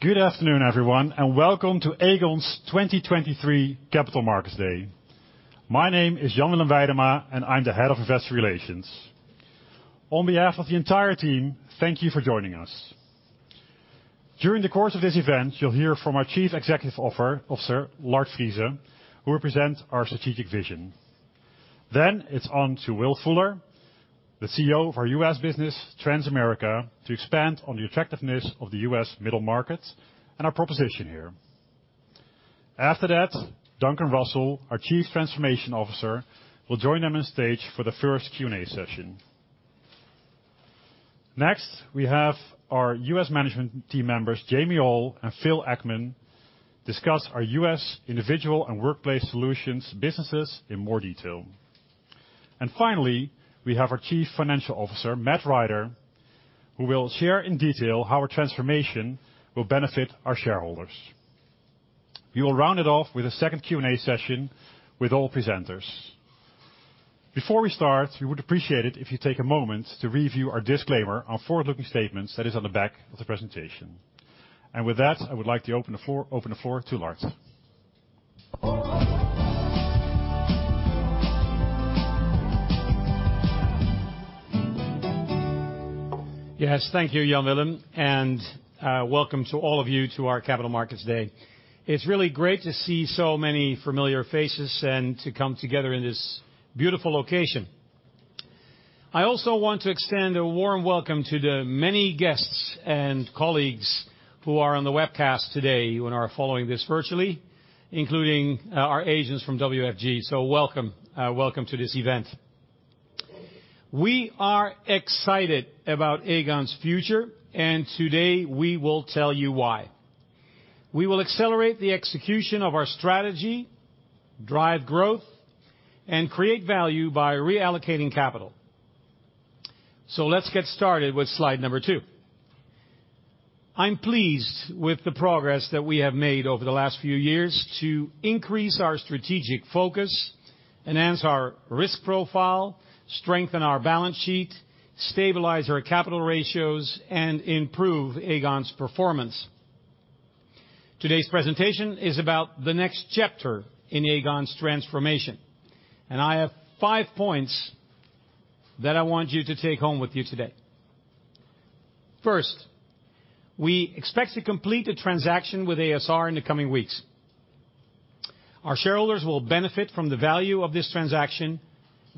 Good afternoon, everyone. Welcome to Aegon's 2023 Capital Markets Day. My name is Jan Willem Weidema, I'm the Head of Investor Relations. On behalf of the entire team, thank you for joining us. During the course of this event, you'll hear from our Chief Executive Officer, Lard Friese, who will present our strategic vision. It's on to Will Fuller, the CEO of our U.S. business, Transamerica, to expand on the attractiveness of the U.S. middle market and our proposition here. Duncan Russell, our Chief Transformation Officer, will join them on stage for the first Q&A session. We have our U.S. management team members, Jamie Ohl and Phil Eckman, discuss our U.S. individual and workplace solutions businesses in more detail. Finally, we have our Chief Financial Officer, Matt Rider, who will share in detail how our transformation will benefit our shareholders. We will round it off with a second Q&A session with all presenters. Before we start, we would appreciate it if you take a moment to review our disclaimer on forward-looking statements that is on the back of the presentation. With that, I would like to open the floor to Lard. Yes, thank you, Jan Willem, and welcome to all of you to our Capital Markets Day. It's really great to see so many familiar faces and to come together in this beautiful location. I also want to extend a warm welcome to the many guests and colleagues who are on the webcast today and are following this virtually, including our agents from WFG. Welcome, welcome to this event. We are excited about Aegon's future, and today we will tell you why. We will accelerate the execution of our strategy, drive growth, and create value by reallocating capital. Let's get started with slide number two. I'm pleased with the progress that we have made over the last few years to increase our strategic focus, enhance our risk profile, strengthen our balance sheet, stabilize our capital ratios, and improve Aegon's performance. Today's presentation is about the next chapter in Aegon's transformation. I have five points that I want you to take home with you today. First, we expect to complete the transaction with a.s.r. in the coming weeks. Our shareholders will benefit from the value of this transaction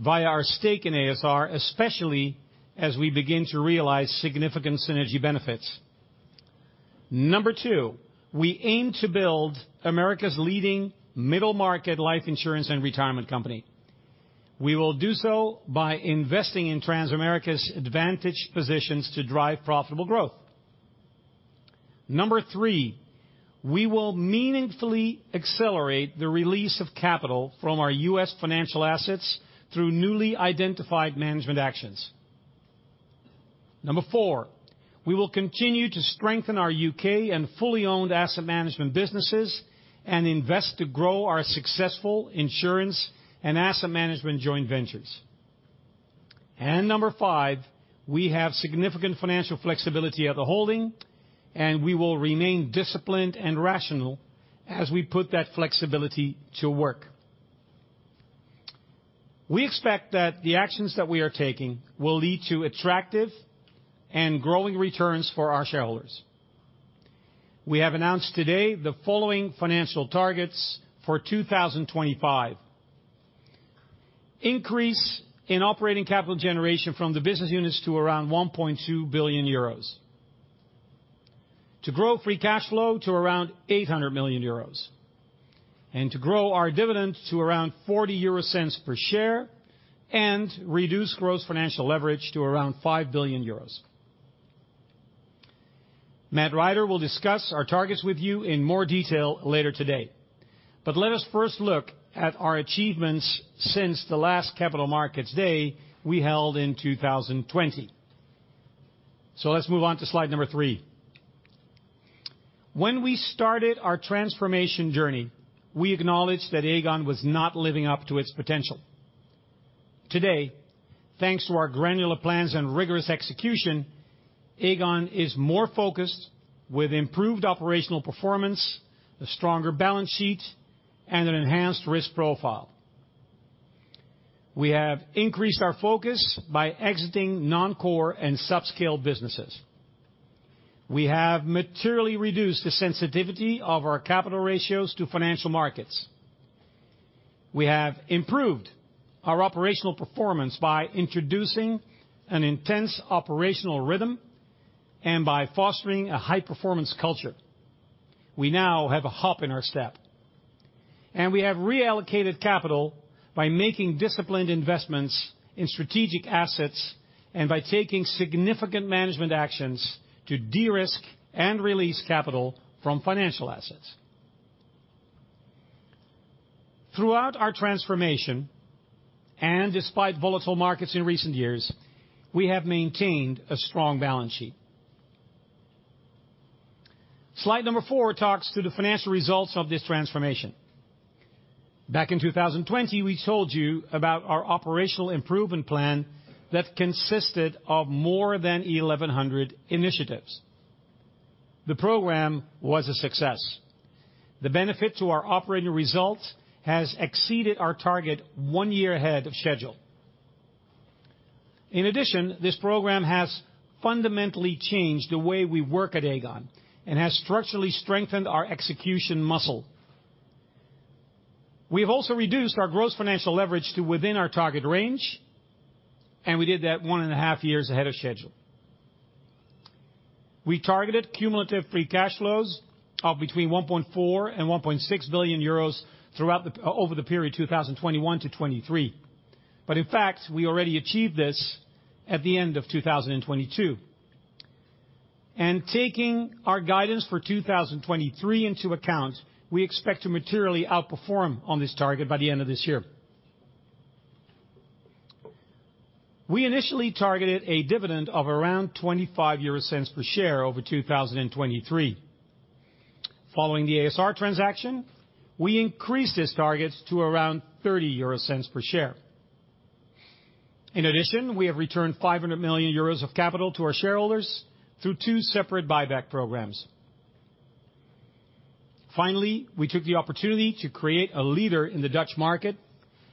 via our stake in a.s.r., especially as we begin to realize significant synergy benefits. Number two, we aim to build America's leading middle market life insurance and retirement company. We will do so by investing in Transamerica's advantaged positions to drive profitable growth. Number three, we will meaningfully accelerate the release of capital from our U.S. financial assets through newly identified management actions. Number four, we will continue to strengthen our U.K. and fully owned asset management businesses and invest to grow our successful insurance and asset management joint ventures. Number five, we have significant financial flexibility at the holding, and we will remain disciplined and rational as we put that flexibility to work. We expect that the actions that we are taking will lead to attractive and growing returns for our shareholders. We have announced today the following financial targets for 2025: increase in operating capital generation from the business units to around 1.2 billion euros, to grow free cash flow to around 800 million euros, and to grow our dividend to around 0.40 per share and reduce gross financial leverage to around 5 billion euros. Matt Rider will discuss our targets with you in more detail later today, but let us first look at our achievements since the last Capital Markets Day we held in 2020. Let's move on to slide number three. When we started our transformation journey, we acknowledged that Aegon was not living up to its potential. Today, thanks to our granular plans and rigorous execution, Aegon is more focused with improved operational performance, a stronger balance sheet, and an enhanced risk profile. We have increased our focus by exiting non-core and sub-scale businesses. We have materially reduced the sensitivity of our capital ratios to financial markets. We have improved our operational performance by introducing an intense operational rhythm and by fostering a high-performance culture. We now have a hop in our step. We have reallocated capital by making disciplined investments in strategic assets and by taking significant management actions to de-risk and release capital from financial assets. Throughout our transformation, and despite volatile markets in recent years, we have maintained a strong balance sheet. Slide number four talks to the financial results of this transformation. Back in 2020, we told you about our operational improvement plan that consisted of more than 1,100 initiatives. The program was a success. The benefit to our operating results has exceeded our target one year ahead of schedule. In addition, this program has fundamentally changed the way we work at Aegon and has structurally strengthened our execution muscle. We have also reduced our gross financial leverage to within our target range, and we did that one and a half years ahead of schedule. We targeted cumulative free cash flows of between 1.4 billion and 1.6 billion euros over the period 2021-2023. In fact, we already achieved this at the end of 2022. Taking our guidance for 2023 into account, we expect to materially outperform on this target by the end of this year. We initially targeted a dividend of around 0.25 per share over 2023. Following the a.s.r. transaction, we increased this target to around 0.30 per share. We have returned 500 million euros of capital to our shareholders through two separate buyback programs. We took the opportunity to create a leader in the Dutch market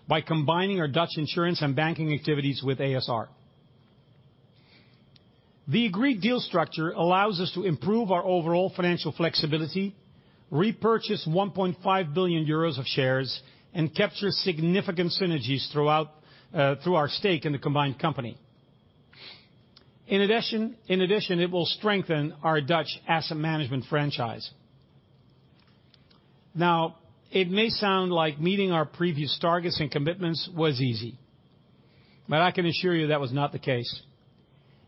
by combining our Dutch insurance and banking activities with a.s.r. The agreed deal structure allows us to improve our overall financial flexibility, repurchase 1.5 billion euros of shares, and capture significant synergies throughout, through our stake in the combined company. In addition, it will strengthen our Dutch asset management franchise. It may sound like meeting our previous targets and commitments was easy, but I can assure you that was not the case.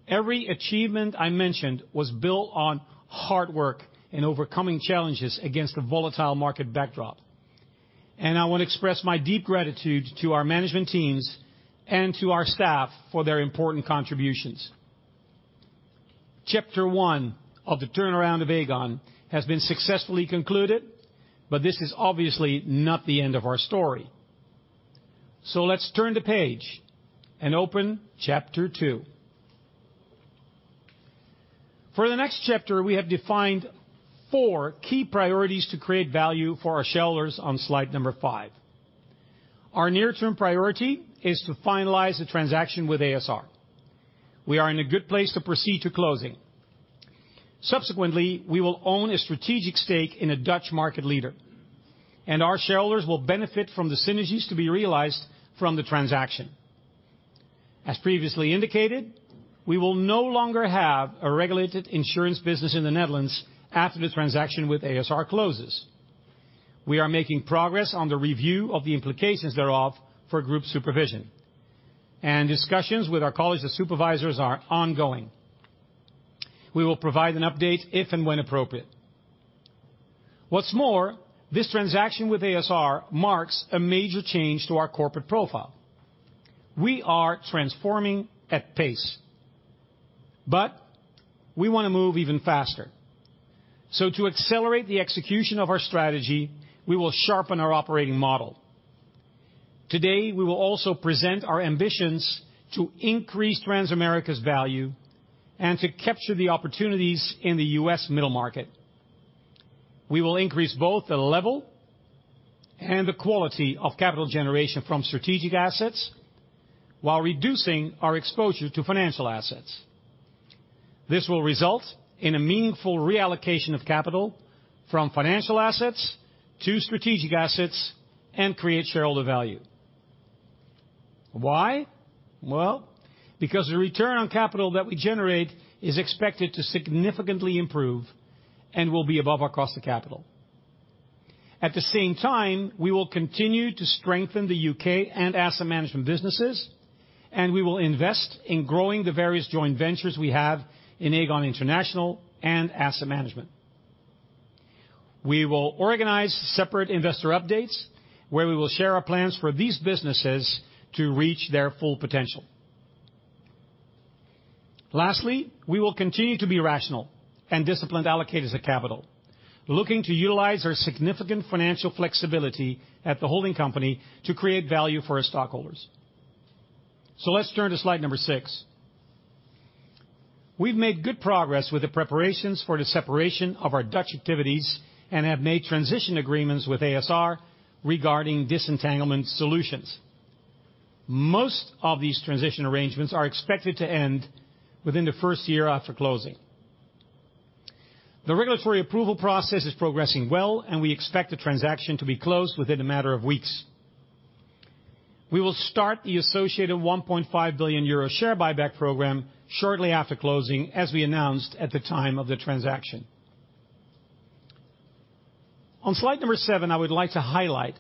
Every achievement I mentioned was built on hard work and overcoming challenges against a volatile market backdrop, and I want to express my deep gratitude to our management teams and to our staff for their important contributions. Chapter one of the turnaround of Aegon has been successfully concluded. This is obviously not the end of our story. Let's turn the page and open chapter two. For the next chapter, we have defined four key priorities to create value for our shareholders on slide number five. Our near-term priority is to finalize the transaction with a.s.r. We are in a good place to proceed to closing. Subsequently, we will own a strategic stake in a Dutch market leader, and our shareholders will benefit from the synergies to be realized from the transaction. As previously indicated, we will no longer have a regulated insurance business in the Netherlands after the transaction with a.s.r. closes. We are making progress on the review of the implications thereof for group supervision, and discussions with our College of Supervisors are ongoing. We will provide an update if and when appropriate. What's more, this transaction with a.s.r. marks a major change to our corporate profile. We are transforming at pace, but we wanna move even faster. To accelerate the execution of our strategy, we will sharpen our operating model. Today, we will also present our ambitions to increase Transamerica's value and to capture the opportunities in the U.S. middle market. We will increase both the level and the quality of capital generation from strategic assets while reducing our exposure to financial assets. This will result in a meaningful reallocation of capital from financial assets to strategic assets and create shareholder value. Why? Well, because the return on capital that we generate is expected to significantly improve and will be above our cost of capital. At the same time, we will continue to strengthen the U.K. and asset management businesses, and we will invest in growing the various joint ventures we have in Aegon International and Asset Management. We will organize separate investor updates, where we will share our plans for these businesses to reach their full potential. Lastly, we will continue to be rational and disciplined allocators of capital, looking to utilize our significant financial flexibility at the holding company to create value for our stockholders. Let's turn to slide six. We've made good progress with the preparations for the separation of our Dutch activities and have made transition agreements with a.s.r. regarding disentanglement solutions. Most of these transition arrangements are expected to end within the first year after closing. The regulatory approval process is progressing well, and we expect the transaction to be closed within a matter of weeks. We will start the associated 1.5 billion euro share buyback program shortly after closing, as we announced at the time of the transaction. On slide seven, I would like to highlight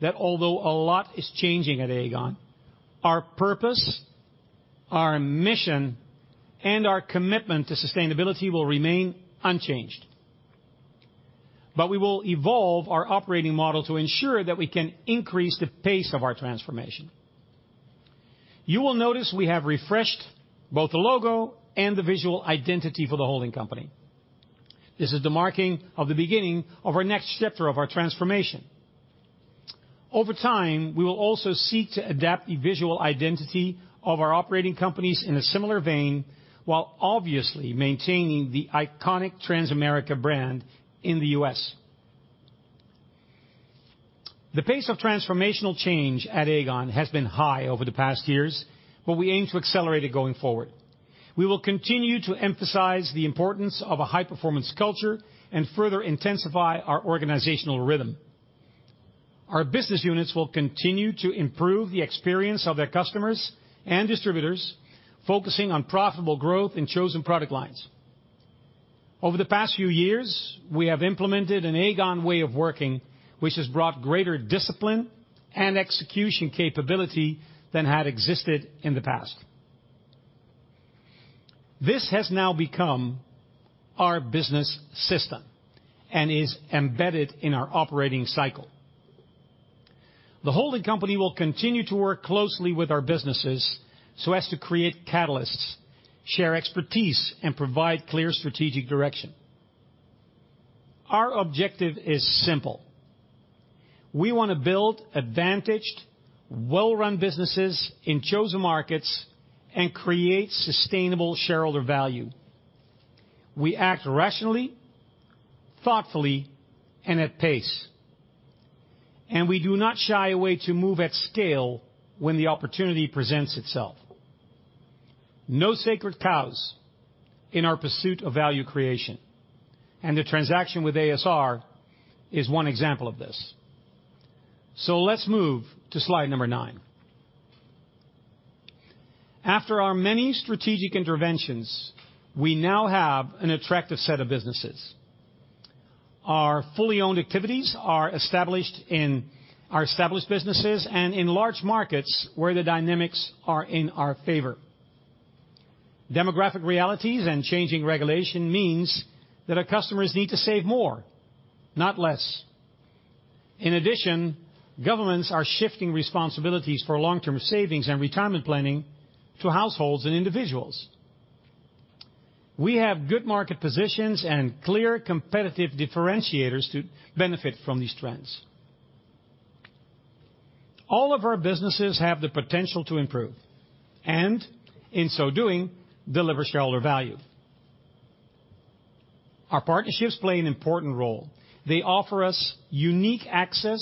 that although a lot is changing at Aegon, our purpose, our mission, and our commitment to sustainability will remain unchanged. We will evolve our operating model to ensure that we can increase the pace of our transformation. You will notice we have refreshed both the logo and the visual identity for the holding company. This is the marking of the beginning of our next chapter of our transformation. Over time, we will also seek to adapt the visual identity of our operating companies in a similar vein, while obviously maintaining the iconic Transamerica brand in the U.S. The pace of transformational change at Aegon has been high over the past years, but we aim to accelerate it going forward. We will continue to emphasize the importance of a high-performance culture and further intensify our organizational rhythm. Our business units will continue to improve the experience of their customers and distributors, focusing on profitable growth in chosen product lines. Over the past few years, we have implemented an Aegon way of working, which has brought greater discipline and execution capability than had existed in the past. This has now become our business system and is embedded in our operating cycle. The holding company will continue to work closely with our businesses so as to create catalysts, share expertise, and provide clear strategic direction. Our objective is simple: we want to build advantaged, well-run businesses in chosen markets and create sustainable shareholder value. We act rationally, thoughtfully, and at pace, and we do not shy away to move at scale when the opportunity presents itself. No sacred cows in our pursuit of value creation, and the transaction with a.s.r. is one example of this. Let's move to slide number nine. After our many strategic interventions, we now have an attractive set of businesses. Our fully owned activities are established in our established businesses and in large markets where the dynamics are in our favor. Demographic realities and changing regulation means that our customers need to save more, not less. In addition, governments are shifting responsibilities for long-term savings and retirement planning to households and individuals. We have good market positions and clear competitive differentiators to benefit from these trends. All of our businesses have the potential to improve, and in so doing, deliver shareholder value. Our partnerships play an important role. They offer us unique access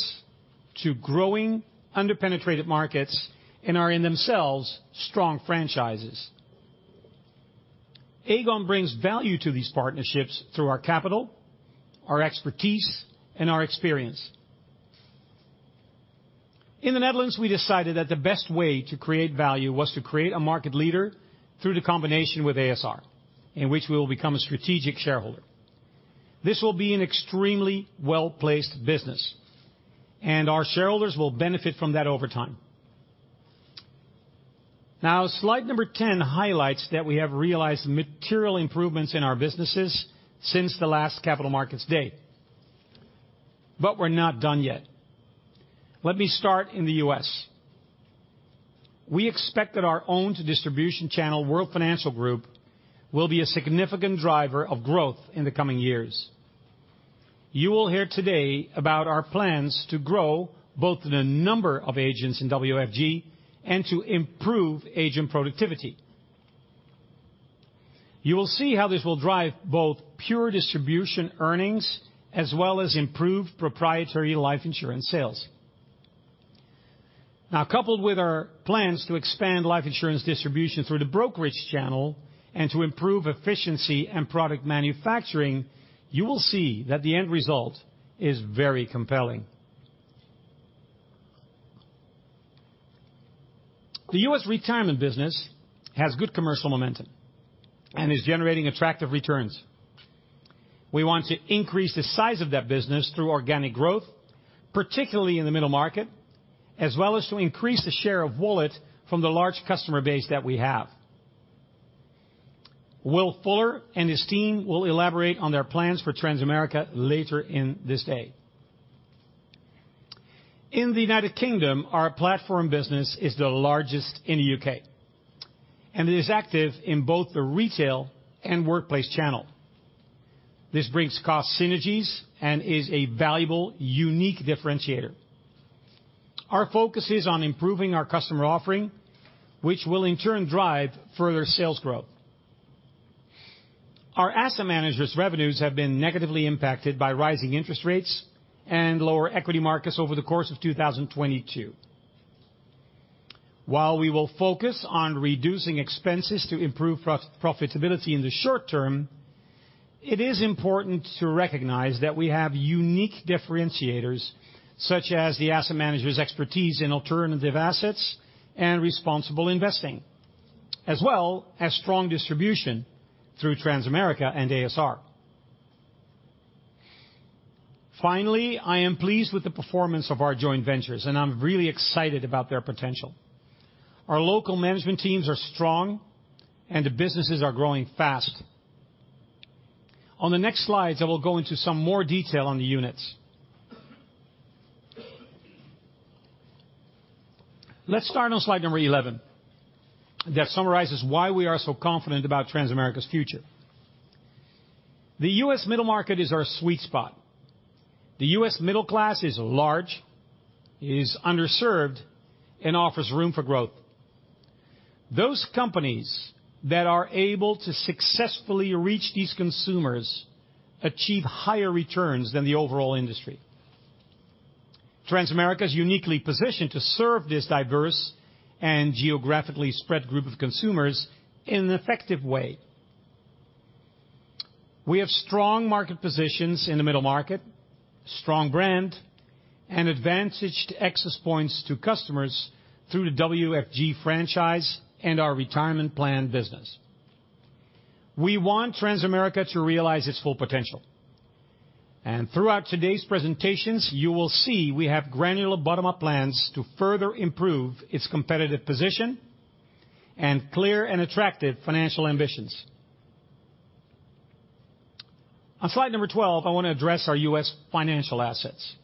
to growing under-penetrated markets and are, in themselves, strong franchises. Aegon brings value to these partnerships through our capital, our expertise, and our experience. In the Netherlands, we decided that the best way to create value was to create a market leader through the combination with a.s.r., in which we will become a strategic shareholder. This will be an extremely well-placed business, and our shareholders will benefit from that over time. Slide number 10 highlights that we have realized material improvements in our businesses since the last capital markets day, but we're not done yet. Let me start in the U.S. We expect that our owned distribution channel, World Financial Group, will be a significant driver of growth in the coming years. You will hear today about our plans to grow both the number of agents in WFG and to improve agent productivity. You will see how this will drive both pure distribution earnings as well as improve proprietary life insurance sales. Coupled with our plans to expand life insurance distribution through the brokerage channel and to improve efficiency and product manufacturing, you will see that the end result is very compelling. The U.S. retirement business has good commercial momentum and is generating attractive returns. We want to increase the size of that business through organic growth, particularly in the middle market, as well as to increase the share of wallet from the large customer base that we have. Will Fuller and his team will elaborate on their plans for Transamerica later in this day. In the United Kingdom, our platform business is the largest in the U.K., and it is active in both the retail and workplace channel. This brings cost synergies and is a valuable, unique differentiator. Our focus is on improving our customer offering, which will, in turn, drive further sales growth. Our asset management revenues have been negatively impacted by rising interest rates and lower equity markets over the course of 2022. While we will focus on reducing expenses to improve profitability in the short term, it is important to recognize that we have unique differentiators, such as the Asset Management's expertise in alternative assets and responsible investing, as well as strong distribution through Transamerica and a.s.r. I am pleased with the performance of our joint ventures, and I'm really excited about their potential. Our local management teams are strong, and the businesses are growing fast. On the next slides, I will go into some more detail on the units. Let's start on slide number 11, that summarizes why we are so confident about Transamerica's future. The U.S. middle market is our sweet spot. The U.S. middle class is large, is underserved, and offers room for growth. Those companies that are able to successfully reach these consumers achieve higher returns than the overall industry. Transamerica is uniquely positioned to serve this diverse and geographically spread group of consumers in an effective way. We have strong market positions in the middle market, strong brand, and advantaged access points to customers through the WFG franchise and our retirement plan business. We want Transamerica to realize its full potential, throughout today's presentations, you will see we have granular bottom-up plans to further improve its competitive position and clear and attractive financial ambitions. On slide number 12, I want to address our U.S. financial assets.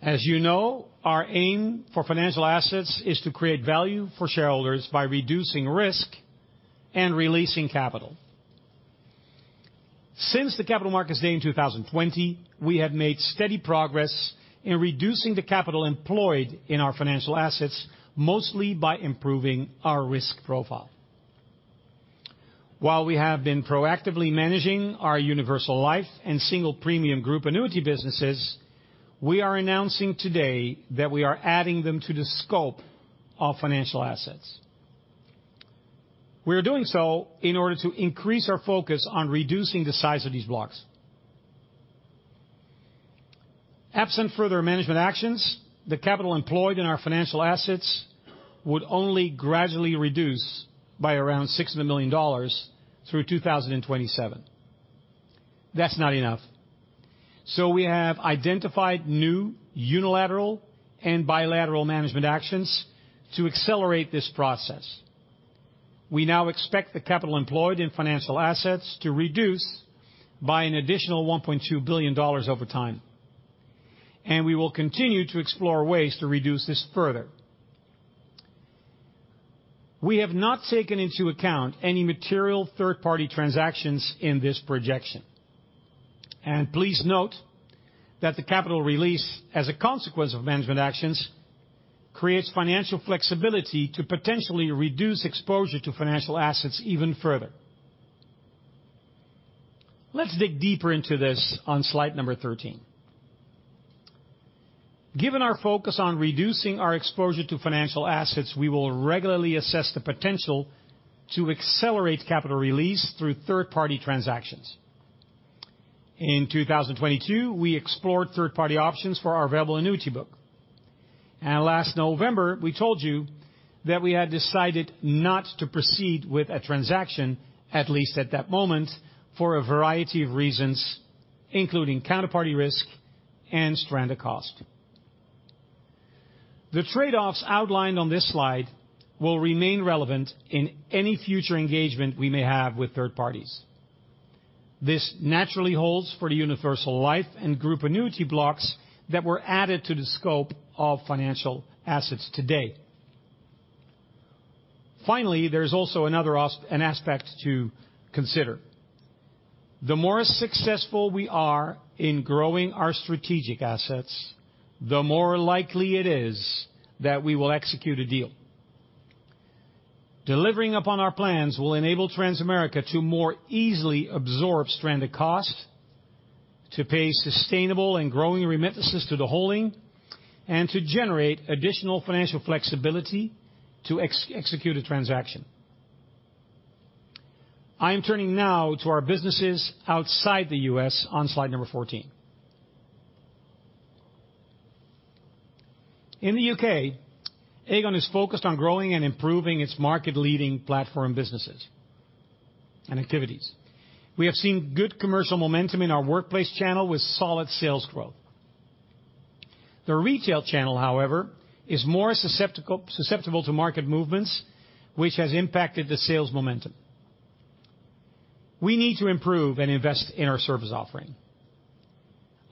As you know, our aim for financial assets is to create value for shareholders by reducing risk and releasing capital. Since the Capital Markets Day in 2020, we have made steady progress in reducing the capital employed in our financial assets, mostly by improving our risk profile. While we have been proactively managing our Universal Life and Single Premium Group Annuity businesses, we are announcing today that we are adding them to the scope of financial assets. We are doing so in order to increase our focus on reducing the size of these blocks. Absent further management actions, the capital employed in our financial assets would only gradually reduce by around $600 million through 2027. That's not enough. We have identified new unilateral and bilateral management actions to accelerate this process. We now expect the capital employed in financial assets to reduce by an additional $1.2 billion over time, and we will continue to explore ways to reduce this further. We have not taken into account any material third-party transactions in this projection. Please note that the capital release, as a consequence of management actions, creates financial flexibility to potentially reduce exposure to financial assets even further. Let's dig deeper into this on slide number 13. Given our focus on reducing our exposure to financial assets, we will regularly assess the potential to accelerate capital release through third-party transactions. In 2022, we explored third-party options for our variable annuity book. Last November, we told you that we had decided not to proceed with a transaction, at least at that moment, for a variety of reasons, including counterparty risk and stranded cost. The trade-offs outlined on this slide will remain relevant in any future engagement we may have with third parties. This naturally holds for the Universal Life and Group Annuity blocks that were added to the scope of financial assets today. There's also another aspect to consider. The more successful we are in growing our strategic assets, the more likely it is that we will execute a deal. Delivering upon our plans will enable Transamerica to more easily absorb stranded costs, to pay sustainable and growing remittances to the holding, and to generate additional financial flexibility to execute a transaction. I am turning now to our businesses outside the U.S. on slide number 14. In the U.K., Aegon is focused on growing and improving its market-leading platform businesses and activities. We have seen good commercial momentum in our workplace channel with solid sales growth. The retail channel, however, is more susceptible to market movements, which has impacted the sales momentum. We need to improve and invest in our service offering.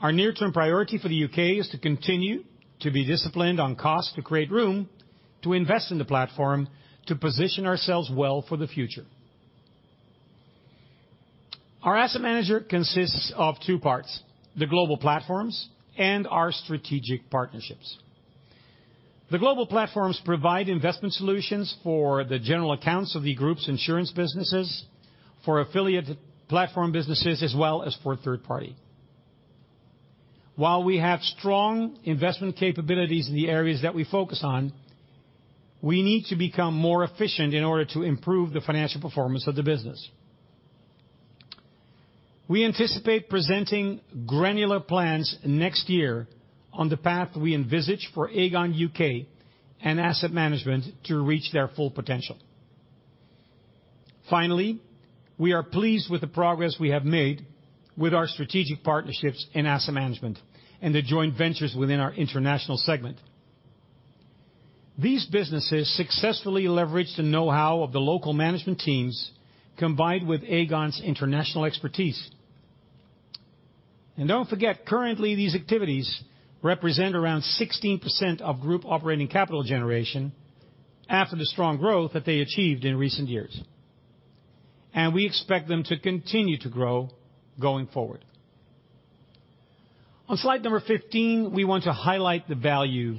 Our near-term priority for the U.K. is to continue to be disciplined on cost to create room, to invest in the platform, to position ourselves well for the future. Our asset manager consists of two parts, the global platforms and our strategic partnerships. The global platforms provide investment solutions for the general accounts of the group's insurance businesses, for affiliate platform businesses, as well as for third-party. While we have strong investment capabilities in the areas that we focus on, we need to become more efficient in order to improve the financial performance of the business. We anticipate presenting granular plans next year on the path we envisage for Aegon U.K. and Asset Management to reach their full potential. Finally, we are pleased with the progress we have made with our strategic partnerships in asset management and the joint ventures within our international segment. These businesses successfully leverage the know-how of the local management teams, combined with Aegon's international expertise. Don't forget, currently, these activities represent around 16% of group operating capital generation after the strong growth that they achieved in recent years, and we expect them to continue to grow going forward. On slide number 15, we want to highlight the value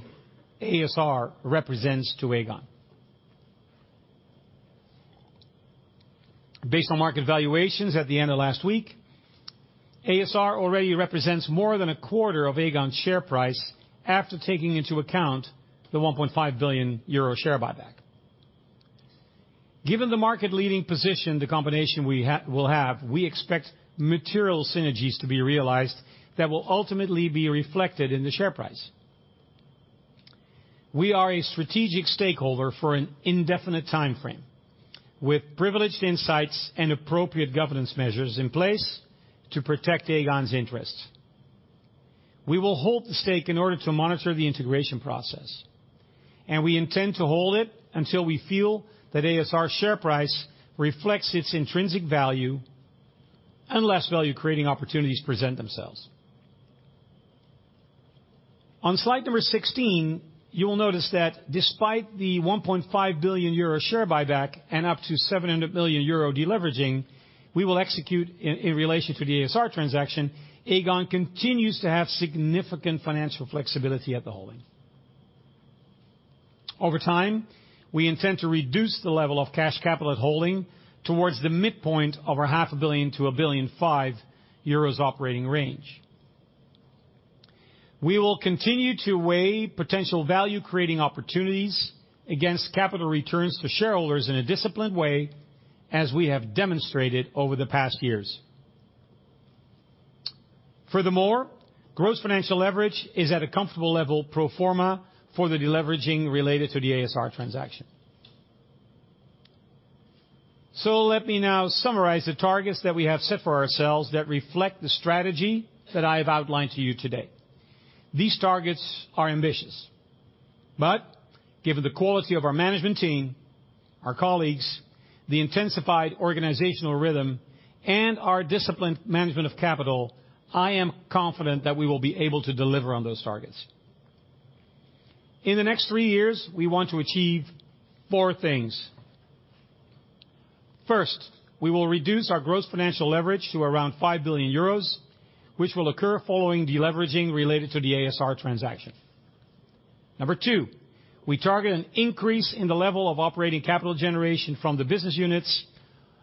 a.s.r. represents to Aegon. Based on market valuations at the end of last week, a.s.r. already represents more than a quarter of Aegon's share price, after taking into account the 1.5 billion euro share buyback. Given the market-leading position, the combination we will have, we expect material synergies to be realized that will ultimately be reflected in the share price. We are a strategic stakeholder for an indefinite time frame, with privileged insights and appropriate governance measures in place to protect Aegon's interests. We will hold the stake in order to monitor the integration process. We intend to hold it until we feel that a.s.r.'s share price reflects its intrinsic value, unless value-creating opportunities present themselves. On slide number 16, you will notice that despite the 1.5 billion euro share buyback and up to 700 million euro deleveraging, we will execute in relation to the a.s.r. transaction, Aegon continues to have significant financial flexibility at the holding. Over time, we intend to reduce the level of cash capital at holding towards the midpoint of our 0.5 billion-1.5 billion operating range. We will continue to weigh potential value-creating opportunities against capital returns to shareholders in a disciplined way, as we have demonstrated over the past years. Gross financial leverage is at a comfortable level pro forma for the deleveraging related to the a.s.r. transaction. Let me now summarize the targets that we have set for ourselves that reflect the strategy that I have outlined to you today. These targets are ambitious, but given the quality of our management team, our colleagues, the intensified organizational rhythm, and our disciplined management of capital, I am confident that we will be able to deliver on those targets. In the next three years, we want to achieve four things. First, we will reduce our gross financial leverage to around 5 billion euros, which will occur following deleveraging related to the a.s.r. transaction. Number two, we target an increase in the level of operating capital generation from the business units,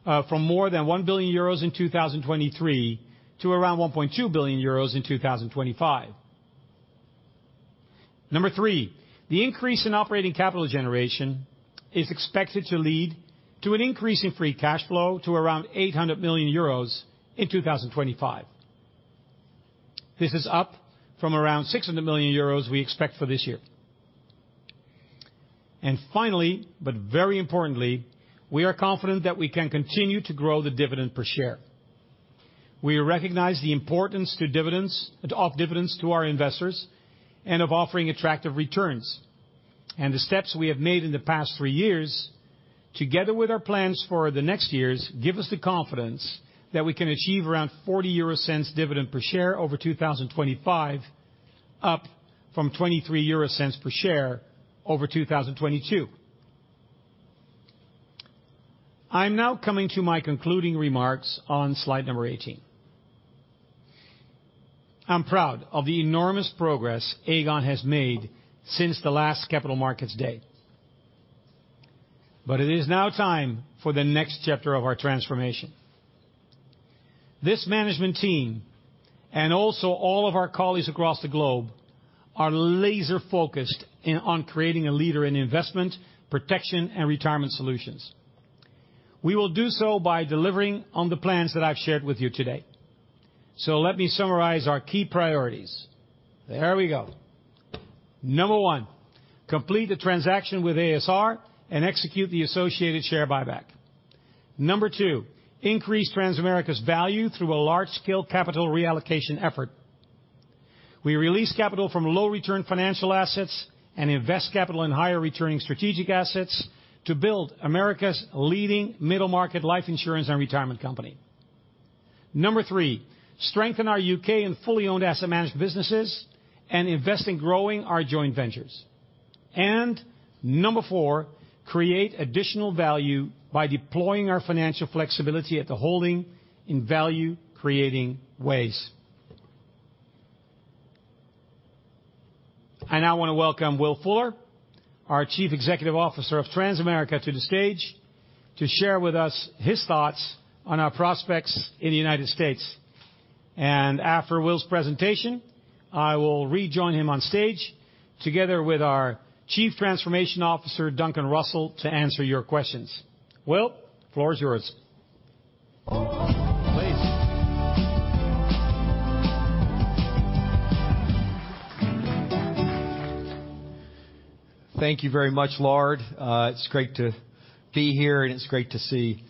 from more than 1 billion euros in 2023 to around 1.2 billion euros in 2025. Number three, the increase in operating capital generation is expected to lead to an increase in free cash flow to around 800 million euros in 2025. This is up from around 600 million euros we expect for this year. Finally, but very importantly, we are confident that we can continue to grow the dividend per share. We recognize the importance of dividends to our investors and of offering attractive returns. The steps we have made in the past three years, together with our plans for the next years, give us the confidence that we can achieve around 0.40 dividend per share over 2025, up from 0.23 per share over 2022. I'm now coming to my concluding remarks on slide number 18. I'm proud of the enormous progress Aegon has made since the last Capital Markets Day. It is now time for the next chapter of our transformation. This management team, and also all of our colleagues across the globe, are laser-focused in on creating a leader in investment, protection, and retirement solutions. We will do so by delivering on the plans that I've shared with you today. Let me summarize our key priorities. There we go. Number one, complete the transaction with a.s.r. and execute the associated share buyback. Number two, increase Transamerica's value through a large-scale capital reallocation effort. We release capital from low-return financial assets and invest capital in higher-returning strategic assets to build America's leading middle-market life insurance and retirement company. Number three, strengthen our U.K. and fully owned asset management businesses and invest in growing our joint ventures. Number four, create additional value by deploying our financial flexibility at the holding in value-creating ways. I now want to welcome Will Fuller, our Chief Executive Officer of Transamerica, to the stage to share with us his thoughts on our prospects in the United States. After Will's presentation, I will rejoin him on stage together with our Chief Transformation Officer, Duncan Russell, to answer your questions. Will, the floor is yours. Please. Thank you very much, Lard. It's great to be-.... be here, and it's great to see,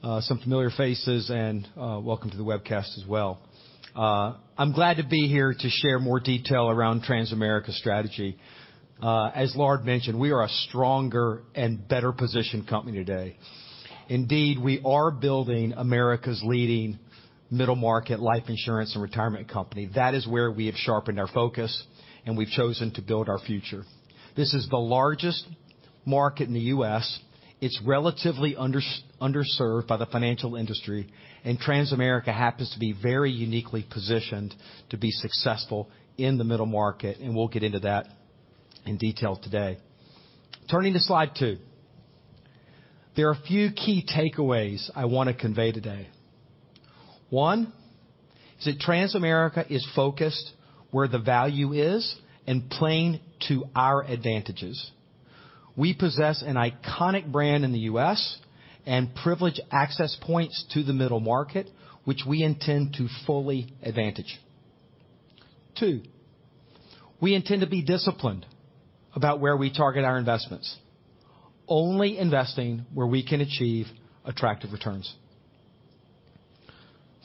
some familiar faces, and, welcome to the webcast as well. I'm glad to be here to share more detail around Transamerica's strategy. As Lard mentioned, we are a stronger and better positioned company today. Indeed, we are building America's leading middle market life insurance and retirement company. That is where we have sharpened our focus, and we've chosen to build our future. This is the largest market in the U.S. It's relatively underserved by the financial industry, and Transamerica happens to be very uniquely positioned to be successful in the middle market, and we'll get into that in detail today. Turning to slide two. There are a few key takeaways I want to convey today. One is that Transamerica is focused where the value is and playing to our advantages. We possess an iconic brand in the U.S. and privilege access points to the middle market, which we intend to fully advantage. Two, we intend to be disciplined about where we target our investments, only investing where we can achieve attractive returns.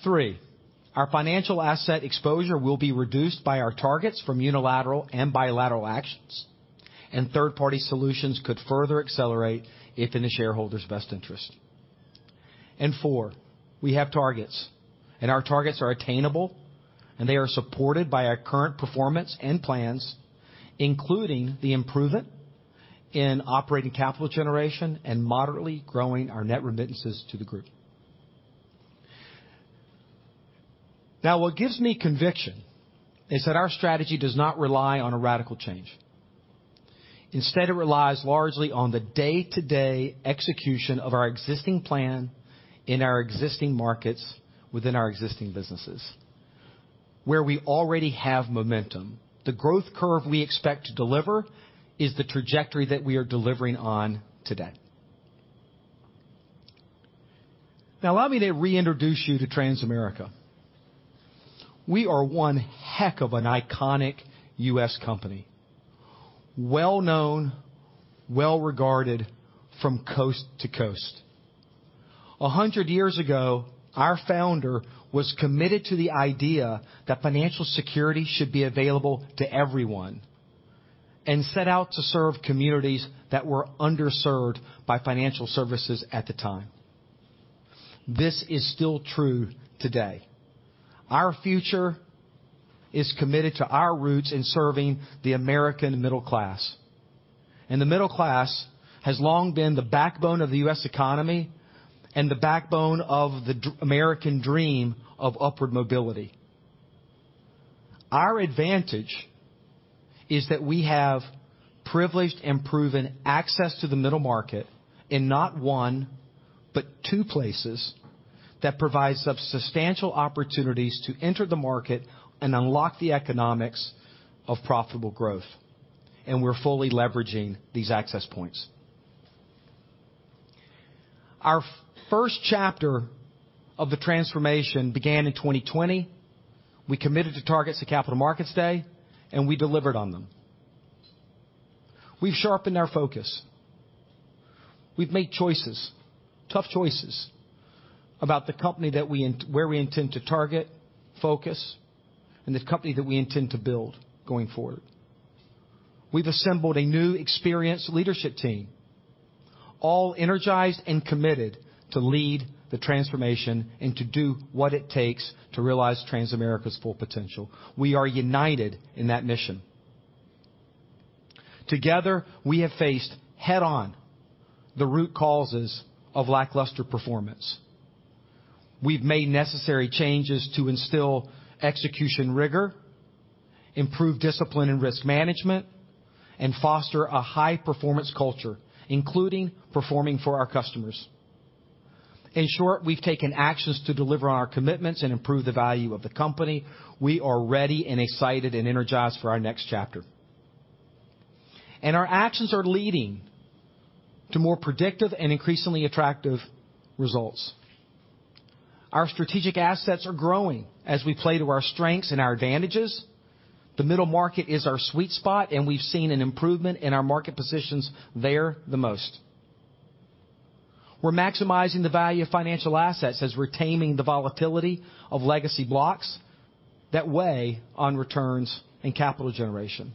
Three, our financial asset exposure will be reduced by our targets from unilateral and bilateral actions, and third-party solutions could further accelerate if in the shareholders' best interest. Four, we have targets, and our targets are attainable, and they are supported by our current performance and plans, including the improvement in operating capital generation and moderately growing our net remittances to the group. What gives me conviction is that our strategy does not rely on a radical change. It relies largely on the day-to-day execution of our existing plan in our existing markets, within our existing businesses, where we already have momentum. The growth curve we expect to deliver is the trajectory that we are delivering on today. Allow me to reintroduce you to Transamerica. We are one heck of an iconic U.S. company, well-known, well-regarded from coast to coast. 100 years ago, our founder was committed to the idea that financial security should be available to everyone and set out to serve communities that were underserved by financial services at the time. This is still true today. Our future is committed to our roots in serving the American middle class, and the middle class has long been the backbone of the U.S. economy and the backbone of the American dream of upward mobility. Our advantage is that we have privileged and proven access to the middle market in not one, but two places that provide substantial opportunities to enter the market and unlock the economics of profitable growth, and we're fully leveraging these access points. Our first chapter of the transformation began in 2020. We committed to targets at Capital Markets Day, and we delivered on them. We've sharpened our focus. We've made choices, tough choices, about the company that we where we intend to target, focus, and the company that we intend to build going forward. We've assembled a new, experienced leadership team, all energized and committed to lead the transformation and to do what it takes to realize Transamerica's full potential. We are united in that mission. Together, we have faced head-on the root causes of lackluster performance. We've made necessary changes to instill execution rigor, improve discipline and risk management, and foster a high-performance culture, including performing for our customers. In short, we've taken actions to deliver on our commitments and improve the value of the company. We are ready and excited, and energized for our next chapter. Our actions are leading to more predictive and increasingly attractive results. Our strategic assets are growing as we play to our strengths and our advantages. The middle market is our sweet spot, and we've seen an improvement in our market positions there the most. We're maximizing the value of financial assets as we're taming the volatility of legacy blocks that weigh on returns and capital generation.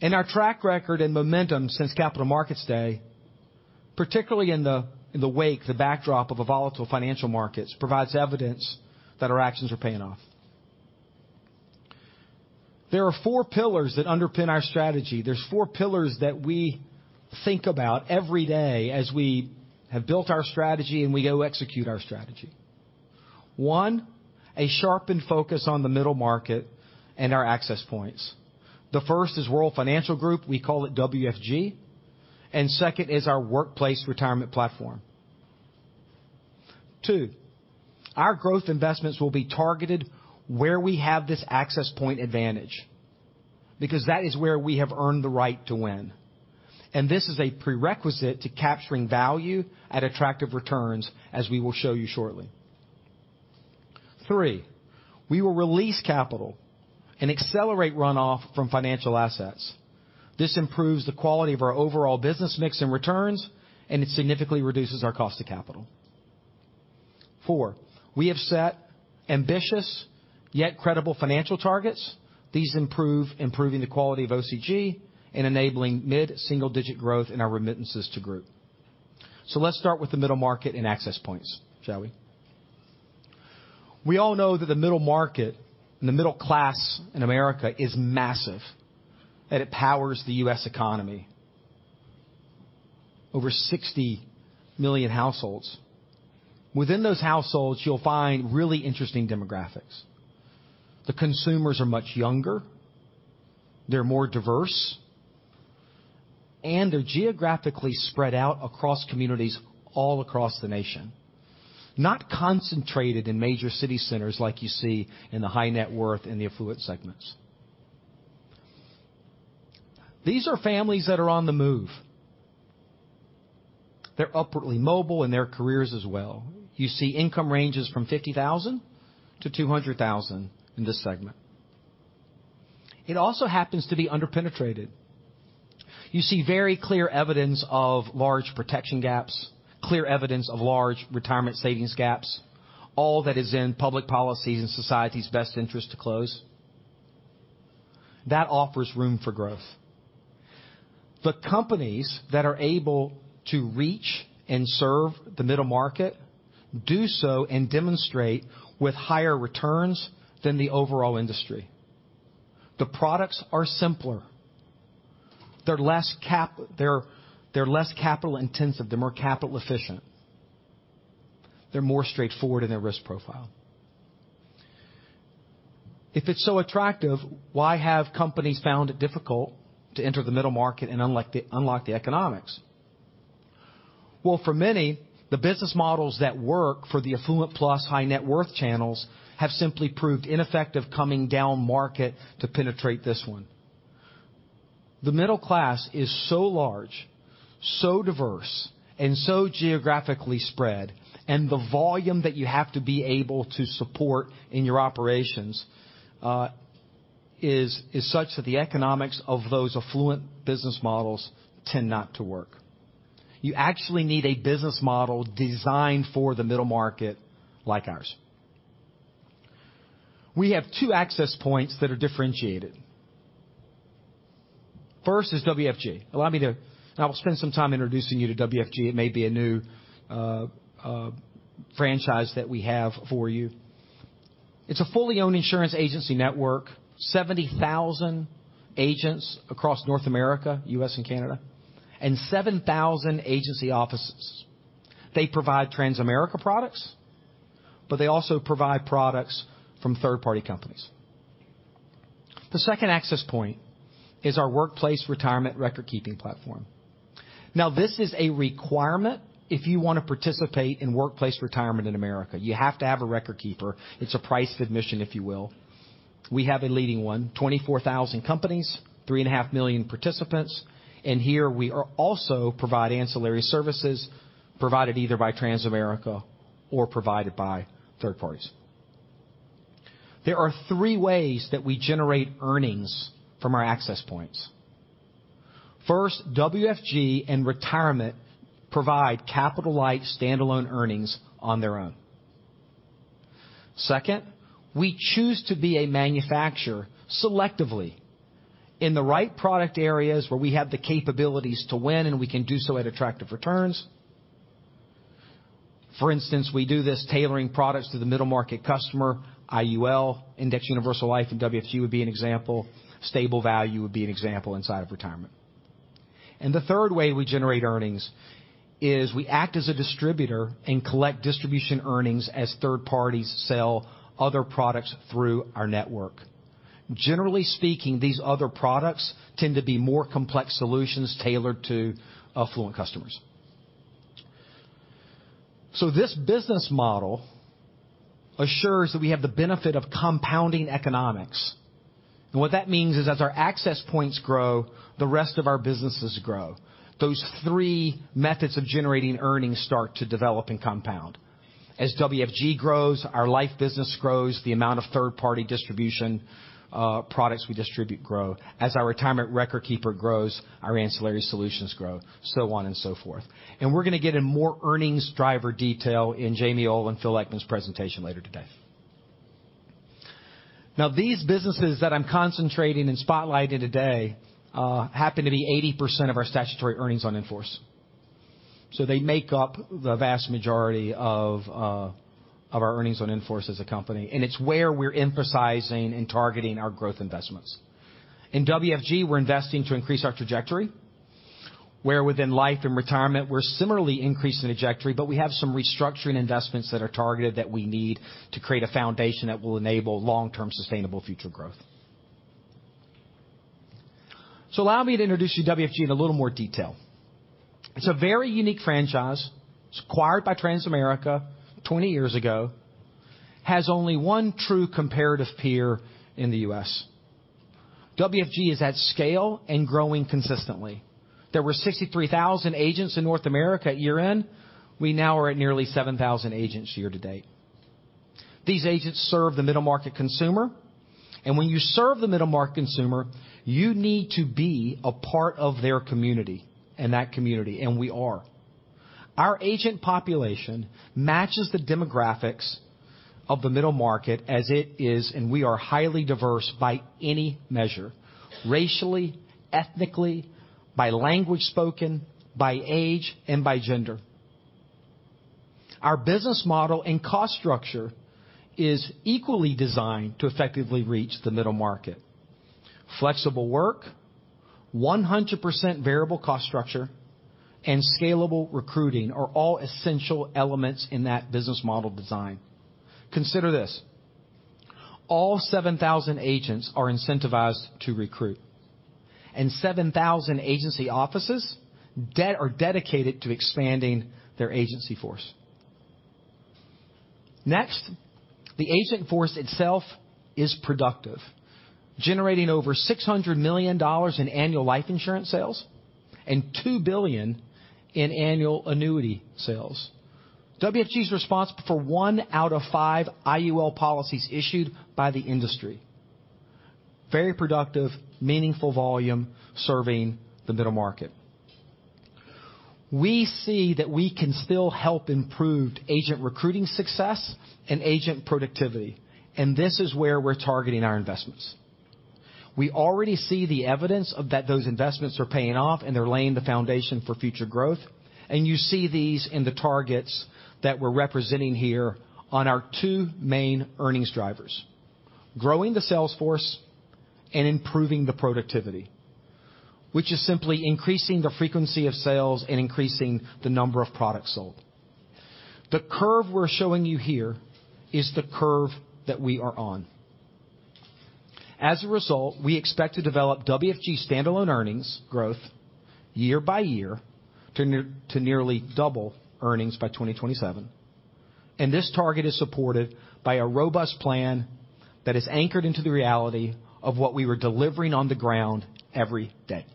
Our track record and momentum since Capital Markets Day, particularly in the wake, the backdrop of a volatile financial markets, provides evidence that our actions are paying off. There are 4 pillars that underpin our strategy. There's four pillars that we think about every day as we have built our strategy, and we go execute our strategy. One, a sharpened focus on the middle market and our access points. The first is World Financial Group, we call it WFG, and second is our workplace retirement platform. Two, our growth investments will be targeted where we have this access point advantage, because that is where we have earned the right to win, and this is a prerequisite to capturing value at attractive returns, as we will show you shortly. Three, we will release capital and accelerate runoff from financial assets. This improves the quality of our overall business mix and returns, and it significantly reduces our cost of capital. Four, we have set ambitious, yet credible financial targets. These improving the quality of OCG and enabling mid-single-digit growth in our remittances to group. Let's start with the middle market and access points, shall we? We all know that the middle market and the middle class in America is massive, and it powers the U.S. economy. Over 60 million households. Within those households, you'll find really interesting demographics. The consumers are much younger, they're more diverse, and they're geographically spread out across communities all across the nation, not concentrated in major city centers like you see in the high net worth and the affluent segments. These are families that are on the move. They're upwardly mobile in their careers as well. You see income ranges from 50,000- 200,000 in this segment. It also happens to be under-penetrated. You see very clear evidence of large protection gaps, clear evidence of large retirement savings gaps, all that is in public policies and society's best interest to close. That offers room for growth. The companies that are able to reach and serve the middle market do so and demonstrate with higher returns than the overall industry. The products are simpler. They're less capital intensive. They're more capital efficient. They're more straightforward in their risk profile. If it's so attractive, why have companies found it difficult to enter the middle market and unlock the economics? For many, the business models that work for the affluent plus high net worth channels have simply proved ineffective coming down market to penetrate this one. The middle class is so large, so diverse, and so geographically spread. The volume that you have to be able to support in your operations is such that the economics of those affluent business models tend not to work. You actually need a business model designed for the middle market like ours. We have two access points that are differentiated. First is WFG. I will spend some time introducing you to WFG. It may be a new franchise that we have for you. It's a fully owned insurance agency network, 70,000 agents across North America, U.S. and Canada, and 7,000 agency offices. They provide Transamerica products. They also provide products from third-party companies. The second access point is our workplace retirement record-keeping platform. This is a requirement if you want to participate in workplace retirement in America. You have to have a record keeper. It's a price of admission, if you will. We have a leading one, 24,000 companies, 3.5 million participants, and here we are also providing ancillary services provided either by Transamerica or provided by third parties. There are three ways that we generate earnings from our access points. First, WFG and Retirement provide capital-light, standalone earnings on their own. Second, we choose to be a manufacturer selectively in the right product areas where we have the capabilities to win, and we can do so at attractive returns. For instance, we do this tailoring products to the middle market customer, IUL, Indexed Universal Life and WFG would be an example. Stable value would be an example inside of retirement. The third way we generate earnings is we act as a distributor and collect distribution earnings as third parties sell other products through our network. Generally speaking, these other products tend to be more complex solutions tailored to affluent customers. This business model assures that we have the benefit of compounding economics. What that means is as our access points grow, the rest of our businesses grow. Those three methods of generating earnings start to develop and compound. As WFG grows, our life business grows, the amount of third-party distribution products we distribute grow. As our retirement record keeper grows, our ancillary solutions grow, so on and so forth. We're going to get in more earnings driver detail in Jamie Ohl and Phil Eckman's presentation later today. Now, these businesses that I'm concentrating and spotlighting today, happen to be 80% of our statutory earnings on in-force. They make up the vast majority of our earnings on in-force as a company, and it's where we're emphasizing and targeting our growth investments. In WFG, we're investing to increase our trajectory, where within life and retirement, we're similarly increasing the trajectory, but we have some restructuring investments that are targeted that we need to create a foundation that will enable long-term, sustainable future growth. Allow me to introduce you to WFG in a little more detail. It's a very unique franchise. It was acquired by Transamerica 20 years ago, has only one true comparative peer in the U.S. WFG is at scale and growing consistently. There were 63,000 agents in North America at year-end. We now are at nearly 7,000 agents year-to-date. These agents serve the middle market consumer, and when you serve the middle market consumer, you need to be a part of their community, and that community, and we are. Our agent population matches the demographics of the middle market as it is, and we are highly diverse by any measure, racially, ethnically, by language spoken, by age, and by gender. Our business model and cost structure is equally designed to effectively reach the middle market. Flexible work, 100% variable cost structure, and scalable recruiting are all essential elements in that business model design. Consider this, all 7,000 agents are incentivized to recruit, and 7,000 agency offices are dedicated to expanding their agency force. Next, the agent force itself is productive, generating over $600 million in annual life insurance sales and $2 billion in annual annuity sales. WFG is responsible for one out of five IUL policies issued by the industry. Very productive, meaningful volume, serving the middle market. We see that we can still help improve agent recruiting success and agent productivity. This is where we're targeting our investments. We already see the evidence of that. Those investments are paying off. They're laying the foundation for future growth. You see these in the targets that we're representing here on our two main earnings drivers, growing the sales force and improving the productivity, which is simply increasing the frequency of sales and increasing the number of products sold. The curve we're showing you here is the curve that we are on. We expect to develop WFG standalone earnings growth year by year to nearly double earnings by 2027. This target is supported by a robust plan that is anchored into the reality of what we were delivering on the ground every day.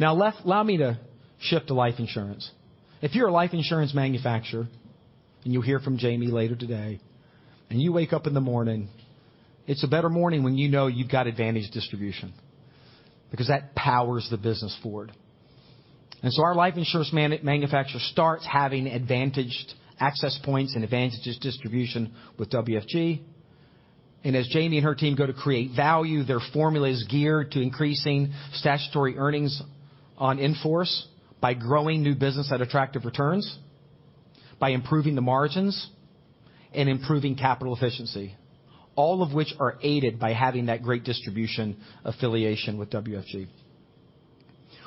Allow me to shift to life insurance. If you're a life insurance manufacturer, you'll hear from Jamie later today, you wake up in the morning, it's a better morning when you know you've got advantage distribution, because that powers the business forward. Our life insurance manufacturer starts having advantaged access points and advantages distribution with WFG, and as Jamie and her team go to create value, their formula is geared to increasing statutory earnings on in-force by growing new business at attractive returns, by improving the margins and improving capital efficiency, all of which are aided by having that great distribution affiliation with WFG.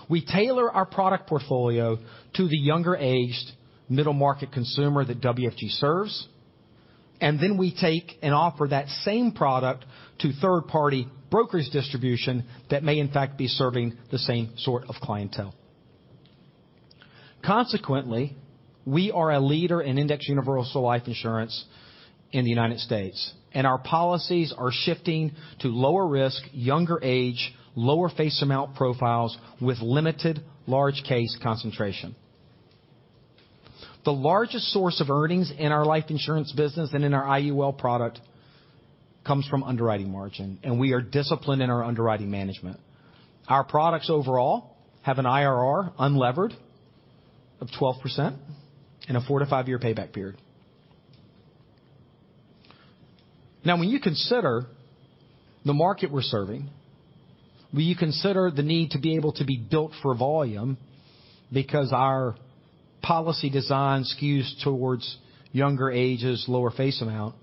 We tailor our product portfolio to the younger-aged, middle-market consumer that WFG serves, and then we take and offer that same product to third-party brokers distribution that may, in fact, be serving the same sort of clientele. Consequently, we are a leader in Indexed Universal Life insurance in the United States, and our policies are shifting to lower risk, younger age, lower face amount profiles with limited large case concentration. The largest source of earnings in our life insurance business and in our IUL product comes from underwriting margin, and we are disciplined in our underwriting management. Our products overall have an IRR unlevered of 12% and a four to five-year payback period. Now, when you consider the market we're serving, when you consider the need to be able to be built for volume, because our policy design skews towards younger ages, lower face amount,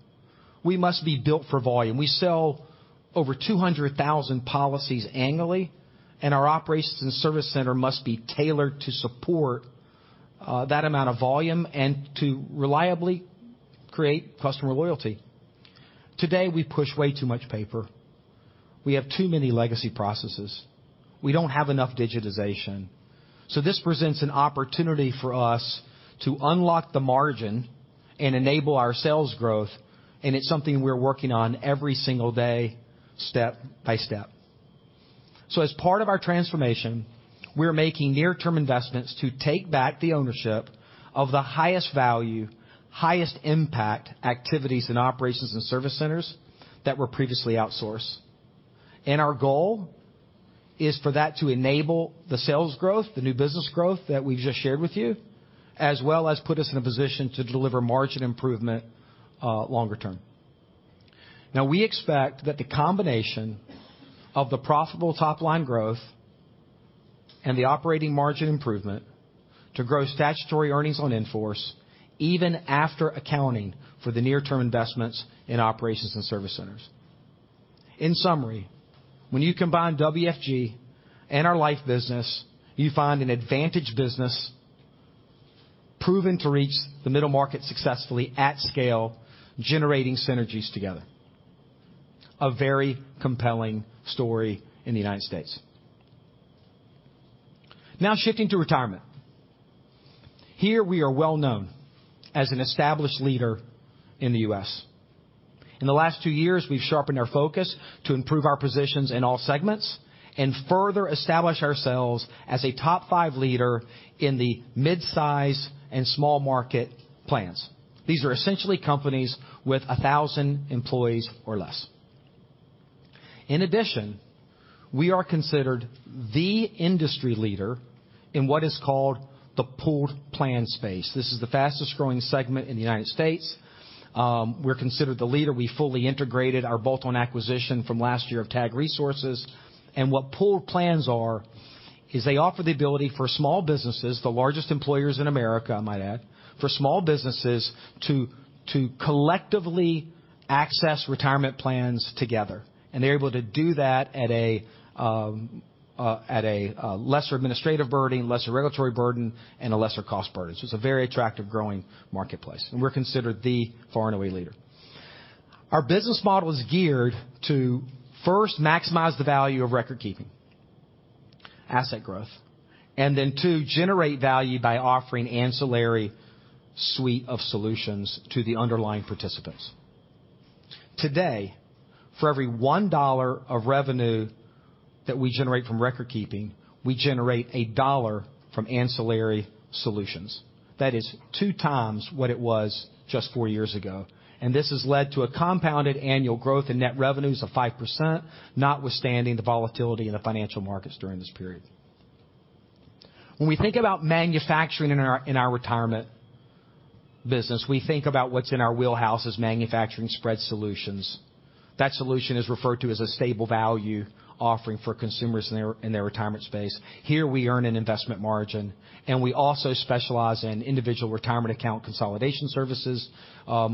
we must be built for volume. We sell over 200,000 policies annually, and our operations and service center must be tailored to support that amount of volume and to reliably create customer loyalty. Today, we push way too much paper. We have too many legacy processes. We don't have enough digitization. This presents an opportunity for us to unlock the margin and enable our sales growth, and it's something we're working on every single day, step by step. As part of our transformation, we're making near-term investments to take back the ownership of the highest value, highest impact activities in operations and service centers that were previously outsourced. Our goal is for that to enable the sales growth, the new business growth that we've just shared with you, as well as put us in a position to deliver margin improvement, longer term. We expect that the combination of the profitable top-line growth and the operating margin improvement to grow statutory earnings on in-force, even after accounting for the near-term investments in operations and service centers. In summary, when you combine WFG and our life business, you find an advantaged business proven to reach the middle market successfully at scale, generating synergies together. A very compelling story in the United States. Now shifting to retirement. Here we are well known as an established leader in the U.S. In the last two years, we've sharpened our focus to improve our positions in all segments and further establish ourselves as a top five leader in the midsize and small market plans. These are essentially companies with 1,000 employees or less. In addition, we are considered the industry leader in what is called the pooled plan space. This is the fastest growing segment in the United States. We're considered the leader. We fully integrated our bolt-on acquisition from last year of TAG Resources. What pooled plans are, is they offer the ability for small businesses, the largest employers in America, I might add, for small businesses to collectively access retirement plans together, and they're able to do that at a lesser administrative burden, lesser regulatory burden, and a lesser cost burden. It's a very attractive, growing marketplace, and we're considered the far and away leader. Our business model is geared to first maximize the value of record keeping, asset growth, and then, two, generate value by offering ancillary suite of solutions to the underlying participants. Today, for every $1 of revenue that we generate from record keeping, we generate $1 from ancillary solutions. That is 2x what it was just four years ago. This has led to a compounded annual growth in net revenues of 5%, notwithstanding the volatility in the financial markets during this period. When we think about manufacturing in our retirement business, we think about what's in our wheelhouse as manufacturing spread solutions. That solution is referred to as a stable value offering for consumers in their retirement space. Here we earn an investment margin. We also specialize in Individual Retirement Account consolidation services,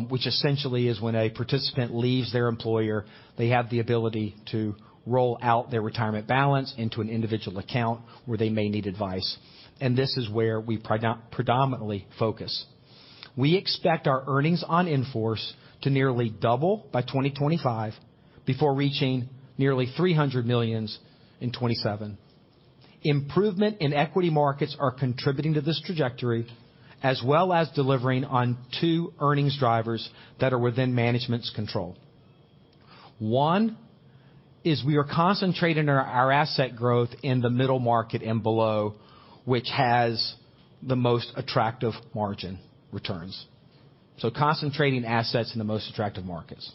which essentially is when a participant leaves their employer, they have the ability to roll out their retirement balance into an individual account where they may need advice. This is where we predominantly focus. We expect our earnings on in-force to nearly double by 2025 before reaching nearly $300 million in 2027. Improvement in equity markets are contributing to this trajectory, as well as delivering on 2 earnings drivers that are within management's control. One, is we are concentrating our asset growth in the middle market and below, which has the most attractive margin returns. Concentrating assets in the most attractive markets.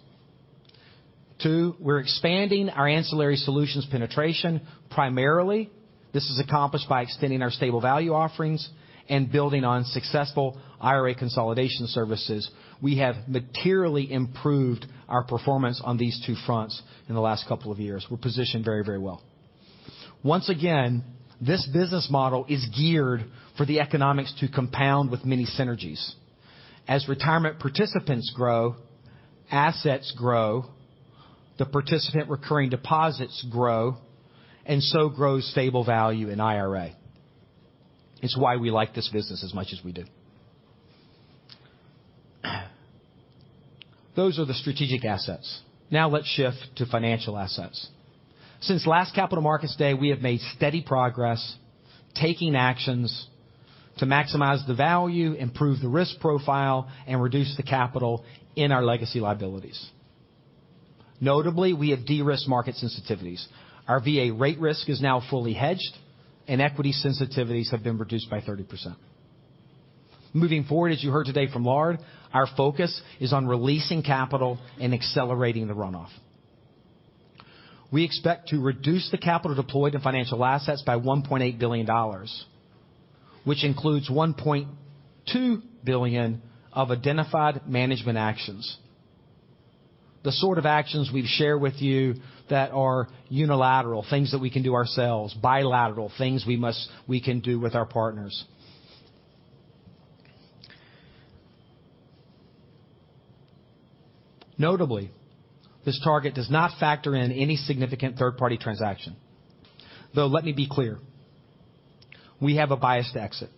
Two, we're expanding our ancillary solutions penetration. Primarily, this is accomplished by extending our stable value offerings and building on successful IRA consolidation services. We have materially improved our performance on these two fronts in the last couple of years. We're positioned very well. Once again, this business model is geared for the economics to compound with many synergies. As retirement participants grow, assets grow, the participant recurring deposits grow, and so grows stable value in IRA. It's why we like this business as much as we do. Those are the strategic assets. Now let's shift to financial assets. Since last Capital Markets Day, we have made steady progress taking actions to maximize the value, improve the risk profile, and reduce the capital in our legacy liabilities. Notably, we have de-risked market sensitivities. Our VA rate risk is now fully hedged, and equity sensitivities have been reduced by 30%. Moving forward, as you heard today from Lard, our focus is on releasing capital and accelerating the runoff. We expect to reduce the capital deployed in financial assets by $1.8 billion, which includes $1.2 billion of identified management actions. The sort of actions we've shared with you that are unilateral, things that we can do ourselves, bilateral, things we can do with our partners. Notably, this target does not factor in any significant third-party transaction. Let me be clear, we have a biased exit,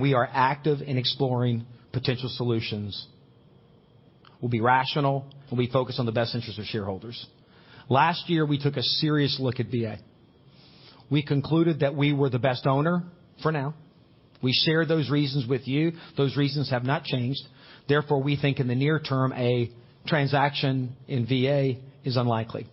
we are active in exploring potential solutions. We'll be rational, we focus on the best interest of shareholders. Last year, we took a serious look at VA. We concluded that we were the best owner for now. We shared those reasons with you. Those reasons have not changed, therefore, we think in the near term, a transaction in VA is unlikely.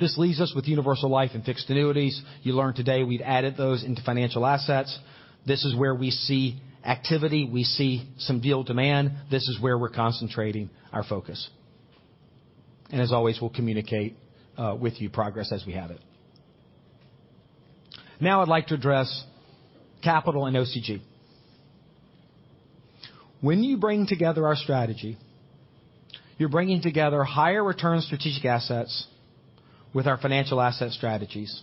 This leaves us with Universal Life and fixed annuities. You learned today we've added those into financial assets. This is where we see activity. We see some deal demand. This is where we're concentrating our focus, as always, we'll communicate with you progress as we have it. I'd like to address capital and OCG. When you bring together our strategy, you're bringing together higher return strategic assets with our financial asset strategies.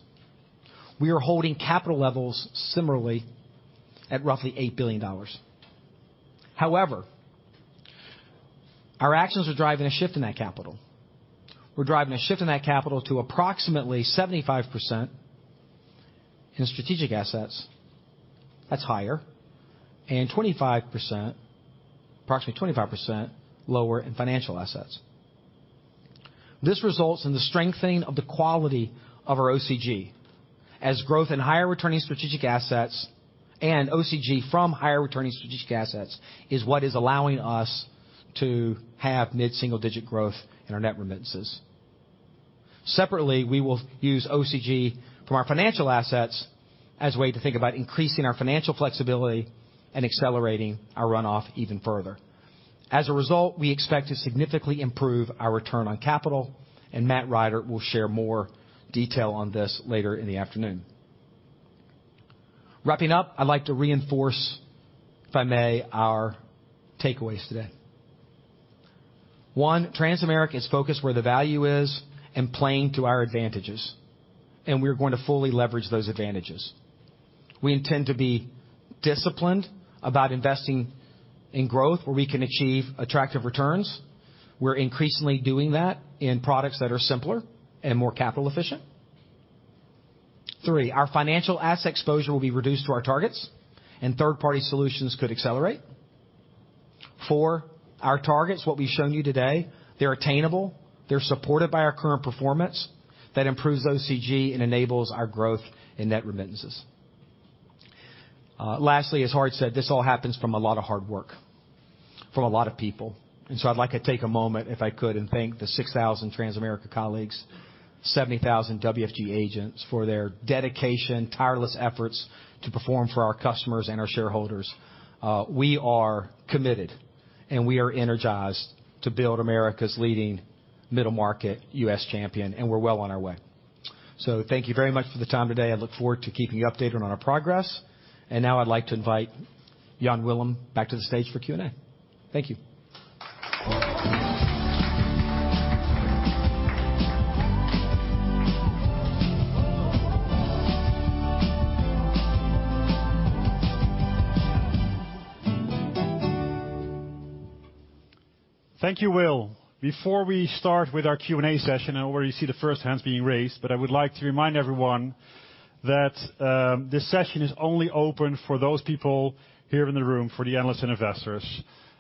We are holding capital levels similarly at roughly $8 billion. However, our actions are driving a shift in that capital. We're driving a shift in that capital to approximately 75% in strategic assets, that's higher, and 25%, approximately 25% lower in financial assets. This results in the strengthening of the quality of our OCG. As growth in higher returning strategic assets and OCG from higher returning strategic assets is what is allowing us to have mid-single digit growth in our net remittances. Separately, we will use OCG from our financial assets as a way to think about increasing our financial flexibility and accelerating our runoff even further. As a result, we expect to significantly improve our return on capital, and Matt Rider will share more detail on this later in the afternoon. Wrapping up, I'd like to reinforce, if I may, our takeaways today. One. Transamerica is focused where the value is and playing to our advantages, and we're going to fully leverage those advantages. We intend to be disciplined about investing in growth, where we can achieve attractive returns. We're increasingly doing that in products that are simpler and more capital efficient. Three. Our financial asset exposure will be reduced to our targets, and third-party solutions could accelerate. Four. Our targets, what we've shown you today, they're attainable, they're supported by our current performance. That improves OCG and enables our growth in net remittances. Lastly, as Lard said, this all happens from a lot of hard work, from a lot of people. I'd like to take a moment, if I could, and thank the 6,000 Transamerica colleagues, 70,000 WFG agents, for their dedication, tireless efforts to perform for our customers and our shareholders. We are committed, and we are energized to build America's leading middle market U.S. champion, and we're well on our way. Thank you very much for the time today. I look forward to keeping you updated on our progress. Now I'd like to invite Jan Willem back to the stage for Q&A. Thank you. Thank you, Will. Before we start with our Q&A session, I already see the first hands being raised, but I would like to remind everyone that this session is only open for those people here in the room, for the analysts and investors.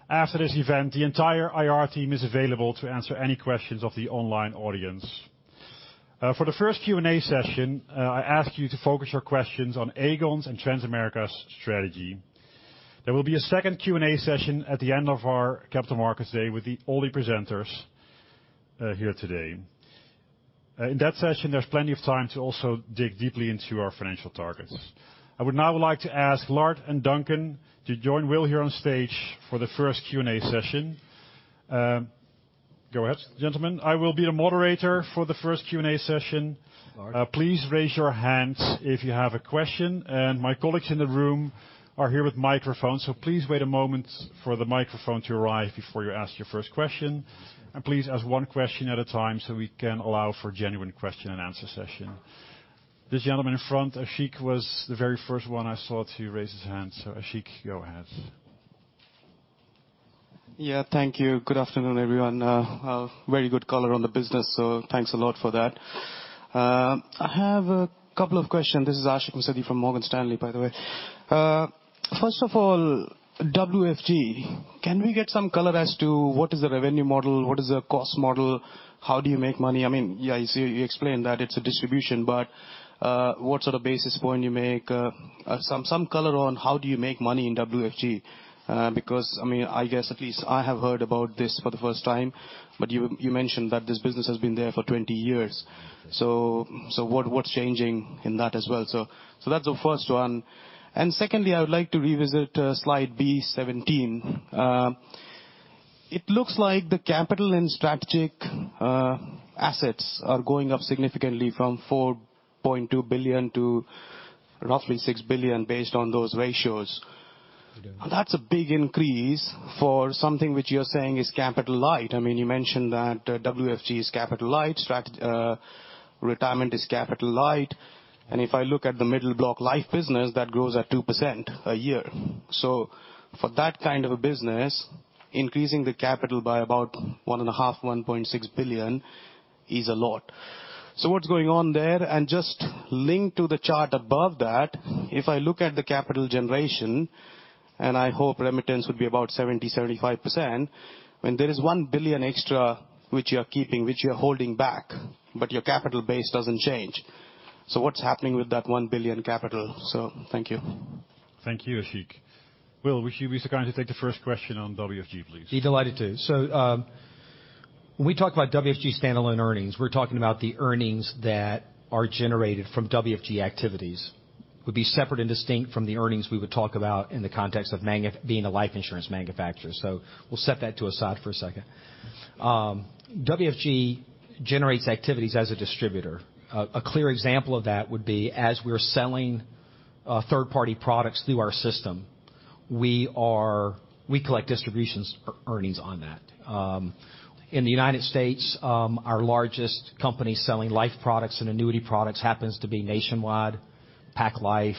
After this event, the entire IR team is available to answer any questions of the online audience. For the first Q&A session, I ask you to focus your questions on Aegon's and Transamerica's strategy. There will be a second Q&A session at the end of our capital markets day with the all presenters here today. In that session, there's plenty of time to also dig deeply into our financial targets. I would now like to ask Lard and Duncan to join Will here on stage for the first Q&A session. Go ahead, gentlemen. I will be the moderator for the first Q&A session. Lard. Please raise your hands if you have a question, and my colleagues in the room are here with microphones, so please wait a moment for the microphone to arrive before you ask your first question. Please ask one question at a time so we can allow for genuine question-and-answer session. This gentleman in front, Ashik, was the very first one I saw to raise his hand. Ashik, go ahead. Yeah, thank you. Good afternoon, everyone. A very good color on the business, so thanks a lot for that. I have a couple of questions. This is Ashik Musaddi from Morgan Stanley, by the way. First of all, WFG, can we get some color as to what is the revenue model? What is the cost model? How do you make money? I mean, yeah, you see, you explained that it's a distribution, but what sort of basis point you make? Some color on how do you make money in WFG? Because, I mean, I guess at least I have heard about this for the first time, but you mentioned that this business has been there for 20 years. What's changing in that as well? That's the first one. Secondly, I would like to revisit slide B17. It looks like the capital and strategic assets are going up significantly from $4.2 billion to roughly $6 billion, based on those ratios. That's a big increase for something which you're saying is capital light. I mean, you mentioned that WFG is capital light, retirement is capital light, and if I look at the middle block life business, that grows at 2% a year. For that kind of a business, increasing the capital by about $1.6 billion is a lot. What's going on there? Just linked to the chart above that, if I look at the capital generation, I hope remittance would be about 70%-75%, when there is 1 billion extra, which you are keeping, which you are holding back, your capital base doesn't change. What's happening with that 1 billion capital? Thank you. Thank you, Ashik. Will, would you be so kind to take the first question on WFG, please? Be delighted to. When we talk about WFG standalone earnings, we're talking about the earnings that are generated from WFG activities. Would be separate and distinct from the earnings we would talk about in the context of being a life insurance manufacturer. We'll set that to aside for a second. WFG generates activities as a distributor. A clear example of that would be as we're selling third-party products through our system, we collect distributions earnings on that. In the United States, our largest company selling life products and annuity products happens to be Nationwide, Pacific Life,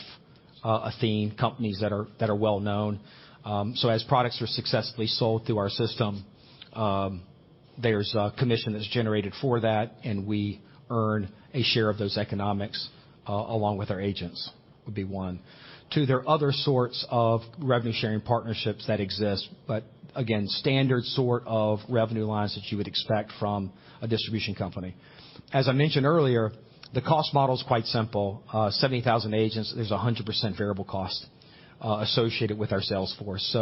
Athene, companies that are well known. As products are successfully sold through our system, there's a commission that's generated for that, and we earn a share of those economics along with our agents, would be one. Two, there are other sorts of revenue-sharing partnerships that exist, but again, standard sort of revenue lines that you would expect from a distribution company. As I mentioned earlier. The cost model is quite simple. 70,000 agents, there's a 100% variable cost associated with our sales force.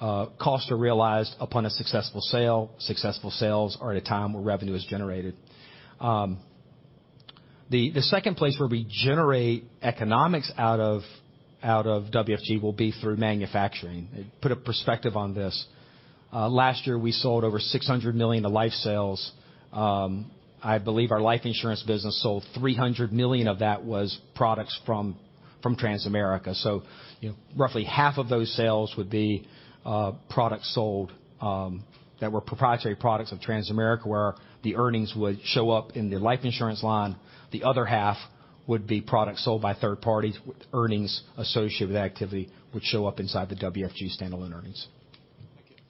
Costs are realized upon a successful sale. Successful sales are at a time where revenue is generated. The second place where we generate economics out of WFG will be through manufacturing. Put a perspective on this, last year, we sold over $600 million to life sales. I believe our life insurance business sold $300 million of that was products from Transamerica. Roughly half of those sales would be products sold that were proprietary products of Transamerica, where the earnings would show up in the life insurance line. The other half would be products sold by third parties, with earnings associated with activity, which show up inside the WFG standalone earnings.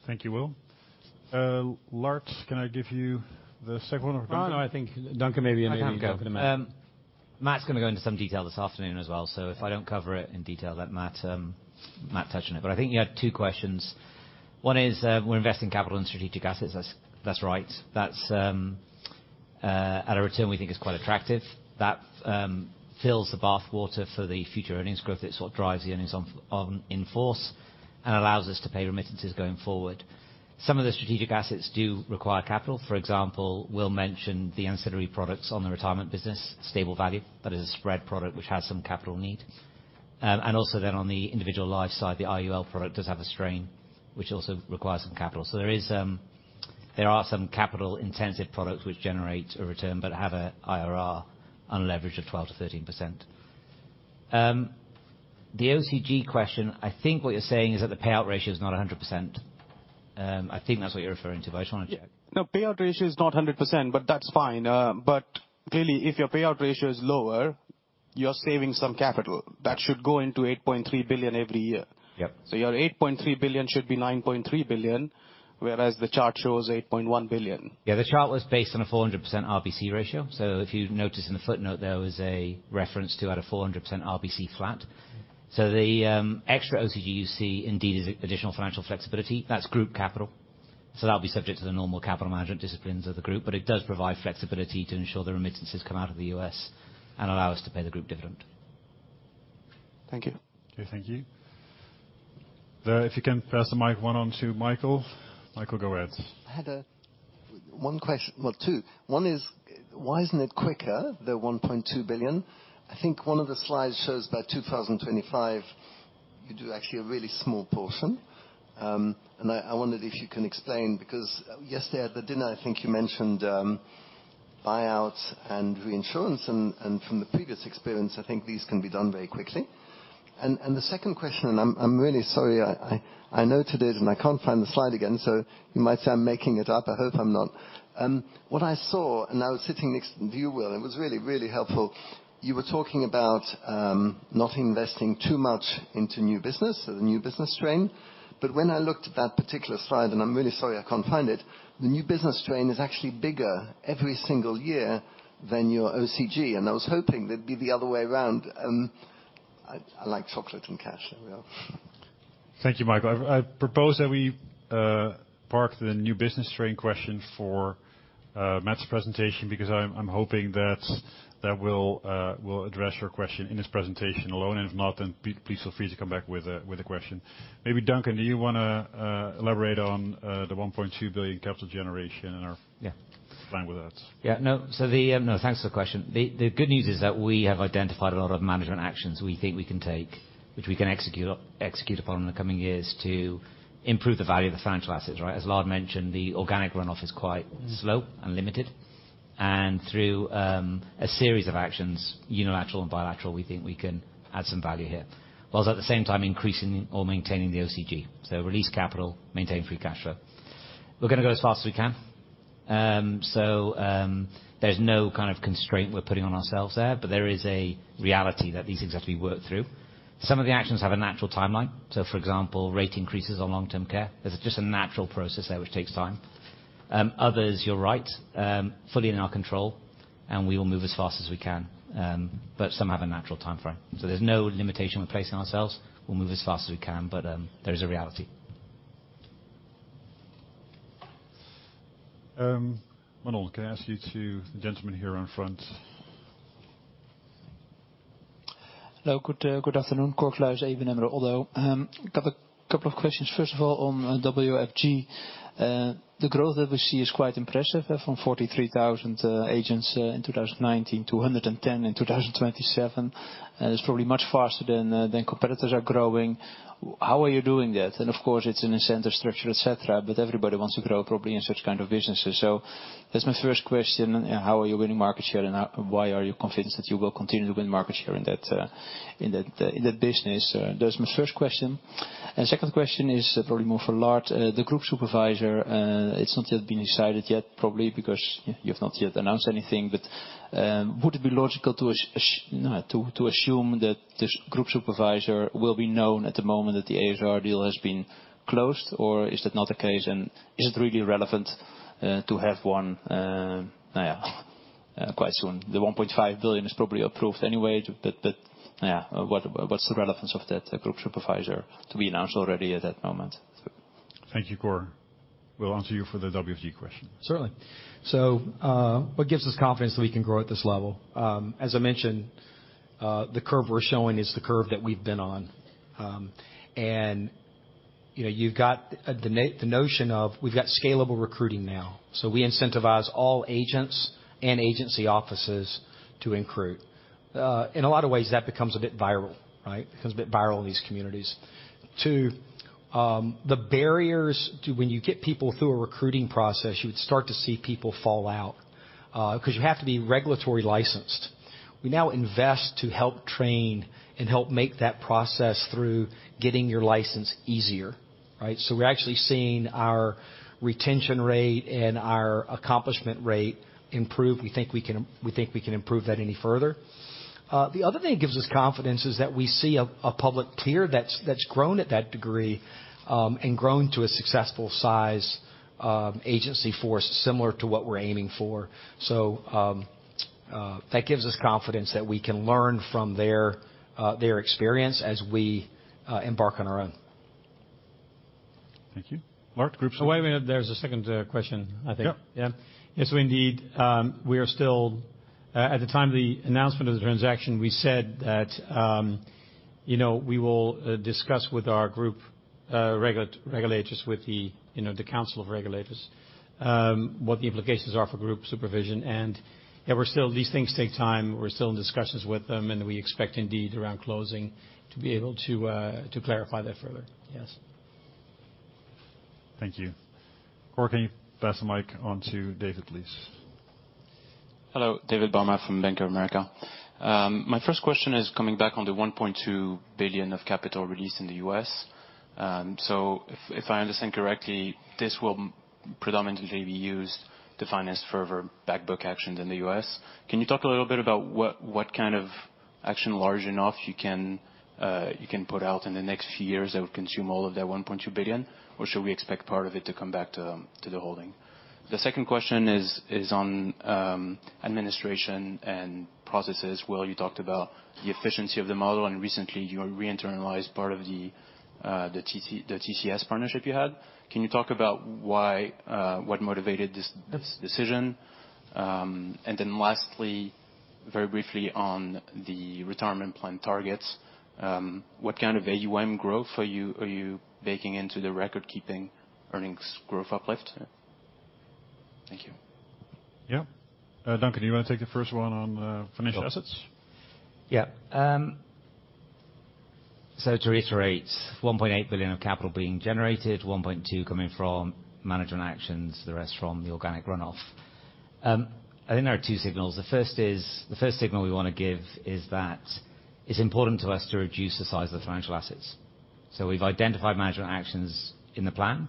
Thank you, Will. Lard, can I give you the second one? Oh, no, I think Duncan, maybe I may go. Duncan, go. Matt's going to go into some detail this afternoon as well. If I don't cover it in detail, let Matt touch on it. I think you had two questions. One is, we're investing capital in strategic assets. That's right. That's at a return, we think is quite attractive. That fills the bathwater for the future earnings growth. It's what drives the earnings on in-force and allows us to pay remittances going forward. Some of the strategic assets do require capital. For example, Will mentioned the ancillary products on the retirement business, stable value, but as a spread product, which has some capital needs. Also on the individual life side, the IUL product does have a strain, which also requires some capital. There are some capital intensive products which generate a return, but have a IRR unlevered of 12%-13%. The OCG question, I think what you're saying is that the payout ratio is not 100%. I think that's what you're referring to, but I just want to check. Yeah. No, payout ratio is not 100%, but that's fine. Clearly, if your payout ratio is lower, you're saving some capital. That should go into 8.3 billion every year? Yep. Your 8.3 billion should be 9.3 billion, whereas the chart shows 8.1 billion. Yeah, the chart was based on a 400% RBC ratio. If you notice in the footnote, there was a reference to at a 400% RBC flat. The extra OCG you see indeed, is additional financial flexibility. That's group capital, so that'll be subject to the normal capital management disciplines of the group, but it does provide flexibility to ensure the remittances come out of the U.S. and allow us to pay the group dividend. Thank you. Okay, thank you. If you can pass the mic one on to Michael. Michael, go ahead. I had one question. Well, two. One is, why isn't it quicker, the $1.2 billion? I think one of the slides shows by 2025, you do actually a really small portion. I wondered if you can explain, because yesterday at the dinner, I think you mentioned buyouts and reinsurance, and from the previous experience, I think these can be done very quickly. The second question, I'm really sorry, I know today, and I can't find the slide again, so you might say I'm making it up. I hope I'm not. What I saw, and I was sitting next to you, Will, it was really, really helpful. You were talking about not investing too much into new business, so the new business strain. When I looked at that particular slide, and I'm really sorry, I can't find it, the new business strain is actually bigger every single year than your OCG, and I was hoping that'd be the other way around. I like chocolate and cash, there we are. Thank you, Michael. I propose that we park the new business strain question for Matt's presentation because I'm hoping that will address your question in his presentation alone, and if not, then please feel free to come back with a question. Maybe Duncan, do you wanna elaborate on the 1.2 billion capital generation and our... Yeah. Fine with that. No, thanks for the question. The good news is that we have identified a lot of management actions we think we can take, which we can execute upon in the coming years to improve the value of the financial assets, right. As Lard mentioned, the organic runoff is quite slow and limited, and through a series of actions, unilateral and bilateral, we think we can add some value here, whilst at the same time increasing or maintaining the OCG. Release capital, maintain free cash flow. We're gonna go as fast as we can. There's no kind of constraint we're putting on ourselves there, but there is a reality that these things have to be worked through. Some of the actions have a natural timeline, so for example, rate increases on long-term care. There's just a natural process there, which takes time. Others, you're right, fully in our control, we will move as fast as we can, but some have a natural timeframe. There's no limitation we're placing ourselves. We'll move as fast as we can, but there is a reality. Manol, can I ask you to the gentleman here on front? Hello, good afternoon, Cor Kluis, ABN AMRO-ODDO BHF. Couple of questions. On WFG. The growth that we see is quite impressive, from 43,000 agents in 2019 to 110 in 2027. It's probably much faster than competitors are growing. How are you doing that? Of course, it's an incentive structure, et cetera, but everybody wants to grow probably in such kind of businesses. That's my first question, how are you winning market share, and why are you convinced that you will continue to win market share in that, in that, in that business? That's my first question. Second question is probably more for Lard. The group supervisor, it's not yet been decided yet, probably because you've not yet announced anything. Would it be logical to assume that this group supervisor will be known at the moment that the a.s.r. deal has been closed, or is that not the case, and is it really relevant to have one quite soon? The 1.5 billion is probably approved anyway, but what's the relevance of that group supervisor to be announced already at that moment? Thank you, Cor. Will answer you for the WFG question. Certainly. What gives us confidence that we can grow at this level? As I mentioned, the curve we're showing is the curve that we've been on. You know, you've got the notion of we've got scalable recruiting now, so we incentivize all agents and agency offices to recruit. In a lot of ways, that becomes a bit viral, right? Becomes a bit viral in these communities. Two, the barriers to when you get people through a recruiting process, you would start to see people fall out because you have to be regulatory licensed. We now invest to help train and help make that process through getting your license easier, right? We're actually seeing our retention rate and our accomplishment rate improve. We think we can improve that any further. The other thing that gives us confidence is that we see a public peer that's grown at that degree and grown to a successful size, agency force, similar to what we're aiming for. That gives us confidence that we can learn from their experience as we embark on our own. Thank you. Lard. Oh, wait a minute. There's a second question, I think. Yep. Yeah. Yes, indeed, we are still at the time of the announcement of the transaction, we said that, you know, we will discuss with our group, regulators, with the, you know, the College of Supervisors, what the implications are for group supervision. Yeah, these things take time. We're still in discussions with them, we expect, indeed, around closing, to be able to clarify that further. Yes. Thank you. Cor, can you pass the mic on to David, please? Hello, David Barma from Bank of America. My first question is coming back on the $1.2 billion of capital released in the U.S. If I understand correctly, this will predominantly be used to finance further back book actions in the U.S. Can you talk a little bit about what kind of action large enough you can put out in the next few years that would consume all of that $1.2 billion? Should we expect part of it to come back to the holding? The second question is on administration and processes. Will, you talked about the efficiency of the model, and recently you re-internalized part of the TCS partnership you had. Can you talk about why what motivated this decision? Lastly, very briefly on the retirement plan targets, what kind of AUM growth are you baking into the record-keeping earnings growth uplift? Thank you. Yeah. Duncan, you want to take the first one on financial assets? Yeah. To reiterate, 1.8 billion of capital being generated, 1.2 billion coming from management actions, the rest from the organic run-off. I think there are two signals. The first signal we want to give is that it's important to us to reduce the size of the financial assets. We've identified management actions in the plan,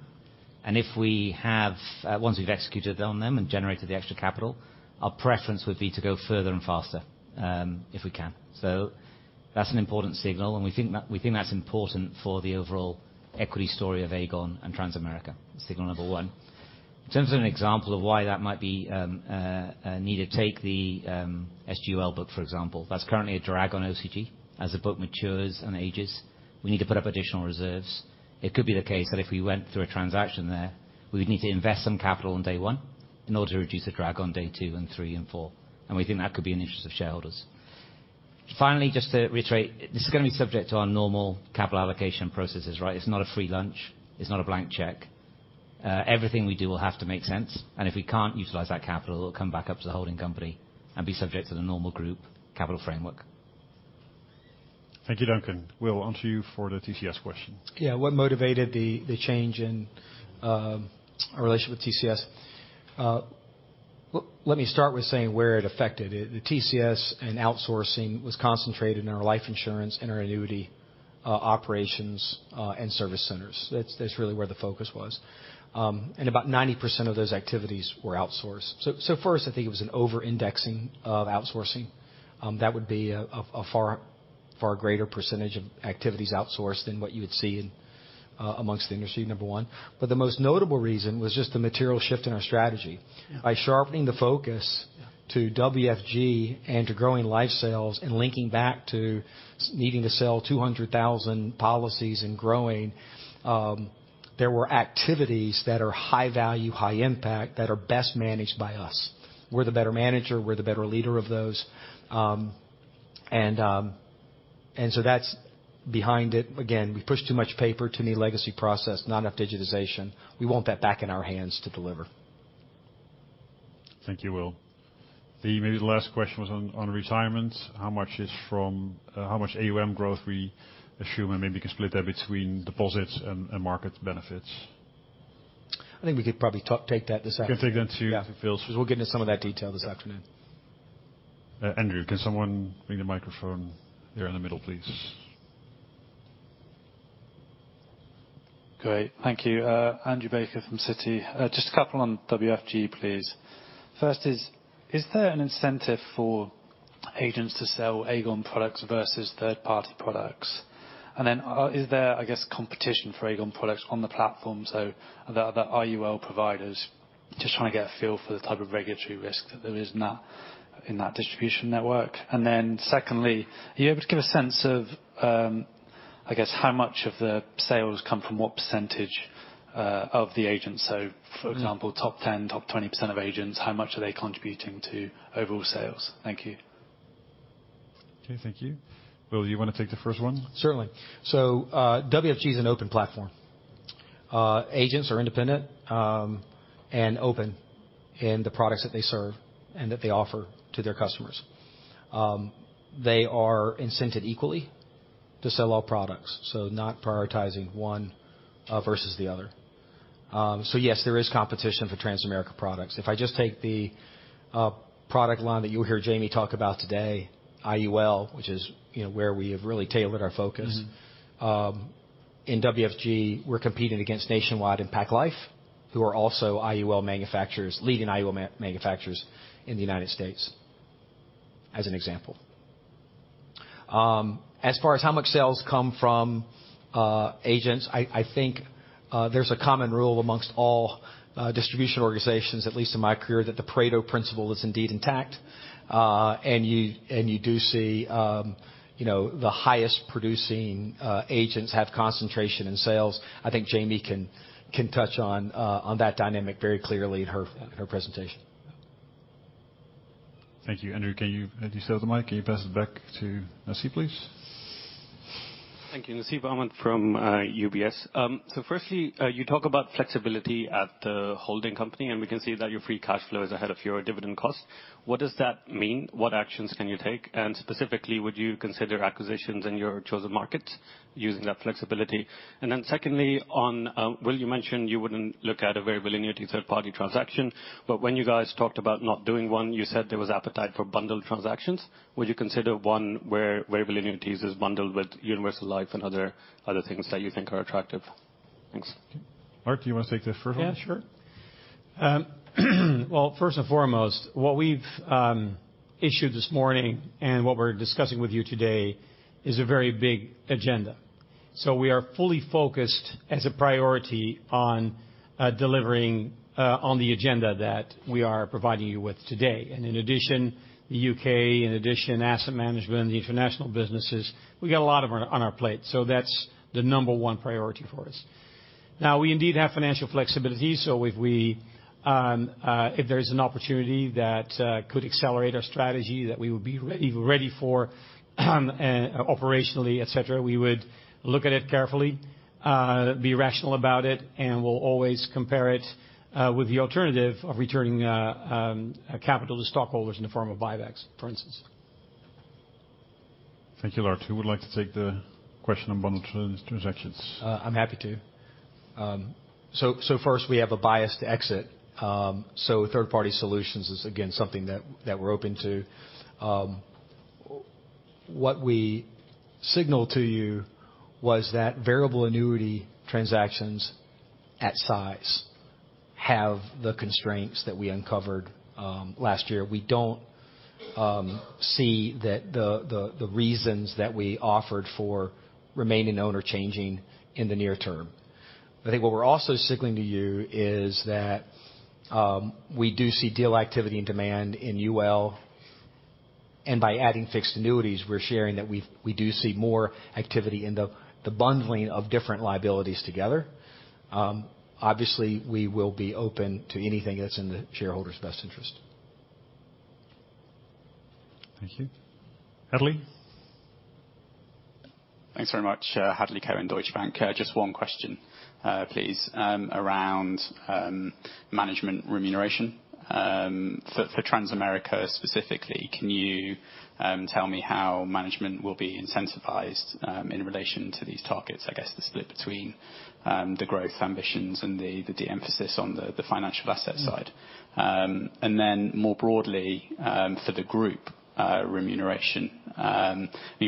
and if we have. Once we've executed on them and generated the extra capital, our preference would be to go further and faster, if we can. That's an important signal, and we think that's important for the overall equity story of Aegon and Transamerica. Signal number one. In terms of an example of why that might be needed, take the SGUL book, for example. That's currently a drag on OCG. As the book matures and ages, we need to put up additional reserves. It could be the case that if we went through a transaction there, we would need to invest some capital on day one in order to reduce the drag on day two and three and four, and we think that could be in the interest of shareholders. Finally, just to reiterate, this is gonna be subject to our normal capital allocation processes, right? It's not a free lunch. It's not a blank check. Everything we do will have to make sense, and if we can't utilize that capital, it'll come back up to the holding company and be subject to the normal group capital framework. Thank you, Duncan. Will, on to you for the TCS question. Yeah. What motivated the change in our relationship with TCS? Let me start with saying where it affected. The TCS and outsourcing was concentrated in our life insurance and our annuity operations and service centers. That's really where the focus was. About 90% of those activities were outsourced. First, I think it was an over-indexing of outsourcing. That would be a far greater percentage of activities outsourced than what you would see in amongst the industry, number one. The most notable reason was just the material shift in our strategy. Yeah. By sharpening the focus to WFG and to growing life sales and linking back to needing to sell 200,000 policies and growing, there were activities that are high value, high impact, that are best managed by us. We're the better manager, we're the better leader of those. That's behind it. Again, we pushed too much paper to meet legacy process, not enough digitization. We want that back in our hands to deliver. Thank you, Will. The Maybe the last question was on retirement. How much is from how much AUM growth we assume, and maybe you can split that between deposits and market benefits? I think we could probably take that this afternoon. You can take that, too. Yeah. If it feels- 'Cause we'll get into some of that detail this afternoon. Andrew, can someone bring the microphone here in the middle, please? Great. Thank you. Andrew Baker from Citi. Just a couple on WFG, please. First is there an incentive for agents to sell Aegon products versus third-party products? Is there, I guess, competition for Aegon products on the platform, so the other IUL providers? Just want to get a feel for the type of regulatory risk that there is in that distribution network. Secondly, are you able to give a sense of, I guess, how much of the sales come from what percentage of the agents? For example, top 10, top 20% of agents, how much are they contributing to overall sales? Thank you. Okay, thank you. Will, you want to take the first one? Certainly. WFG is an open platform. Agents are independent, and open in the products that they serve and that they offer to their customers. They are incented equally to sell all products, so not prioritizing one versus the other. Yes, there is competition for Transamerica products. If I just take the product line that you'll hear Jamie talk about today, IUL, which is, you know, where we have really tailored our focus. Mm-hmm. In WFG, we're competing against Nationwide and Pacific Life, who are also IUL manufacturers, leading IUL manufacturers in the United States, as an example. As far as how much sales come from agents, I think there's a common rule amongst all distribution organizations, at least in my career, that the Pareto principle is indeed intact. You do see, you know, the highest producing agents have concentration in sales. I think Jamie can touch on that dynamic very clearly in her presentation. Thank you. Andrew, as you still have the mic, can you pass it back to Nasib, please? Thank you. Nasib Ahmed from UBS. Firstly, you talk about flexibility at the holding company, and we can see that your free cash flow is ahead of your dividend cost. What does that mean? What actions can you take? Specifically, would you consider acquisitions in your chosen markets using that flexibility? Secondly, on Will, you mentioned you wouldn't look at a very linearity third-party transaction, when you guys talked about not doing one, you said there was appetite for bundled transactions. Would you consider one where variable annuities is bundled with universal life and other things that you think are attractive? Thanks. Lard, do you want to take the first one? Yeah, sure. Well, first and foremost, what we've issued this morning and what we're discussing with you today is a very big agenda. We are fully focused as a priority on delivering on the agenda that we are providing you with today. In addition, the U.K., in addition, asset management and the international businesses, we got a lot on our plate, so that's the number one priority for us. We indeed have financial flexibility, so if we if there is an opportunity that could accelerate our strategy, that we would be re-ready for operationally, et cetera, we would look at it carefully, be rational about it, and we'll always compare it with the alternative of returning capital to stockholders in the form of buybacks, for instance. Thank you, Lard. Who would like to take the question on bundled trans-transactions? I'm happy to. First, we have a bias to exit. Third-party solutions is again, something that we're open to. What we signaled to you was that variable annuity transactions at size have the constraints that we uncovered last year. We don't see that the reasons that we offered for remaining owner, changing in the near term. I think what we're also signaling to you is that we do see deal activity and demand in UL, and by adding fixed annuities, we're sharing that we do see more activity in the bundling of different liabilities together. Obviously, we will be open to anything that's in the shareholders' best interest. Thank you. Hadley? Thanks very much. Hadley Cohen, Deutsche Bank. Just one question, please, around management remuneration. For Transamerica specifically, can you tell me how management will be incentivized in relation to these targets? I guess the split between the growth ambitions and the de-emphasis on the financial asset side. More broadly, for the group remuneration.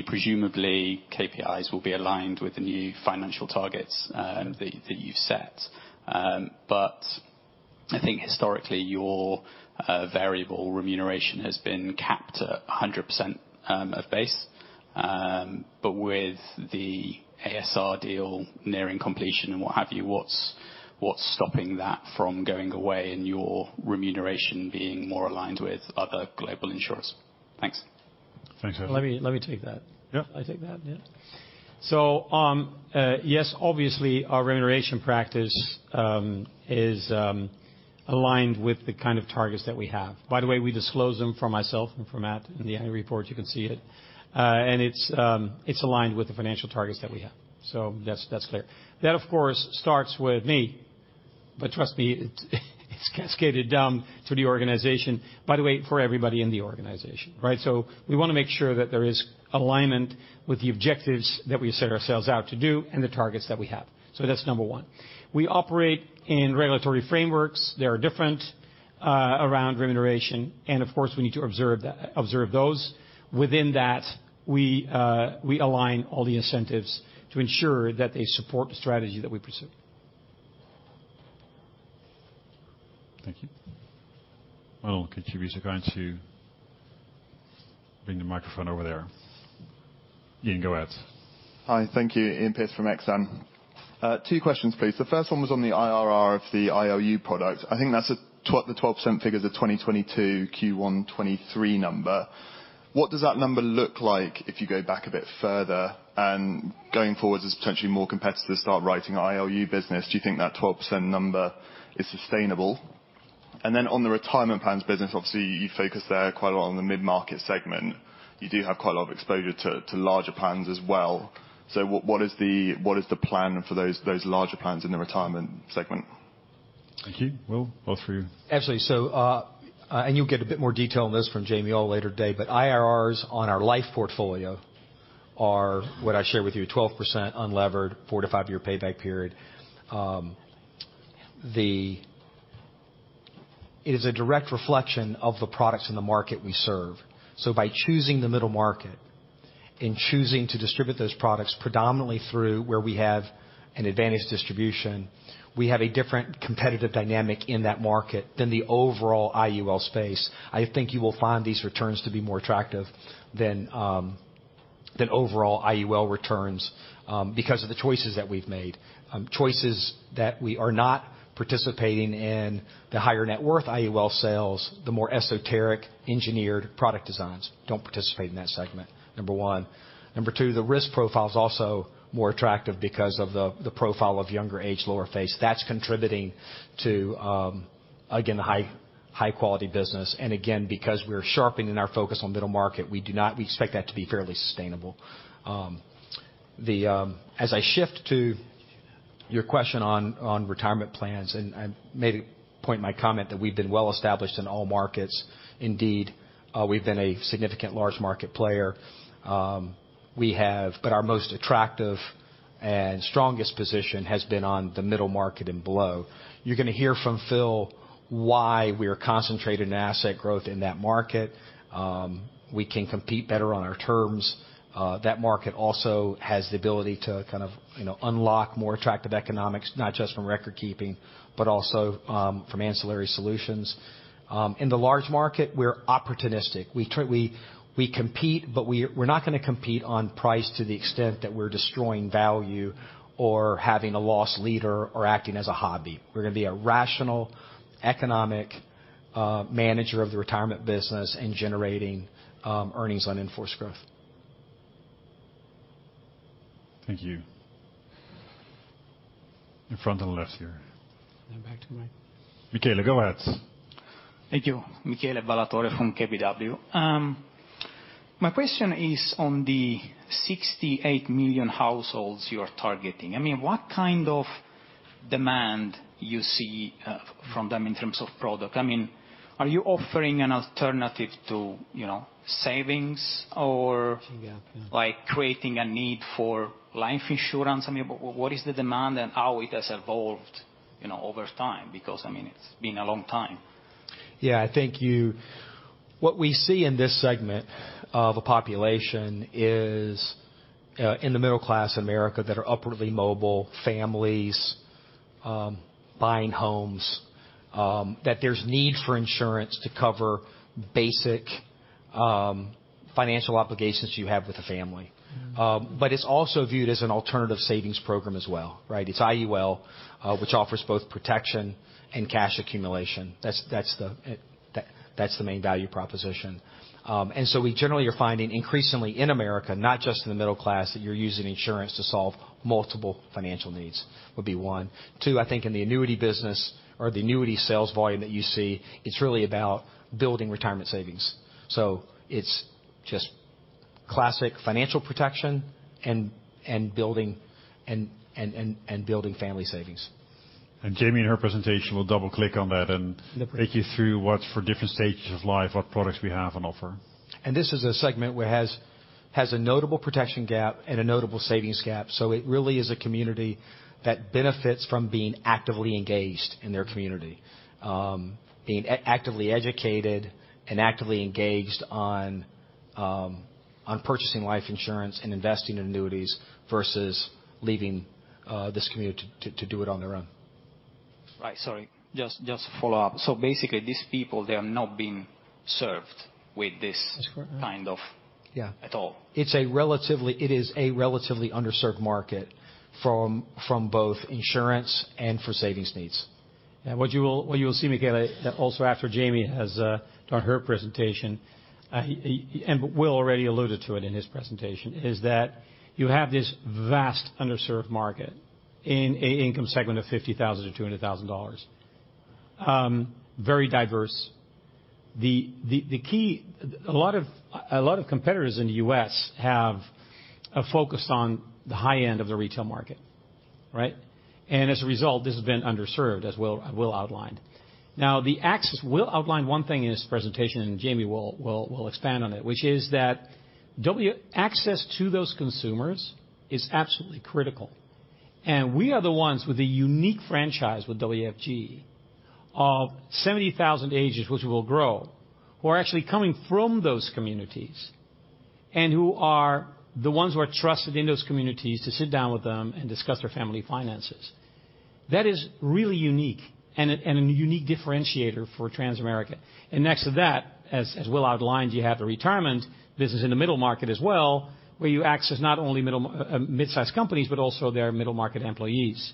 Presumably, KPIs will be aligned with the new financial targets that you've set. I think historically, your variable remuneration has been capped at 100% of base. With the a.s.r. deal nearing completion and what have you, what's stopping that from going away and your remuneration being more aligned with other global insurers? Thanks. Thanks, Hadley. Let me take that. Yeah. I take that, yeah? Yes, obviously, our remuneration practice is aligned with the kind of targets that we have. By the way, we disclose them for myself and for Matt. In the annual report, you can see it. And it's aligned with the financial targets that we have. That's clear. That, of course, starts with me, but trust me, it's cascaded down to the organization, by the way, for everybody in the organization, right? We want to make sure that there is alignment with the objectives that we set ourselves out to do and the targets that we have. That's number one. We operate in regulatory frameworks that are different around remuneration, and of course, we need to observe those. Within that, we align all the incentives to ensure that they support the strategy that we pursue. Thank you. Well, contributors are going to- Bring the microphone over there. You can go ahead. Hi, thank you. Iain Pearce from Exane. Two questions, please. The first one was on the IRR of the IUL product. I think that's the 12% figure is a 2022, Q1 2023 number. What does that number look like if you go back a bit further? Going forward, as potentially more competitors start writing IUL business, do you think that 12% number is sustainable? On the retirement plans business, obviously, you focus there quite a lot on the mid-market segment. You do have quite a lot of exposure to larger plans as well. What is the plan for those larger plans in the retirement segment? Thank you. Will, both for you. Absolutely. You'll get a bit more detail on this from Jamie Ohl later today, but IRRs on our life portfolio are what I share with you, 12% unlevered, four to five-year payback period. It is a direct reflection of the products in the market we serve. By choosing the middle market and choosing to distribute those products predominantly through where we have an advantage distribution, we have a different competitive dynamic in that market than the overall IUL space. I think you will find these returns to be more attractive than overall IUL returns because of the choices that we've made. Choices that we are not participating in, the higher net worth IUL sales, the more esoteric, engineered product designs, don't participate in that segment, number one. Number two, the risk profile is also more attractive because of the profile of younger age, lower face. That's contributing to again, the high quality business. Again, because we're sharpening our focus on middle market, we expect that to be fairly sustainable. As I shift to your question on retirement plans, I made a point in my comment that we've been well-established in all markets, indeed, we've been a significant large market player. We have, but our most attractive and strongest position has been on the middle market and below. You're going to hear from Phil, why we are concentrated in asset growth in that market. We can compete better on our terms. That market also has the ability to kind of, you know, unlock more attractive economics, not just from record keeping, but also, from ancillary solutions. In the large market, we're opportunistic. We compete, but we're not going to compete on price to the extent that we're destroying value or having a loss leader or acting as a hobby. We're going to be a rational, economic, manager of the retirement business and generating, earnings on in-force growth. Thank you. In front on the left here. Back to Mike. Michele, go ahead. Thank you. Michele Ballatore from KBW. My question is on the 68 million households you are targeting. I mean, what kind of demand you see from them in terms of product? I mean, are you offering an alternative to, you know, savings? Yeah. like, creating a need for life insurance? I mean, what is the demand and how it has evolved, you know, over time? Because, I mean, it's been a long time. Yeah, I thank you. What we see in this segment of a population is, in the middle class America, that are upwardly mobile families, buying homes, that there's need for insurance to cover basic financial obligations you have with a family. It's also viewed as an alternative savings program as well, right? It's IUL, which offers both protection and cash accumulation. That's the main value proposition. We generally are finding increasingly in America, not just in the middle class, that you're using insurance to solve multiple financial needs, would be one. Two, I think in the annuity business or the annuity sales volume that you see, it's really about building retirement savings. It's just classic financial protection and building family savings. Jamie, in her presentation, will double click on that. Yep. take you through what, for different stages of life, what products we have on offer. This is a segment where it has a notable protection gap and a notable savings gap. It really is a community that benefits from being actively engaged in their community, being actively educated and actively engaged on purchasing life insurance and investing in annuities versus leaving this community to do it on their own. Right. Sorry, just follow up. Basically, these people, they are not being served with this. That's correct. kind of Yeah. At all. It is a relatively underserved market from both insurance and for savings needs. What you will see, Michele, also after Jamie has done her presentation, and Will already alluded to it in his presentation, is that you have this vast underserved market in a income segment of $50,000-$200,000. Very diverse. A lot of competitors in the U.S. have focused on the high end of the retail market, right? As a result, this has been underserved, as Will outlined. Now, Will outlined one thing in his presentation, and Jamie will expand on it, which is that access to those consumers is absolutely critical, and we are the ones with a unique franchise with WFG of 70,000 agents, which we will grow, who are actually coming from those communities.... and who are the ones who are trusted in those communities to sit down with them and discuss their family finances. That is really unique and a unique differentiator for Transamerica. Next to that, as Will outlined, you have the retirement business in the middle market as well, where you access not only middle, mid-sized companies, but also their middle market employees.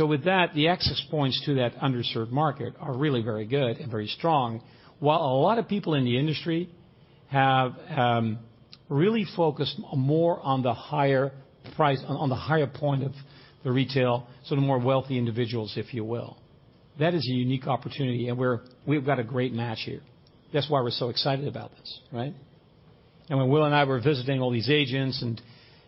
With that, the access points to that underserved market are really very good and very strong, while a lot of people in the industry have really focused more on the higher price, on the higher point of the retail, so the more wealthy individuals, if you will. That is a unique opportunity, and we've got a great match here. That's why we're so excited about this, right? When Will and I were visiting all these agents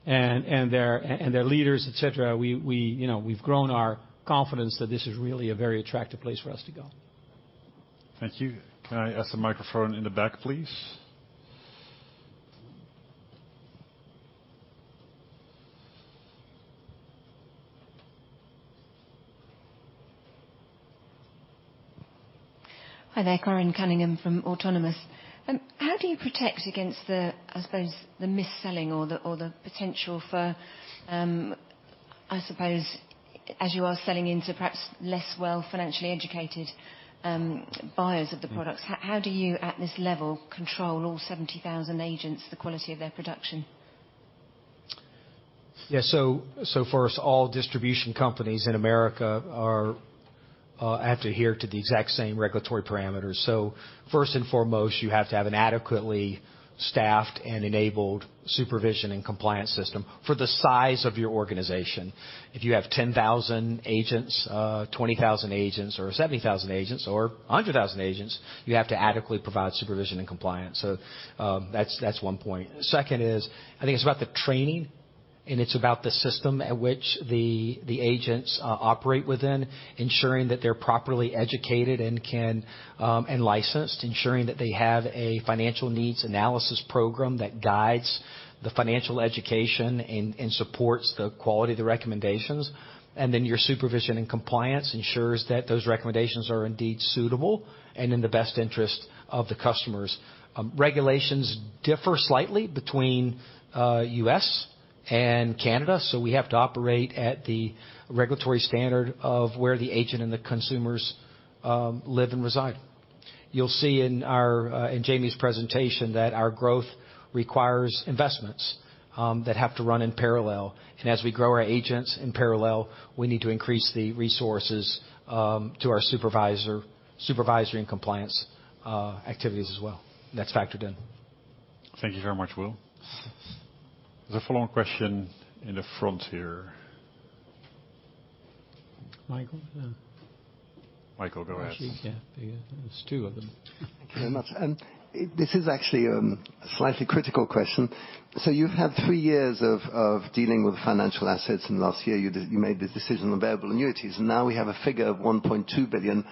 and their leaders, et cetera, we, you know, we've grown our confidence that this is really a very attractive place for us to go. Thank you. Can I ask the microphone in the back, please? Hi there, Corinne Cunningham from Autonomous. How do you protect against the, I suppose, the mis-selling or the potential for, I suppose, as you are selling into perhaps less well financially educated buyers of the products, how do you, at this level, control all 70,000 agents, the quality of their production? First, all distribution companies in America have to adhere to the exact same regulatory parameters. First and foremost, you have to have an adequately staffed and enabled supervision and compliance system for the size of your organization. If you have 10,000 agents, 20,000 agents, or 70,000 agents or 100,000 agents, you have to adequately provide supervision and compliance. That's one point. Second is, I think it's about the training, and it's about the system at which the agents operate within, ensuring that they're properly educated and can and licensed, ensuring that they have a financial needs analysis program that guides the financial education and supports the quality of the recommendations. Your supervision and compliance ensures that those recommendations are indeed suitable and in the best interest of the customers. Regulations differ slightly between U.S. and Canada, so we have to operate at the regulatory standard of where the agent and the consumers live and reside. You'll see in Jamie's presentation that our growth requires investments that have to run in parallel. As we grow our agents in parallel, we need to increase the resources to our supervisory and compliance activities as well. That's factored in. Thank you very much, Will. The following question in the front here. Michael? Yeah. Michael, go ahead. Yeah, there's two of them. Thank you very much. This is actually a slightly critical question. You've had three years of dealing with financial assets, and last year, you made the decision on variable annuities, and now we have a figure of $1.2 billion,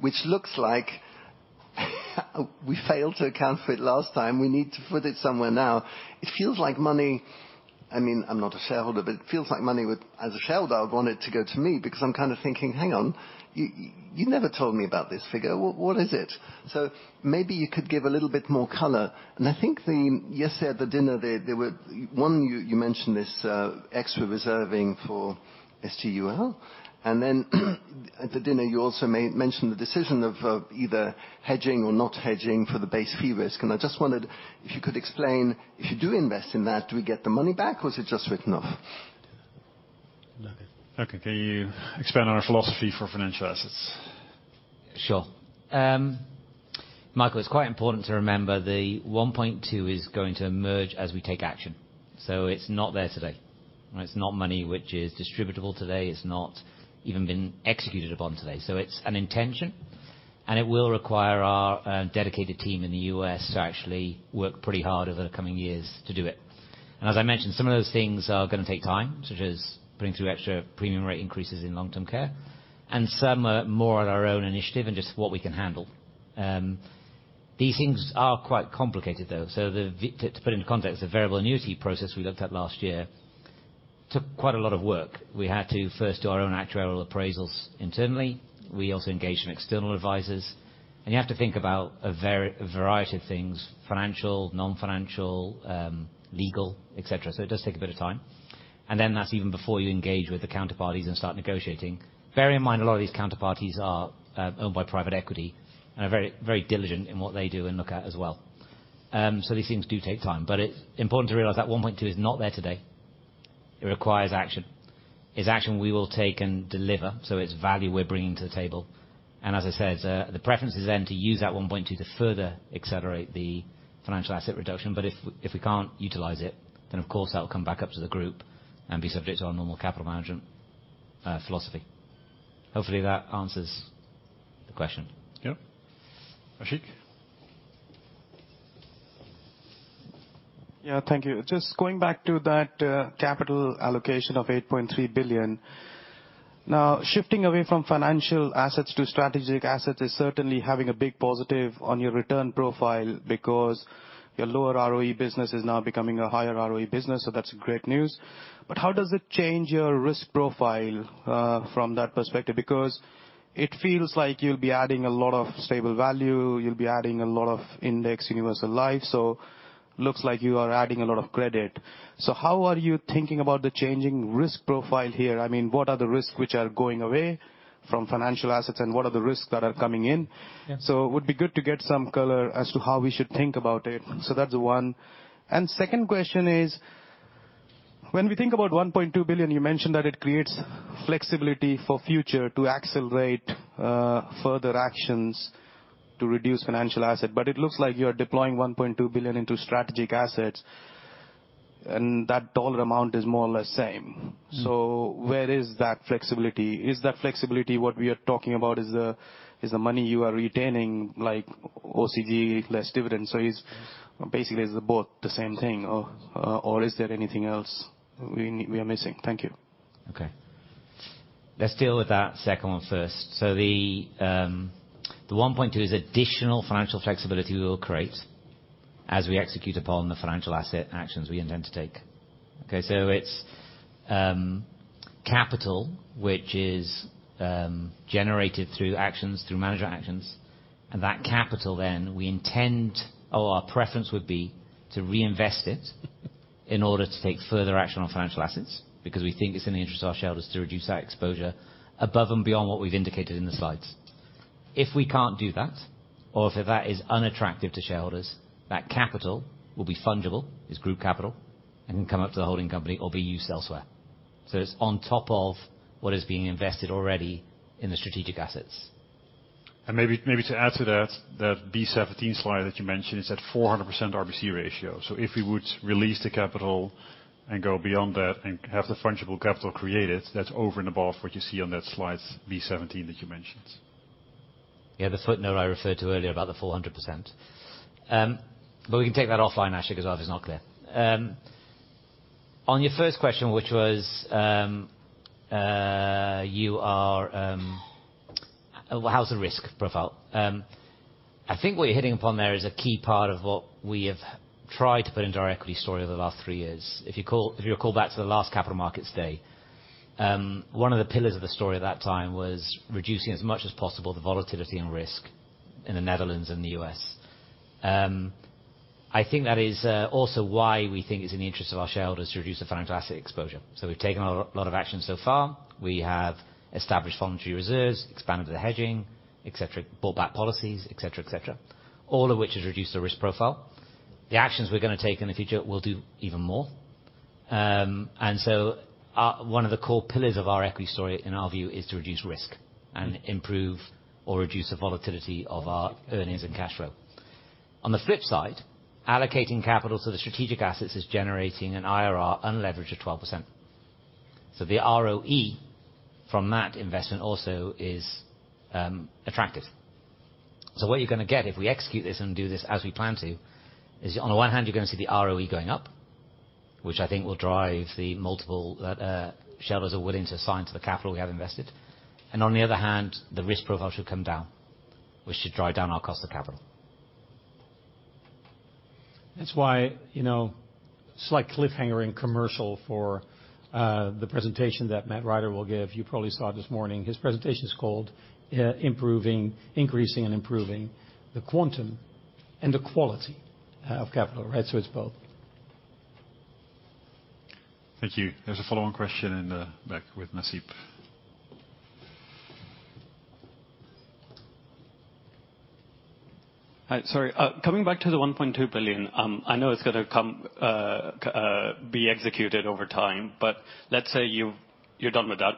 which looks like we failed to account for it last time. We need to put it somewhere now. It feels like money. I mean, I'm not a shareholder, but it feels like money would, as a shareholder, I'd want it to go to me because I'm kind of thinking: 'Hang on,' you never told me about this figure. What is it? Maybe you could give a little bit more color. I think yesterday at the dinner, you mentioned this extra reserving for SGUL. At the dinner, you also mentioned the decision of either hedging or not hedging for the base fee risk. I just wondered if you could explain, if you do invest in that, do we get the money back or is it just written off? Nothing. Okay, can you expand on our philosophy for financial assets? Sure. Michael, it's quite important to remember the 1.2 is going to emerge as we take action. It's not there today. It's not money which is distributable today. It's not even been .executed upon today. It's an intention, and it will require our dedicated team in the U.S. to actually work pretty hard over the coming years to do it. As I mentioned, some of those things are going to take time, such as putting through extra premium rate increases in long-term care, and some are more on our own initiative and just what we can handle. These things are quite complicated, though. To put it into context, the variable annuity process we looked at last year took quite a lot of work. We had to first do our own actuarial appraisals internally. We also engaged in external advisors. You have to think about a variety of things, financial, non-financial, legal, et cetera. It does take a bit of time. That's even before you engage with the counterparties and start negotiating. Bear in mind, a lot of these counterparties are owned by private equity and are very, very diligent in what they do and look at as well. These things do take time, but it's important to realize that 1.2 is not there today. It requires action. It's action we will take and deliver. It's value we're bringing to the table. As I said, the preference is then to use that 1.2 to further accelerate the financial asset reduction, but if we can't utilize it, then, of course, that will come back up to the group and be subject to our normal capital management philosophy. Hopefully, that answers the question. Yep. Ashik? Yeah, thank you. Just going back to that capital allocation of 8.3 billion. Shifting away from financial assets to strategic assets is certainly having a big positive on your return profile, because your lower ROE business is now becoming a higher ROE business, so that's great news. How does it change your risk profile from that perspective? It feels like you'll be adding a lot of stable value, you'll be adding a lot of Indexed Universal Life, so looks like you are adding a lot of credit. How are you thinking about the changing risk profile here? I mean, what are the risks which are going away from financial assets, and what are the risks that are coming in? Yeah. It would be good to get some color as to how we should think about it. That's one. Second question is, when we think about $1.2 billion, you mentioned that it creates flexibility for future to accelerate further actions to reduce financial asset. It looks like you are deploying $1.2 billion into strategic assets, and that dollar amount is more or less same. Mm. Where is that flexibility? Is that flexibility what we are talking about is the money you are retaining, like OCG less dividends? Is basically is both the same thing, or is there anything else we are missing? Thank you. Okay. Let's deal with that second one first. The 1.2 billion is additional financial flexibility we will create as we execute upon the financial asset actions we intend to take. Okay. It's capital, which is generated through actions, through manager actions, and that capital then we intend, or our preference would be to reinvest it in order to take further action on financial assets, because we think it's in the interest of our shareholders to reduce that exposure above and beyond what we've indicated in the slides. If we can't do that, or if that is unattractive to shareholders, that capital will be fungible, it's group capital, and can come up to the holding company or be used elsewhere. It's on top of what is being invested already in the strategic assets. Maybe to add to that B17 slide that you mentioned is at 400% RBC ratio. If we would release the capital and go beyond that and have the fungible capital created, that's over and above what you see on that slide B17 that you mentioned. Yeah, the footnote I referred to earlier about the 400%. But we can take that offline, actually, because obviously it's not clear. On your first question, which was, you are, well, how's the risk profile? I think what you're hitting upon there is a key part of what we have tried to put into our equity story over the last three years. If you recall back to the last capital markets day, one of the pillars of the story at that time was reducing as much as possible the volatility and risk in Aegon Netherlands and the U.S. I think that is also why we think it's in the interest of our shareholders to reduce the financial asset exposure. So we've taken a lot of action so far. We have established voluntary reserves, expanded the hedging, et cetera, bought back policies, et cetera, et cetera. All of which has reduced the risk profile. The actions we're gonna take in the future will do even more. One of the core pillars of our equity story, in our view, is to reduce risk and improve or reduce the volatility of our earnings and cash flow. On the flip side, allocating capital to the strategic assets is generating an IRR unlevered of 12%. The ROE from that investment also is attractive. What you're gonna get, if we execute this and do this as we plan to, is on the one hand, you're gonna see the ROE going up, which I think will drive the multiple that shareholders are willing to assign to the capital we have invested. On the other hand, the risk profile should come down, which should drive down our cost of capital. That's why, you know, slight cliffhanger in commercial for the presentation that Matt Rider will give. You probably saw it this morning. His presentation is called Increasing and Improving the Quantum and the Quality of Capital, right? It's both. Thank you. There's a follow-on question in the back with Nasib. Hi, sorry. Coming back to the $1.2 billion, I know it's gonna come be executed over time, but let's say you've, you're done with that.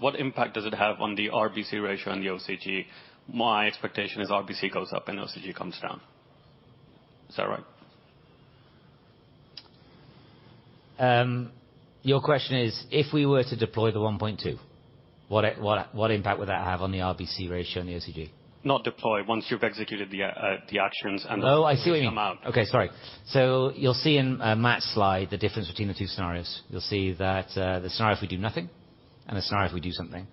What impact does it have on the RBC ratio and the OCG? My expectation is RBC goes up and OCG comes down. Is that right? Your question is, if we were to deploy the 1.2, what impact would that have on the RBC ratio and the OCG? Not deploy, once you've executed the actions and the amount. I see what you mean. Okay, sorry. You'll see in Matt's slide the difference between the two scenarios. You'll see that the scenario if we do nothing and the scenario if we do something.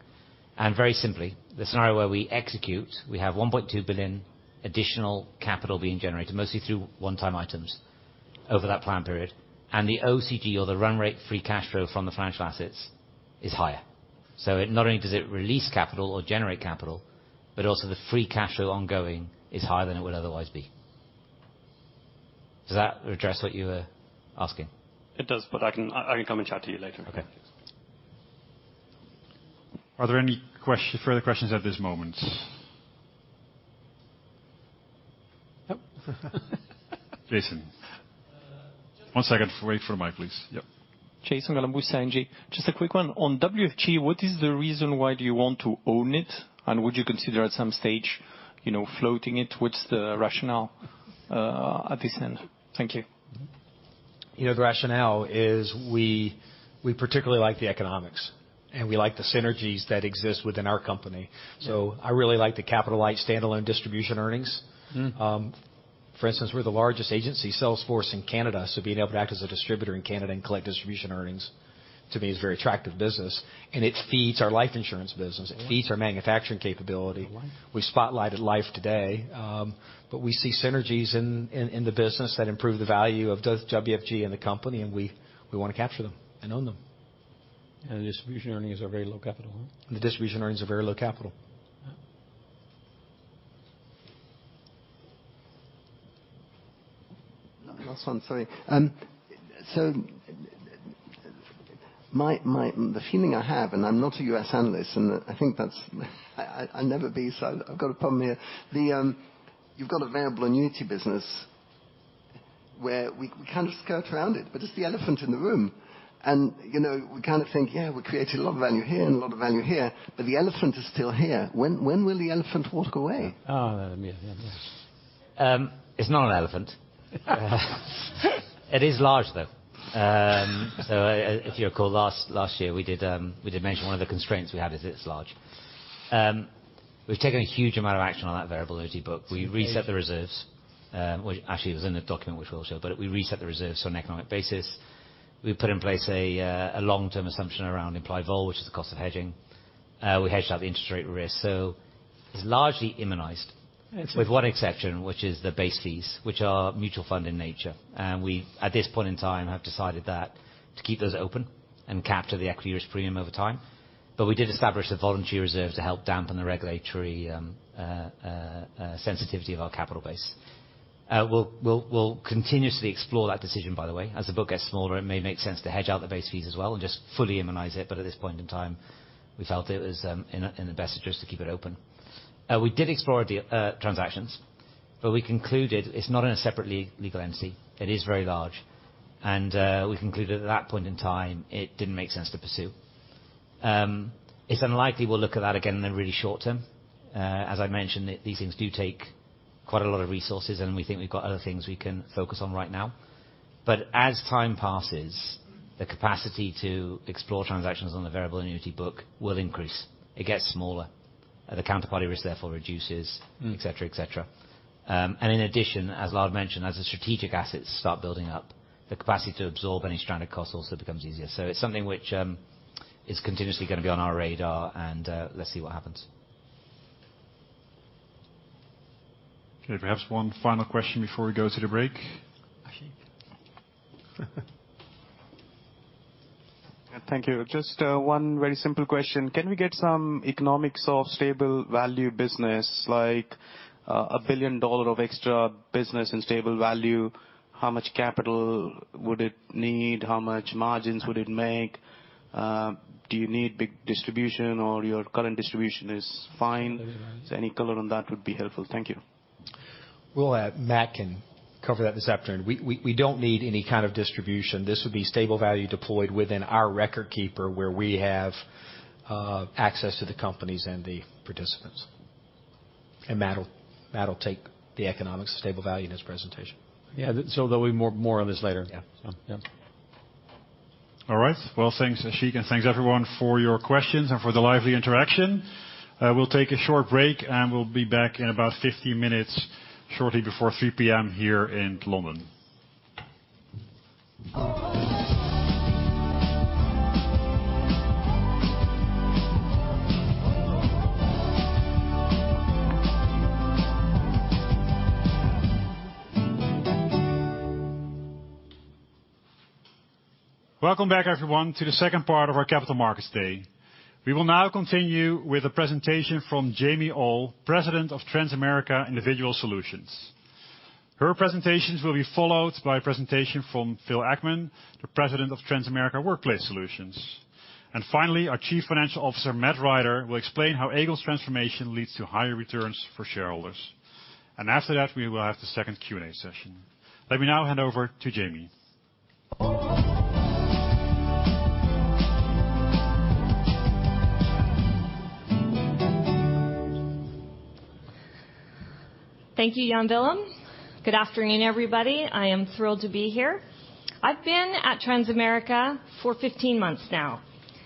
Very simply, the scenario where we execute, we have 1.2 billion additional capital being generated, mostly through one-time items over that plan period, and the OCG or the run rate, free cash flow from the financial assets is higher. It not only does it release capital or generate capital, but also the free cash flow ongoing is higher than it would otherwise be. Does that address what you were asking? It does, but I can come and chat to you later. Okay. Are there any further questions at this moment? Nope. Jason. One second. Wait for the mic, please. Yep. Jason Kalamboussis, ING. Just a quick one. On WFG, what is the reason why do you want to own it, and would you consider at some stage, you know, floating it? What's the rationale at this end? Thank you. You know, the rationale is we particularly like the economics, and we like the synergies that exist within our company. Yeah. I really like the capitalized standalone distribution earnings. Mm-hmm.... For instance, we're the largest agency sales force in Canada, being able to act as a distributor in Canada and collect distribution earnings, to me, is a very attractive business. It feeds our life insurance business. It feeds our manufacturing capability. We spotlighted Life today, we see synergies in the business that improve the value of both WFG and the company, we wanna capture them and own them. The distribution earnings are very low capital, huh? The distribution earnings are very low capital. Yeah. Last one, sorry. The feeling I have, and I'm not a U.S. analyst, and I think that's I'll never be, so I've got a problem here. The, you've got a variable annuity business where we kind of skirt around it, but it's the elephant in the room. You know, we kind of think, yeah, we created a lot of value here and a lot of value here, but the elephant is still here. When will the elephant walk away? Yeah, yes. It's not an elephant. It is large, though. If you recall, last year we did mention one of the constraints we have is it's large. We've taken a huge amount of action on that variable annuity book. We reset the reserves, which actually was in the document, which we'll show, but we reset the reserves on an economic basis. We put in place a long-term assumption around implied vol, which is the cost of hedging. We hedged out the interest rate risk, so it's largely immunized, with one exception, which is the base fees, which are mutual fund in nature. We, at this point in time, have decided that to keep those open and capture the equity risk premium over time. We did establish a voluntary reserve to help dampen the regulatory sensitivity of our capital base. We'll continuously explore that decision, by the way. As the book gets smaller, it may make sense to hedge out the base fees as well and just fully immunize it. At this point in time, we felt it was in the best interest to keep it open. We did explore the transactions, but we concluded it's not in a separate legal entity. It is very large, and we concluded at that point in time, it didn't make sense to pursue. It's unlikely we'll look at that again in the really short term. As I mentioned, these things do take quite a lot of resources, and we think we've got other things we can focus on right now. As time passes, the capacity to explore transactions on the variable annuity book will increase. It gets smaller, and the counterparty risk, therefore, reduces et cetera, et cetera. In addition, as Lard mentioned, as the strategic assets start building up, the capacity to absorb any stranded costs also becomes easier. It's something which is continuously gonna be on our radar, and let's see what happens. Okay, perhaps one final question before we go to the break. Thank you. Just one very simple question: Can we get some economics of stable value business, like, $1 billion of extra business and stable value? How much capital would it need? How much margins would it make? Do you need big distribution, or your current distribution is fine? Any color on that would be helpful. Thank you. Well, Matt can cover that this afternoon. We don't need any kind of distribution. This would be stable value deployed within our record keeper, where we have access to the companies and the participants. Matt will take the economics of stable value in his presentation. Yeah, there'll be more on this later. Yeah. Yeah. All right. Well, thanks, Ashik, and thanks, everyone, for your questions and for the lively interaction. We'll take a short break, and we'll be back in about 15 minutes, shortly before 3:00 P.M. here in London. Welcome back, everyone, to the second part of our Capital Markets Day. We will now continue with a presentation from Jamie Ohl, President of Transamerica Individual Solutions. Her presentations will be followed by a presentation from Phil Eckman, the President of Transamerica Workplace Solutions. Finally, our Chief Financial Officer, Matt Rider, will explain how Aegon's transformation leads to higher returns for shareholders. After that, we will have the second Q&A session. Let me now hand over to Jamie. Thank you, Jan Willem. Good afternoon, everybody. I am thrilled to be here. I've been at Transamerica for 15 months now,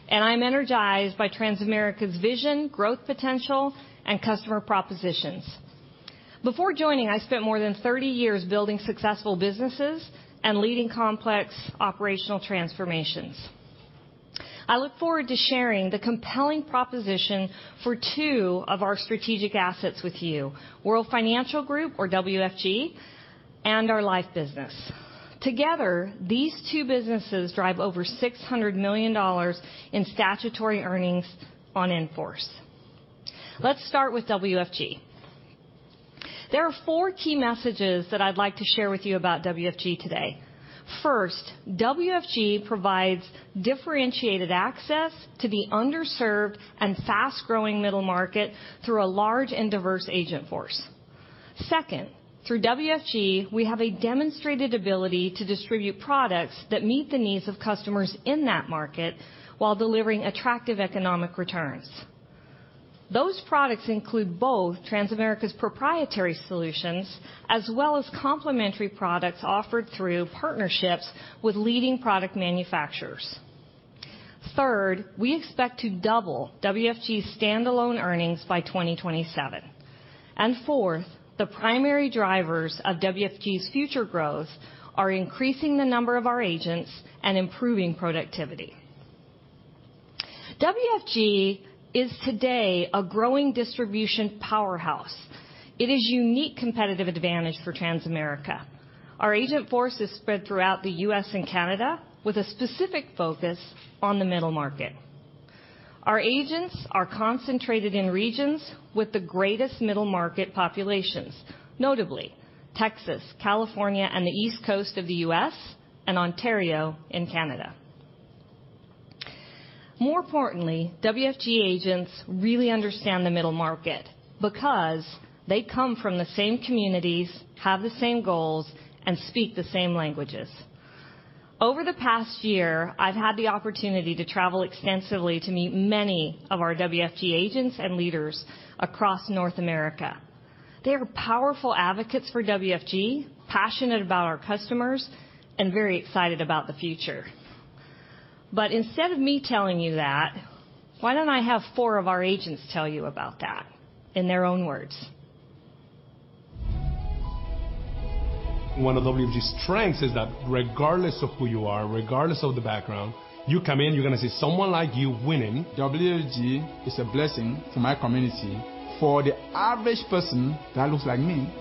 and I'm energized by Transamerica's vision, growth potential, and customer propositions. Before joining, I spent more than 30 years building successful businesses and leading complex operational transformations. I look forward to sharing the compelling proposition for two of our strategic assets with you, World Financial Group, or WFG, and our life business. Together, these two businesses drive over $600 million in statutory earnings on in-force. Let's start with WFG. There are four key messages that I'd like to share with you about WFG today. First, WFG provides differentiated access to the underserved and fast-growing middle market through a large and diverse agent force. Second, through WFG, we have a demonstrated ability to distribute products that meet the needs of customers in that market while delivering attractive economic returns. Those products include both Transamerica's proprietary solutions as well as complementary products offered through partnerships with leading product manufacturers. Third, we expect to double WFG's standalone earnings by 2027. Fourth, the primary drivers of WFG's future growth are increasing the number of our agents and improving productivity. WFG is today a growing distribution powerhouse. It is unique competitive advantage for Transamerica. Our agent force is spread throughout the U.S. and Canada, with a specific focus on the middle market. Our agents are concentrated in regions with the greatest middle market populations, notably Texas, California, and the East Coast of the U.S. and Ontario in Canada. More importantly, WFG agents really understand the middle market because they come from the same communities, have the same goals, and speak the same languages. Over the past year, I've had the opportunity to travel extensively to meet many of our WFG agents and leaders across North America. They are powerful advocates for WFG, passionate about our customers, and very excited about the future. Instead of me telling you that, why don't I have four of our agents tell you about that in their own words? One of WFG's strengths is that regardless of who you are, regardless of the background, you come in, you're going to see someone like you winning. WFG is a blessing to my community. For the average person that looks like me,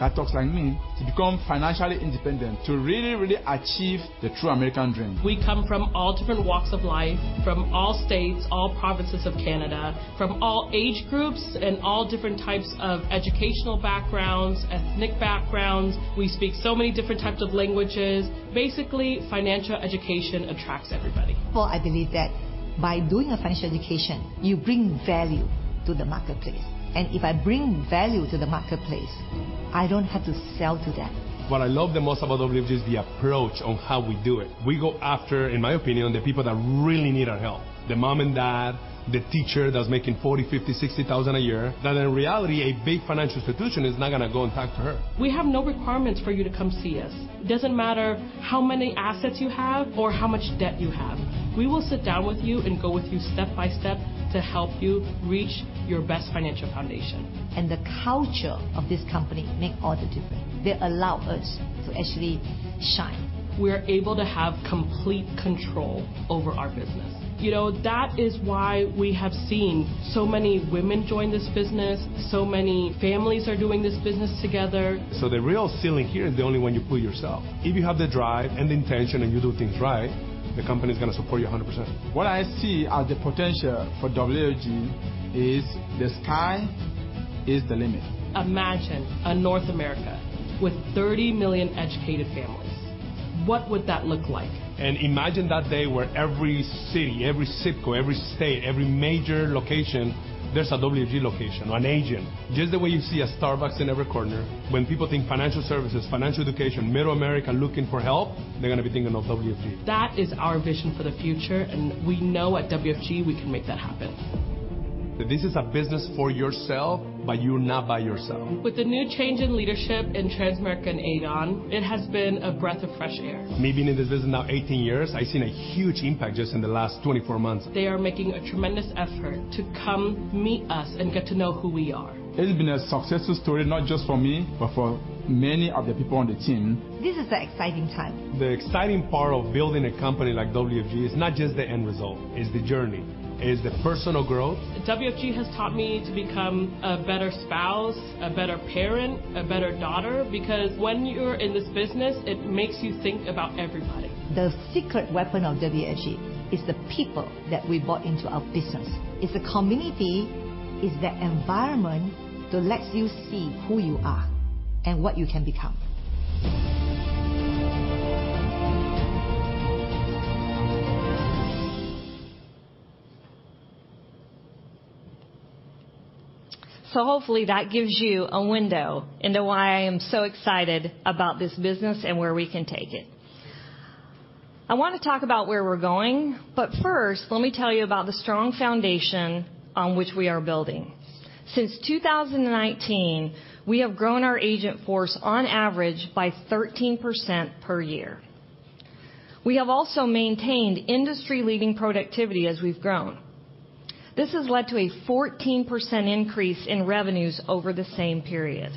that talks like me, to become financially independent, to really achieve the true American dream. We come from all different walks of life, from all states, all provinces of Canada, from all age groups, and all different types of educational backgrounds, ethnic backgrounds. We speak so many different types of languages. Basically, financial education attracts everybody. I believe that by doing a financial education, you bring value to the marketplace, and if I bring value to the marketplace, I don't have to sell to them. What I love the most about WFG is the approach on how we do it. We go after, in my opinion, the people that really need our help, the mom and dad, the teacher that's making $40,000, $50,000, $60,000 a year, that in reality, a big financial institution is not going to go and talk to her. We have no requirements for you to come see us. It doesn't matter how many assets you have or how much debt you have, we will sit down with you and go with you step by step to help you reach your best financial foundation. The culture of this company make all the difference. They allow us to actually shine. We are able to have complete control over our business. You know, that is why we have seen so many women join this business. Many families are doing this business together. The real ceiling here is the only one you put yourself. If you have the drive and the intention, and you do things right, the company is going to support you 100%. What I see as the potential for WFG is the sky is the limit. Imagine a North America with 30 million educated families. What would that look like? Imagine that day where every city, every zip code, every state, every major location, there's a WFG location or an agent. Just the way you see a Starbucks in every corner, when people think financial services, financial education, middle America looking for help, they're going to be thinking of WFG. That is our vision for the future, and we know at WFG we can make that happen. This is a business for yourself, but you're not by yourself. With the new change in leadership in Transamerica, Aegon, it has been a breath of fresh air. Me being in this business now 18 years, I've seen a huge impact just in the last 24 months. They are making a tremendous effort to come meet us and get to know who we are. It has been a successful story, not just for me, but for many of the people on the team. This is an exciting time. The exciting part of building a company like WFG is not just the end result, it's the journey, it is the personal growth. WFG has taught me to become a better spouse, a better parent, a better daughter, because when you're in this business, it makes you think about everybody. The secret weapon of WFG is the people that we brought into our business. It's a community, it's the environment that lets you see who you are and what you can become. Hopefully, that gives you a window into why I am so excited about this business and where we can take it. First, let me tell you about the strong foundation on which we are building. Since 2019, we have grown our agent force on average by 13% per year. We have also maintained industry-leading productivity as we've grown. This has led to a 14% increase in revenues over the same period.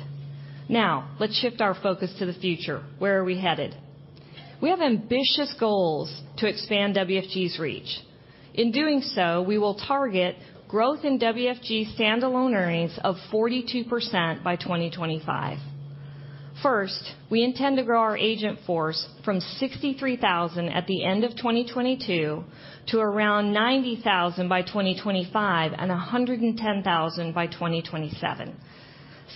Let's shift our focus to the future. Where are we headed? We have ambitious goals to expand WFG's reach. In doing so, we will target growth in WFG standalone earnings of 42% by 2025. First, we intend to grow our agent force from 63,000 at the end of 2022 to around 90,000 by 2025 and 110,000 by 2027.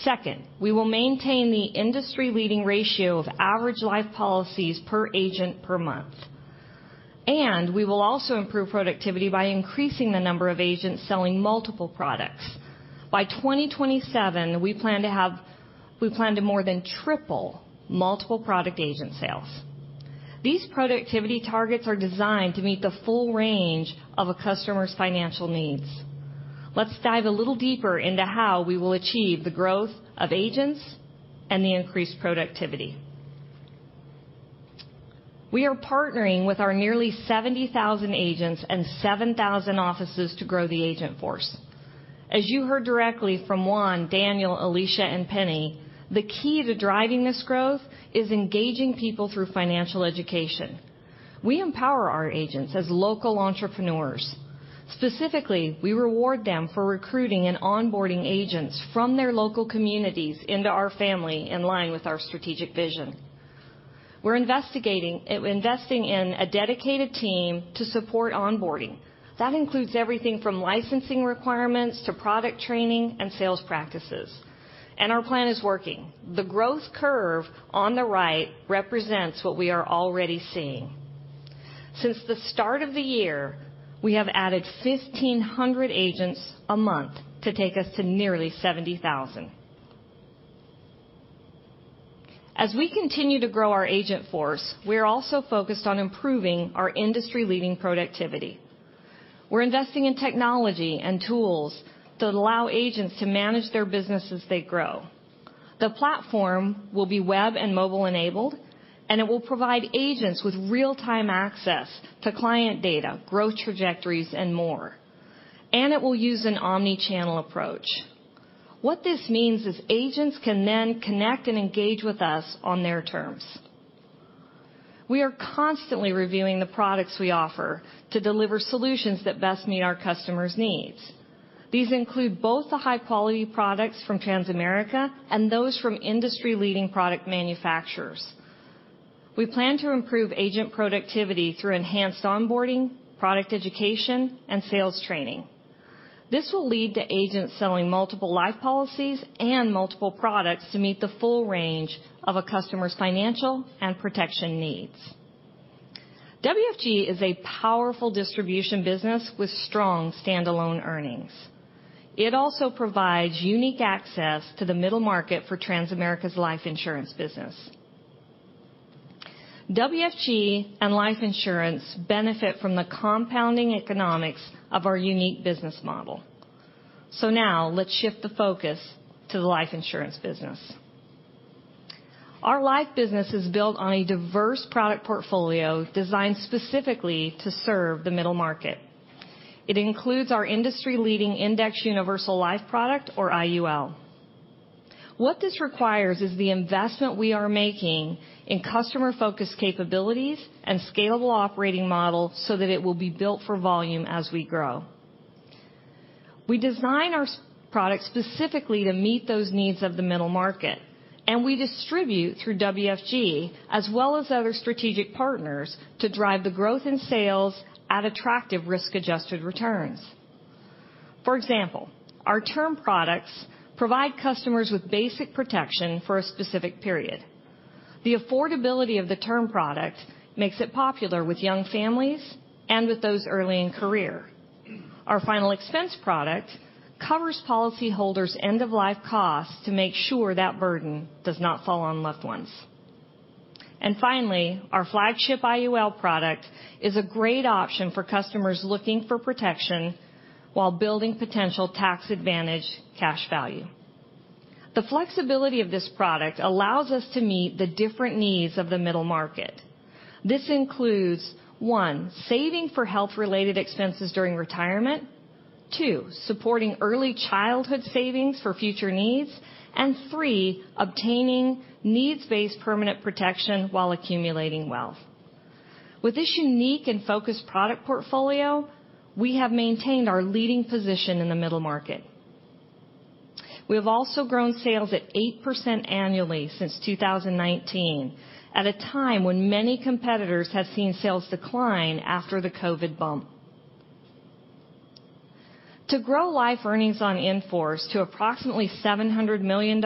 Second, we will maintain the industry-leading ratio of average life policies per agent per month, and we will also improve productivity by increasing the number of agents selling multiple products. By 2027, we plan to more than triple multiple product agent sales. These productivity targets are designed to meet the full range of a customer's financial needs. Let's dive a little deeper into how we will achieve the growth of agents and the increased productivity. We are partnering with our nearly 70,000 agents and 7,000 offices to grow the agent force. As you heard directly from Juan, Daniel, Alicia, and Penney, the key to driving this growth is engaging people through financial education. We empower our agents as local entrepreneurs. Specifically, we reward them for recruiting and onboarding agents from their local communities into our family, in line with our strategic vision. We're investing in a dedicated team to support onboarding. That includes everything from licensing requirements to product training and sales practices, and our plan is working. The growth curve on the right represents what we are already seeing. Since the start of the year, we have added 1,500 agents a month to take us to nearly 70,000. As we continue to grow our agent force, we are also focused on improving our industry-leading productivity. We're investing in technology and tools that allow agents to manage their business as they grow. The platform will be web and mobile-enabled. It will provide agents with real-time access to client data, growth trajectories, and more. It will use an omni-channel approach. What this means is agents can then connect and engage with us on their terms. We are constantly reviewing the products we offer to deliver solutions that best meet our customers' needs. These include both the high-quality products from Transamerica and those from industry-leading product manufacturers. We plan to improve agent productivity through enhanced onboarding, product education, and sales training. This will lead to agents selling multiple life policies and multiple products to meet the full range of a customer's financial and protection needs. WFG is a powerful distribution business with strong standalone earnings. It also provides unique access to the middle market for Transamerica's life insurance business. WFG and life insurance benefit from the compounding economics of our unique business model. Now let's shift the focus to the life insurance business. Our life business is built on a diverse product portfolio designed specifically to serve the middle market. It includes our industry-leading Indexed Universal Life product, or IUL. What this requires is the investment we are making in customer-focused capabilities and scalable operating model so that it will be built for volume as we grow. We design our products specifically to meet those needs of the middle market, and we distribute through WFG as well as other strategic partners, to drive the growth in sales at attractive risk-adjusted returns. For example, our term products provide customers with basic protection for a specific period. The affordability of the term product makes it popular with young families and with those early in career. Our final expense product covers policyholders' end-of-life costs to make sure that burden does not fall on loved ones. Finally, our flagship IUL product is a great option for customers looking for protection while building potential tax advantage cash value. The flexibility of this product allows us to meet the different needs of the middle market. This includes, one, saving for health-related expenses during retirement, two, supporting early childhood savings for future needs, and three, obtaining needs-based permanent protection while accumulating wealth. With this unique and focused product portfolio, we have maintained our leading position in the middle market. We have also grown sales at 8% annually since 2019, at a time when many competitors have seen sales decline after the COVID bump. To grow life earnings on in-force to approximately $700 million,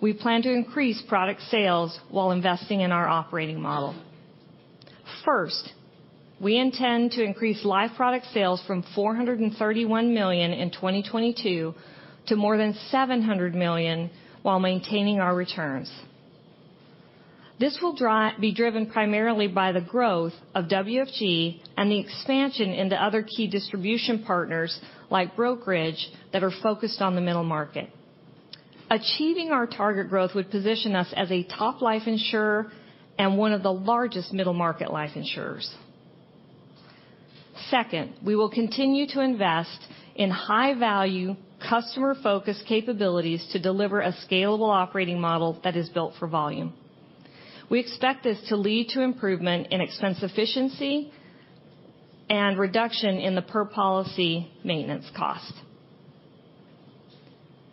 we plan to increase product sales while investing in our operating model. First, we intend to increase life product sales from $431 million in 2022 to more than $700 million, while maintaining our returns. This will be driven primarily by the growth of WFG and the expansion into other key distribution partners, like brokerage, that are focused on the middle market. Achieving our target growth would position us as a top life insurer and one of the largest middle market life insurers. Second, we will continue to invest in high-value, customer-focused capabilities to deliver a scalable operating model that is built for volume. We expect this to lead to improvement in expense efficiency and reduction in the per-policy maintenance cost.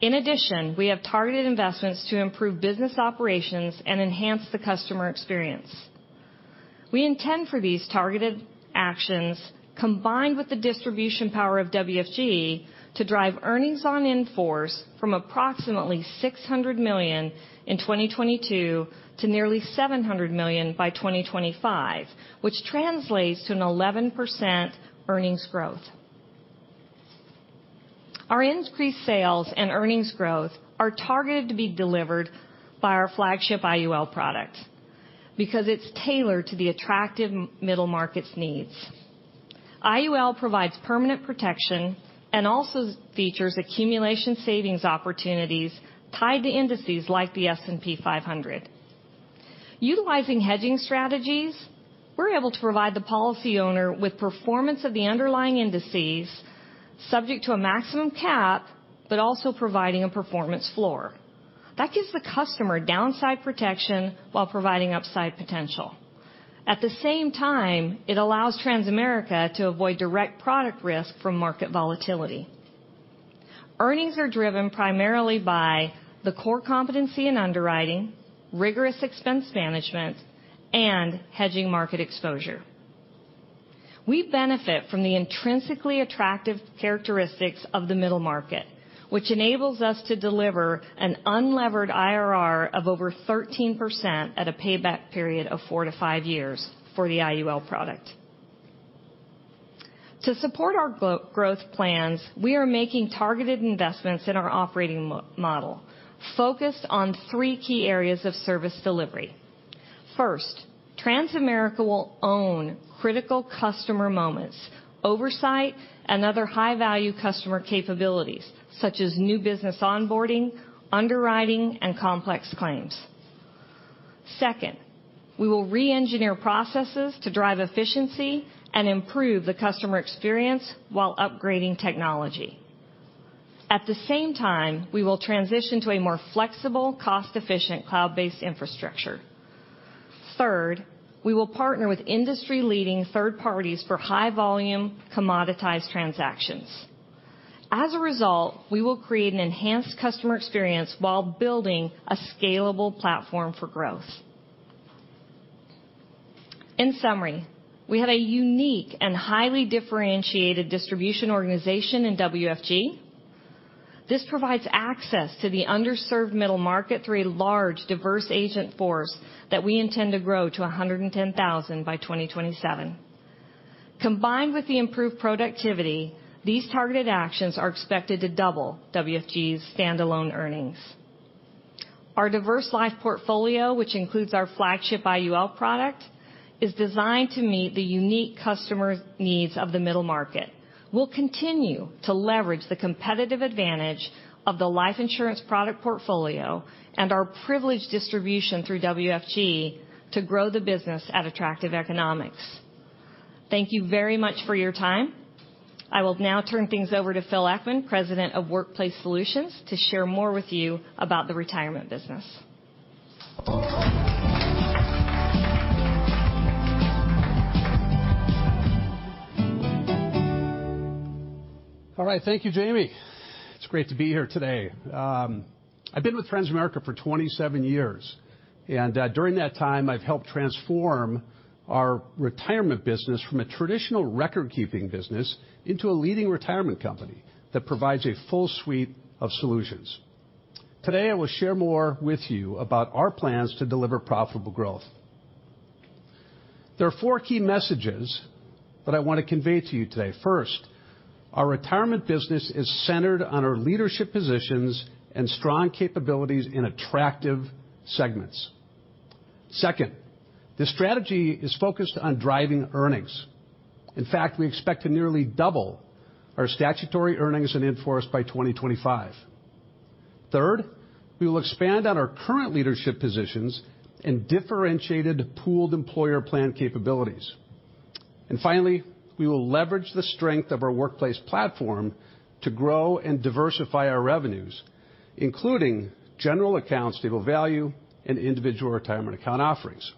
We have targeted investments to improve business operations and enhance the customer experience. We intend for these targeted actions, combined with the distribution power of WFG, to drive earnings on in-force from approximately $600 million in 2022 to nearly $700 million by 2025, which translates to an 11% earnings growth. Our increased sales and earnings growth are targeted to be delivered by our flagship IUL product because it's tailored to the attractive middle market's needs. IUL provides permanent protection and also features accumulation savings opportunities tied to indices like the S&P 500. Utilizing hedging strategies, we're able to provide the policy owner with performance of the underlying indices, subject to a maximum cap, but also providing a performance floor. That gives the customer downside protection while providing upside potential. At the same time, it allows Transamerica to avoid direct product risk from market volatility. Earnings are driven primarily by the core competency in underwriting, rigorous expense management, and hedging market exposure. We benefit from the intrinsically attractive characteristics of the middle market, which enables us to deliver an unlevered IRR of over 13% at a payback period of four to five years for the IUL product. To support our growth plans, we are making targeted investments in our operating model, focused on three key areas of service delivery. First, Transamerica will own critical customer moments, oversight, and other high-value customer capabilities, such as new business onboarding, underwriting, and complex claims. Second, we will reengineer processes to drive efficiency and improve the customer experience while upgrading technology. At the same time, we will transition to a more flexible, cost-efficient, cloud-based infrastructure. Third, we will partner with industry-leading third parties for high-volume, commoditized transactions. As a result, we will create an enhanced customer experience while building a scalable platform for growth. In summary, we have a unique and highly differentiated distribution organization in WFG. This provides access to the underserved middle market through a large, diverse agent force that we intend to grow to 110,000 by 2027. Combined with the improved productivity, these targeted actions are expected to double WFG's standalone earnings. Our diverse life portfolio, which includes our flagship IUL product, is designed to meet the unique customer's needs of the middle market, will continue to leverage the competitive advantage of the life insurance product portfolio and our privileged distribution through WFG to grow the business at attractive economics. Thank you very much for your time. I will now turn things over to Phil Eckman, President of Workplace Solutions, to share more with you about the retirement business. All right. Thank you, Jamie. It's great to be here today. I've been with Transamerica for 27 years, and during that time, I've helped transform our retirement business from a traditional record-keeping business into a leading retirement company that provides a full suite of solutions. Today, I will share more with you about our plans to deliver profitable growth. There are four key messages that I want to convey to you today. First, our retirement business is centered on our leadership positions and strong capabilities in attractive segments. Second, this strategy is focused on driving earnings. In fact, we expect to nearly double our statutory earnings on in-force by 2025. Third, we will expand on our current leadership positions and differentiated pooled employer plan capabilities. Finally, we will leverage the strength of our workplace platform to grow and diversify our revenues, including general account, stable value, and Individual Retirement Account offerings.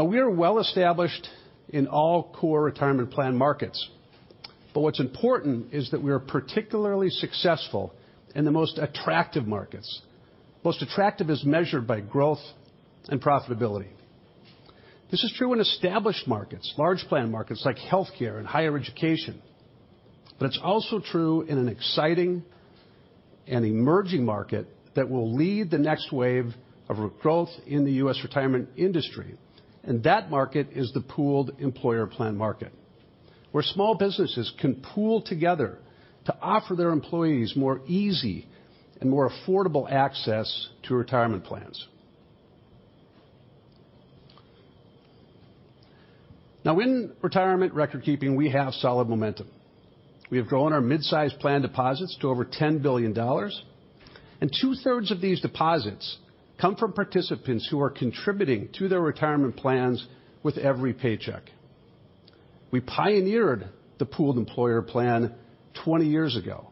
We are well established in all core retirement plan markets, but what's important is that we are particularly successful in the most attractive markets. Most attractive is measured by growth and profitability. This is true in established markets, large plan markets like healthcare and higher education, but it's also true in an exciting and emerging market that will lead the next wave of growth in the U.S. retirement industry, and that market is the pooled employer plan market, where small businesses can pool together to offer their employees more easy and more affordable access to retirement plans. In retirement record keeping, we have solid momentum. We have grown our mid-size plan deposits to over $10 billion, and 2/3 of these deposits come from participants who are contributing to their retirement plans with every paycheck. We pioneered the pooled employer plan 20 years ago.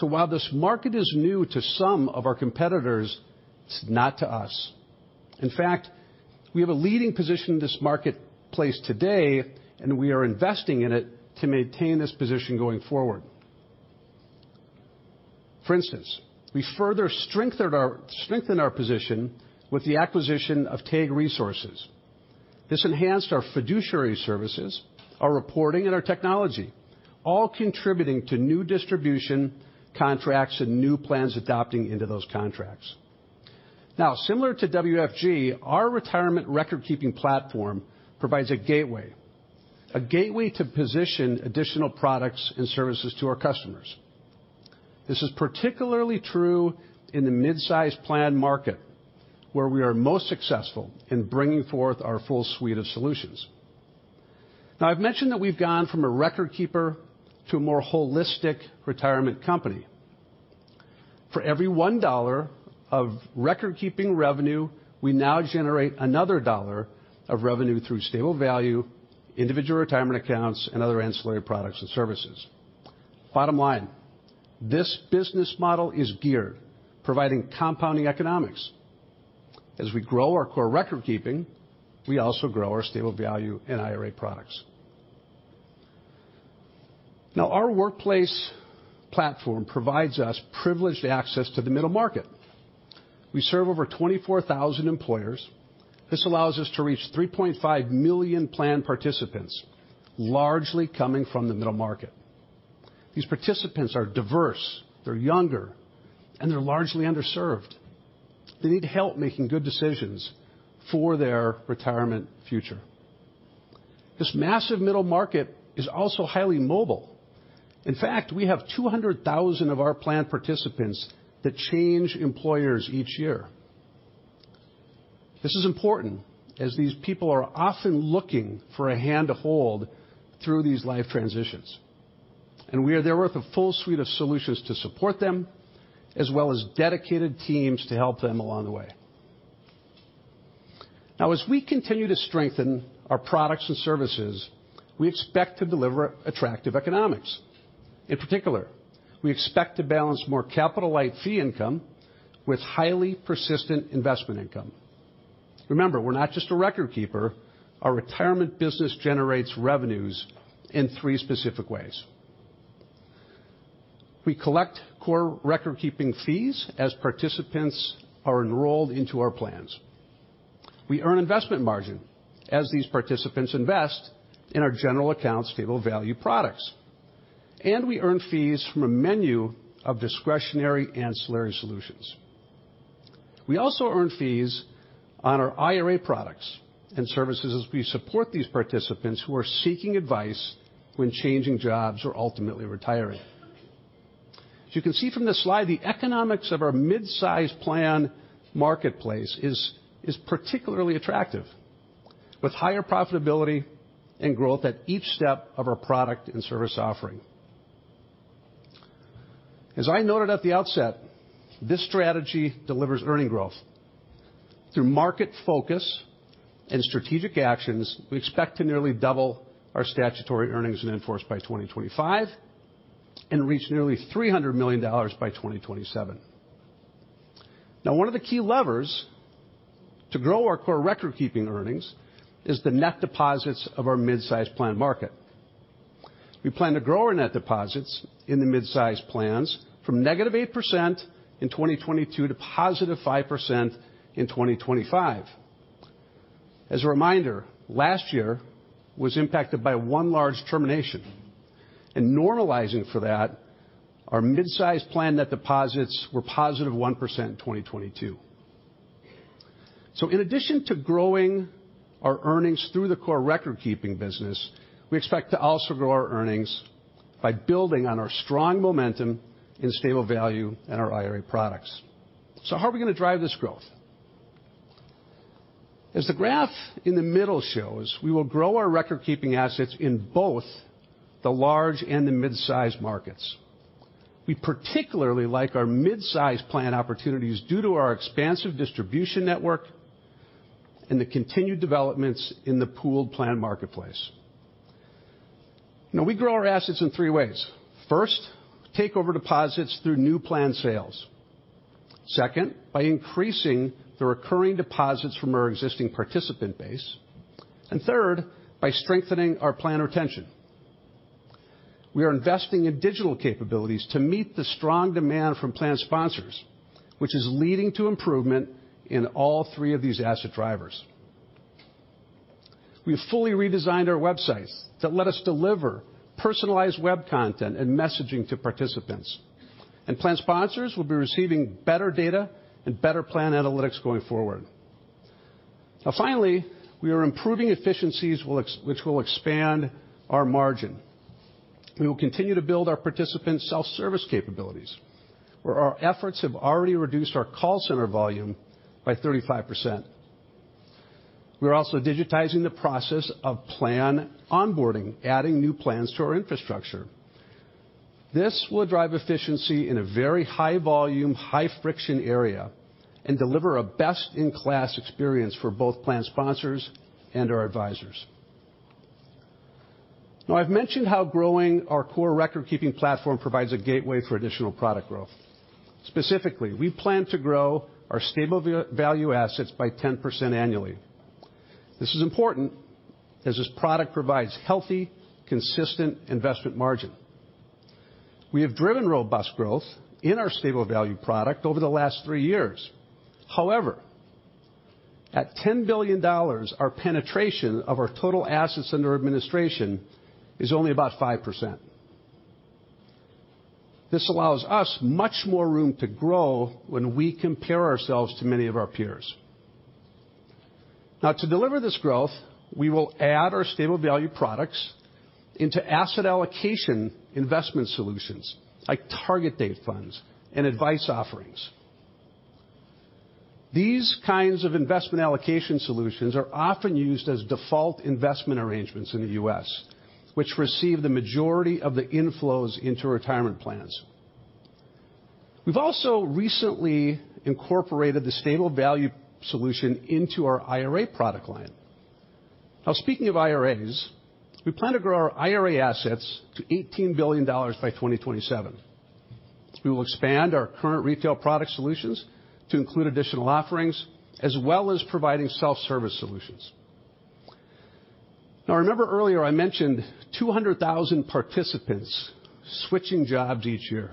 While this market is new to some of our competitors, it's not to us. In fact, we have a leading position in this marketplace today, and we are investing in it to maintain this position going forward. For instance, we further strengthened our position with the acquisition of TAG Resources. This enhanced our fiduciary services, our reporting, and our technology, all contributing to new distribution contracts and new plans adopting into those contracts. Similar to WFG, our retirement record-keeping platform provides a gateway to position additional products and services to our customers.... This is particularly true in the mid-size plan market, where we are most successful in bringing forth our full suite of solutions. I've mentioned that we've gone from a record keeper to a more holistic retirement company. For every $1 of record-keeping revenue, we now generate another $1 of revenue through stable value, Individual Retirement Accounts, and other ancillary products and services. Bottom line, this business model is geared providing compounding economics. As we grow our core record keeping, we also grow our stable value in IRA products. Our workplace platform provides us privileged access to the middle market. We serve over 24,000 employers. This allows us to reach 3.5 million plan participants, largely coming from the middle market. These participants are diverse, they're younger, and they're largely underserved. They need help making good decisions for their retirement future. This massive middle market is also highly mobile. In fact, we have 200,000 of our plan participants that change employers each year. This is important, as these people are often looking for a hand to hold through these life transitions, and we are there with a full suite of solutions to support them, as well as dedicated teams to help them along the way. As we continue to strengthen our products and services, we expect to deliver attractive economics. In particular, we expect to balance more capital-light fee income with highly persistent investment income. Remember, we're not just a record keeper. Our retirement business generates revenues in three specific ways. We collect core record keeping fees as participants are enrolled into our plans. We earn investment margin as these participants invest in our general account stable value products, and we earn fees from a menu of discretionary ancillary solutions. We also earn fees on our IRA products and services as we support these participants who are seeking advice when changing jobs or ultimately retiring. As you can see from this slide, the economics of our mid-size plan marketplace is particularly attractive, with higher profitability and growth at each step of our product and service offering. As I noted at the outset, this strategy delivers earning growth. Through market focus and strategic actions, we expect to nearly double our statutory earnings on in-force by 2025 and reach nearly $300 million by 2027. Now, one of the key levers to grow our core record-keeping earnings is the net deposits of our mid-size plan market. We plan to grow our net deposits in the mid-size plans from -8% in 2022 to +5% in 2025. As a reminder, last year was impacted by one large termination, and normalizing for that, our mid-size plan net deposits were +1% in 2022. In addition to growing our earnings through the core record-keeping business, we expect to also grow our earnings by building on our strong momentum in stable value and our IRA products. How are we gonna drive this growth? As the graph in the middle shows, we will grow our record-keeping assets in both the large and the mid-size markets. We particularly like our mid-size plan opportunities due to our expansive distribution network and the continued developments in the pooled plan marketplace. We grow our assets in three ways: First, take over deposits through new plan sales. Second, by increasing the recurring deposits from our existing participant base, and third, by strengthening our plan retention. We are investing in digital capabilities to meet the strong demand from plan sponsors, which is leading to improvement in all three of these asset drivers. We've fully redesigned our websites that let us deliver personalized web content and messaging to participants. Plan sponsors will be receiving better data and better plan analytics going forward. Finally, we are improving efficiencies, which will expand our margin. We will continue to build our participant self-service capabilities, where our efforts have already reduced our call center volume by 35%. We are also digitizing the process of plan onboarding, adding new plans to our infrastructure. This will drive efficiency in a very high volume, high-friction area, and deliver a best-in-class experience for both plan sponsors and our advisors. Now, I've mentioned how growing our core record-keeping platform provides a gateway for additional product growth. Specifically, we plan to grow our stable value assets by 10% annually. This is important, as this product provides healthy, consistent investment margin. We have driven robust growth in our stable value product over the last three years. However, at $10 billion, our penetration of our total assets under administration is only about 5%. This allows us much more room to grow when we compare ourselves to many of our peers. Now, to deliver this growth, we will add our stable value products into asset allocation investment solutions, like target date funds and advice offerings. These kinds of investment allocation solutions are often used as default investment arrangements in the U.S., which receive the majority of the inflows into retirement plans. We've also recently incorporated the stable value solution into our IRA product line. Speaking of IRAs, we plan to grow our IRA assets to $18 billion by 2027. We will expand our current retail product solutions to include additional offerings, as well as providing self-service solutions. Remember earlier I mentioned 200,000 participants switching jobs each year.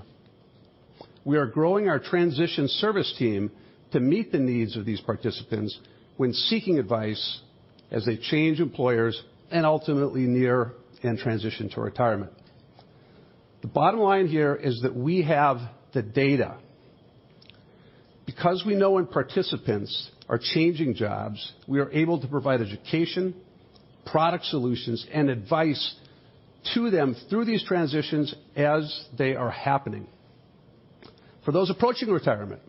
We are growing our transition service team to meet the needs of these participants when seeking advice as they change employers and ultimately near and transition to retirement. The bottom line here is that we have the data. Because we know when participants are changing jobs, we are able to provide education, product solutions, and advice to them through these transitions as they are happening. For those approaching retirement,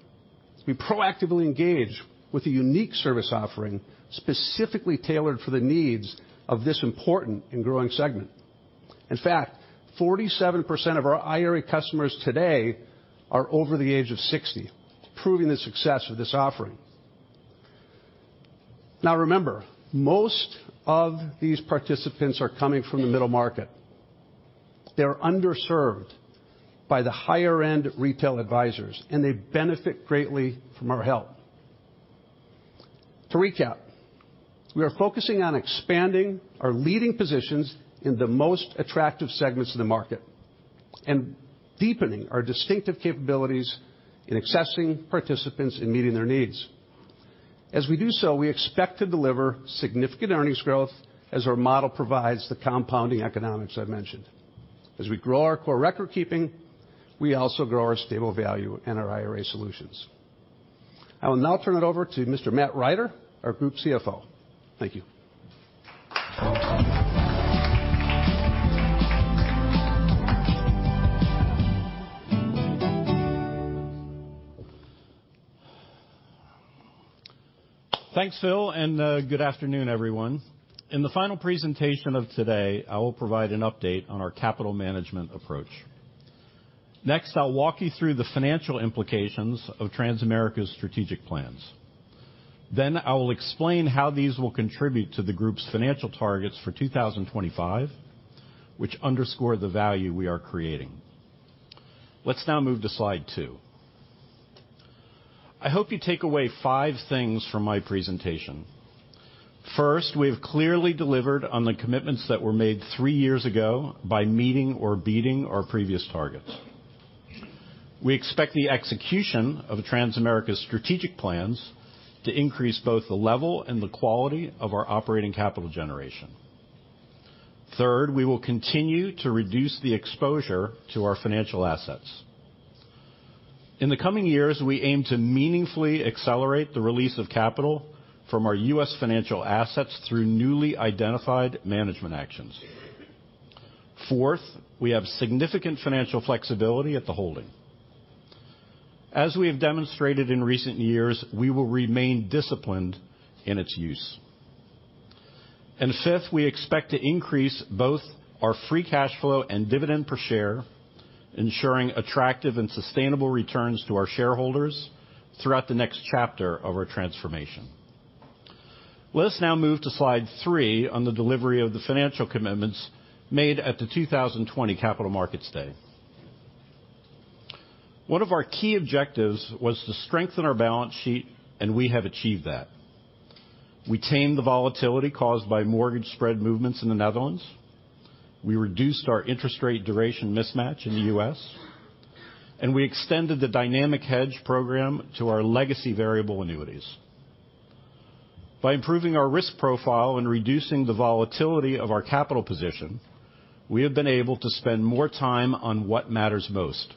we proactively engage with a unique service offering, specifically tailored for the needs of this important and growing segment. In fact, 47% of our IRA customers today are over the age of 60, proving the success of this offering. Now, remember, most of these participants are coming from the middle market. They're underserved by the higher-end retail advisors, and they benefit greatly from our help. To recap, we are focusing on expanding our leading positions in the most attractive segments of the market, and deepening our distinctive capabilities in accessing participants and meeting their needs. As we do so, we expect to deliver significant earnings growth as our model provides the compounding economics I mentioned. As we grow our core record keeping, we also grow our stable value and our IRA solutions. I will now turn it over to Mr. Matt Rider, our Group CFO. Thank you. Thanks, Phil, good afternoon, everyone. In the final presentation of today, I will provide an update on our capital management approach. Next, I'll walk you through the financial implications of Transamerica's strategic plans. I will explain how these will contribute to the group's financial targets for 2025, which underscore the value we are creating. Let's now move to slide two. I hope you take away five things from my presentation. First, we've clearly delivered on the commitments that were made three years ago by meeting or beating our previous targets. We expect the execution of Transamerica's strategic plans to increase both the level and the quality of our operating capital generation. Third, we will continue to reduce the exposure to our financial assets. In the coming years, we aim to meaningfully accelerate the release of capital from our U.S. financial assets through newly identified management actions. Fourth, we have significant financial flexibility at the holding. As we have demonstrated in recent years, we will remain disciplined in its use. Fifth, we expect to increase both our free cash flow and dividend per share, ensuring attractive and sustainable returns to our shareholders throughout the next chapter of our transformation. Let us now move to slide three on the delivery of the financial commitments made at the 2020 Capital Markets Day. One of our key objectives was to strengthen our balance sheet, and we have achieved that. We tamed the volatility caused by mortgage spread movements in the Netherlands. We reduced our interest rate duration mismatch in the U.S., and we extended the dynamic hedge program to our legacy variable annuities. By improving our risk profile and reducing the volatility of our capital position, we have been able to spend more time on what matters most,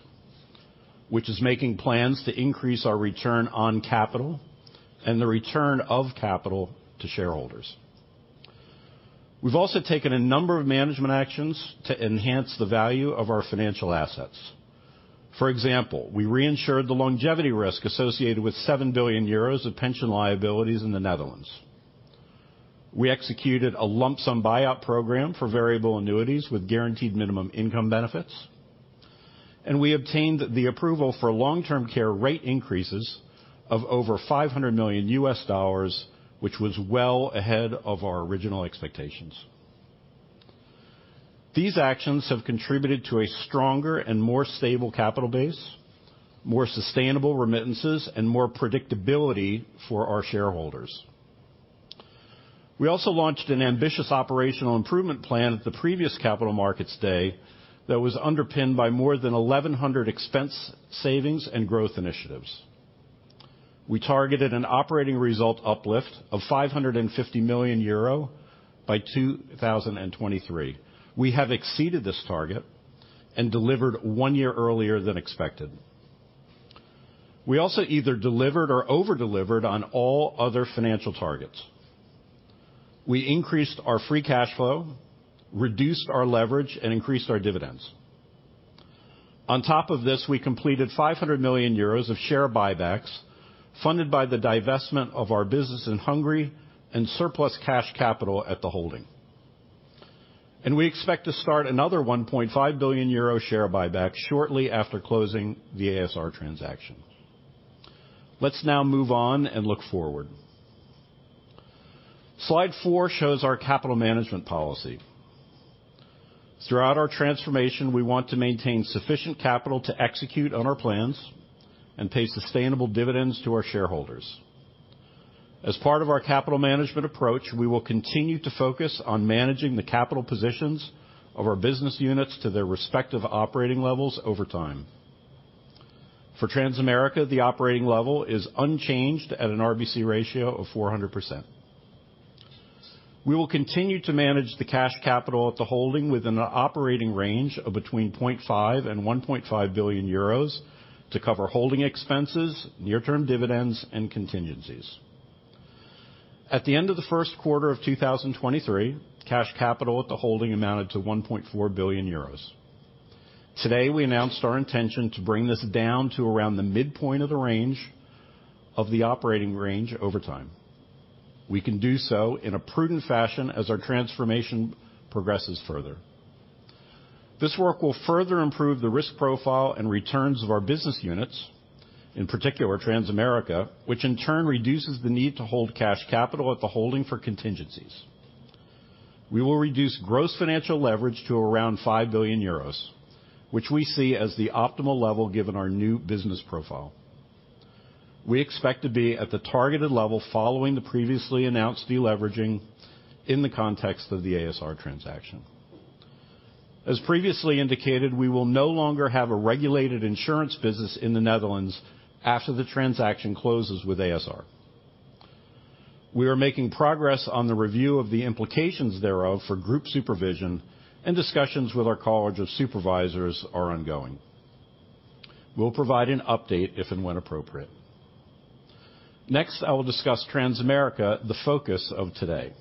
which is making plans to increase our return on capital and the return of capital to shareholders. We've also taken a number of management actions to enhance the value of our financial assets. For example, we reinsured the longevity risk associated with 7 billion euros of pension liabilities in the Netherlands. We executed a lump sum buyout program for variable annuities with guaranteed minimum income benefits, and we obtained the approval for long-term care rate increases of over $500 million, which was well ahead of our original expectations. These actions have contributed to a stronger and more stable capital base, more sustainable remittances, and more predictability for our shareholders. We also launched an ambitious operational improvement plan at the previous Capital Markets Day that was underpinned by more than 1,100 expense savings and growth initiatives. We targeted an operating result uplift of 550 million euro by 2023. We have exceeded this target and delivered one year earlier than expected. We also either delivered or over-delivered on all other financial targets. We increased our free cash flow, reduced our leverage, and increased our dividends. On top of this, we completed 500 million euros of share buybacks, funded by the divestment of our business in Hungary and surplus cash capital at the holding. We expect to start another 1.5 billion euro share buyback shortly after closing the a.s.r. transaction. Let's now move on and look forward. Slide four shows our capital management policy. Throughout our transformation, we want to maintain sufficient capital to execute on our plans and pay sustainable dividends to our shareholders. As part of our capital management approach, we will continue to focus on managing the capital positions of our business units to their respective operating levels over time. For Transamerica, the operating level is unchanged at an RBC ratio of 400%. We will continue to manage the cash capital at the holding within an operating range of between 0.5 billion and 1.5 billion euros to cover holding expenses, near-term dividends, and contingencies. At the end of the first quarter of 2023, cash capital at the holding amounted to 1.4 billion euros. Today, we announced our intention to bring this down to around the midpoint of the range of the operating range over time. We can do so in a prudent fashion as our transformation progresses further. This work will further improve the risk profile and returns of our business units, in particular, Transamerica, which in turn reduces the need to hold cash capital at the holding for contingencies. We will reduce gross financial leverage to around 5 billion euros, which we see as the optimal level, given our new business profile. We expect to be at the targeted level following the previously announced deleveraging in the context of the ASR transaction. As previously indicated, we will no longer have a regulated insurance business in the Netherlands after the transaction closes with ASR. Discussions with our College of Supervisors are ongoing. We'll provide an update if and when appropriate. Next, I will discuss Transamerica, the focus of today.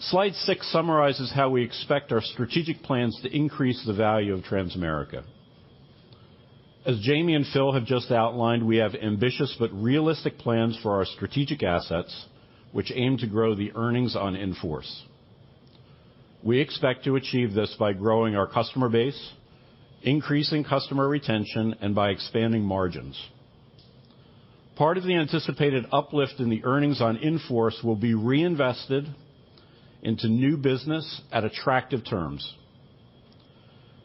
Slide six summarizes how we expect our strategic plans to increase the value of Transamerica. As Jamie and Phil have just outlined, we have ambitious but realistic plans for our strategic assets, which aim to grow the earnings on in-force. We expect to achieve this by growing our customer base, increasing customer retention, and by expanding margins. Part of the anticipated uplift in the earnings on in-force will be reinvested into new business at attractive terms.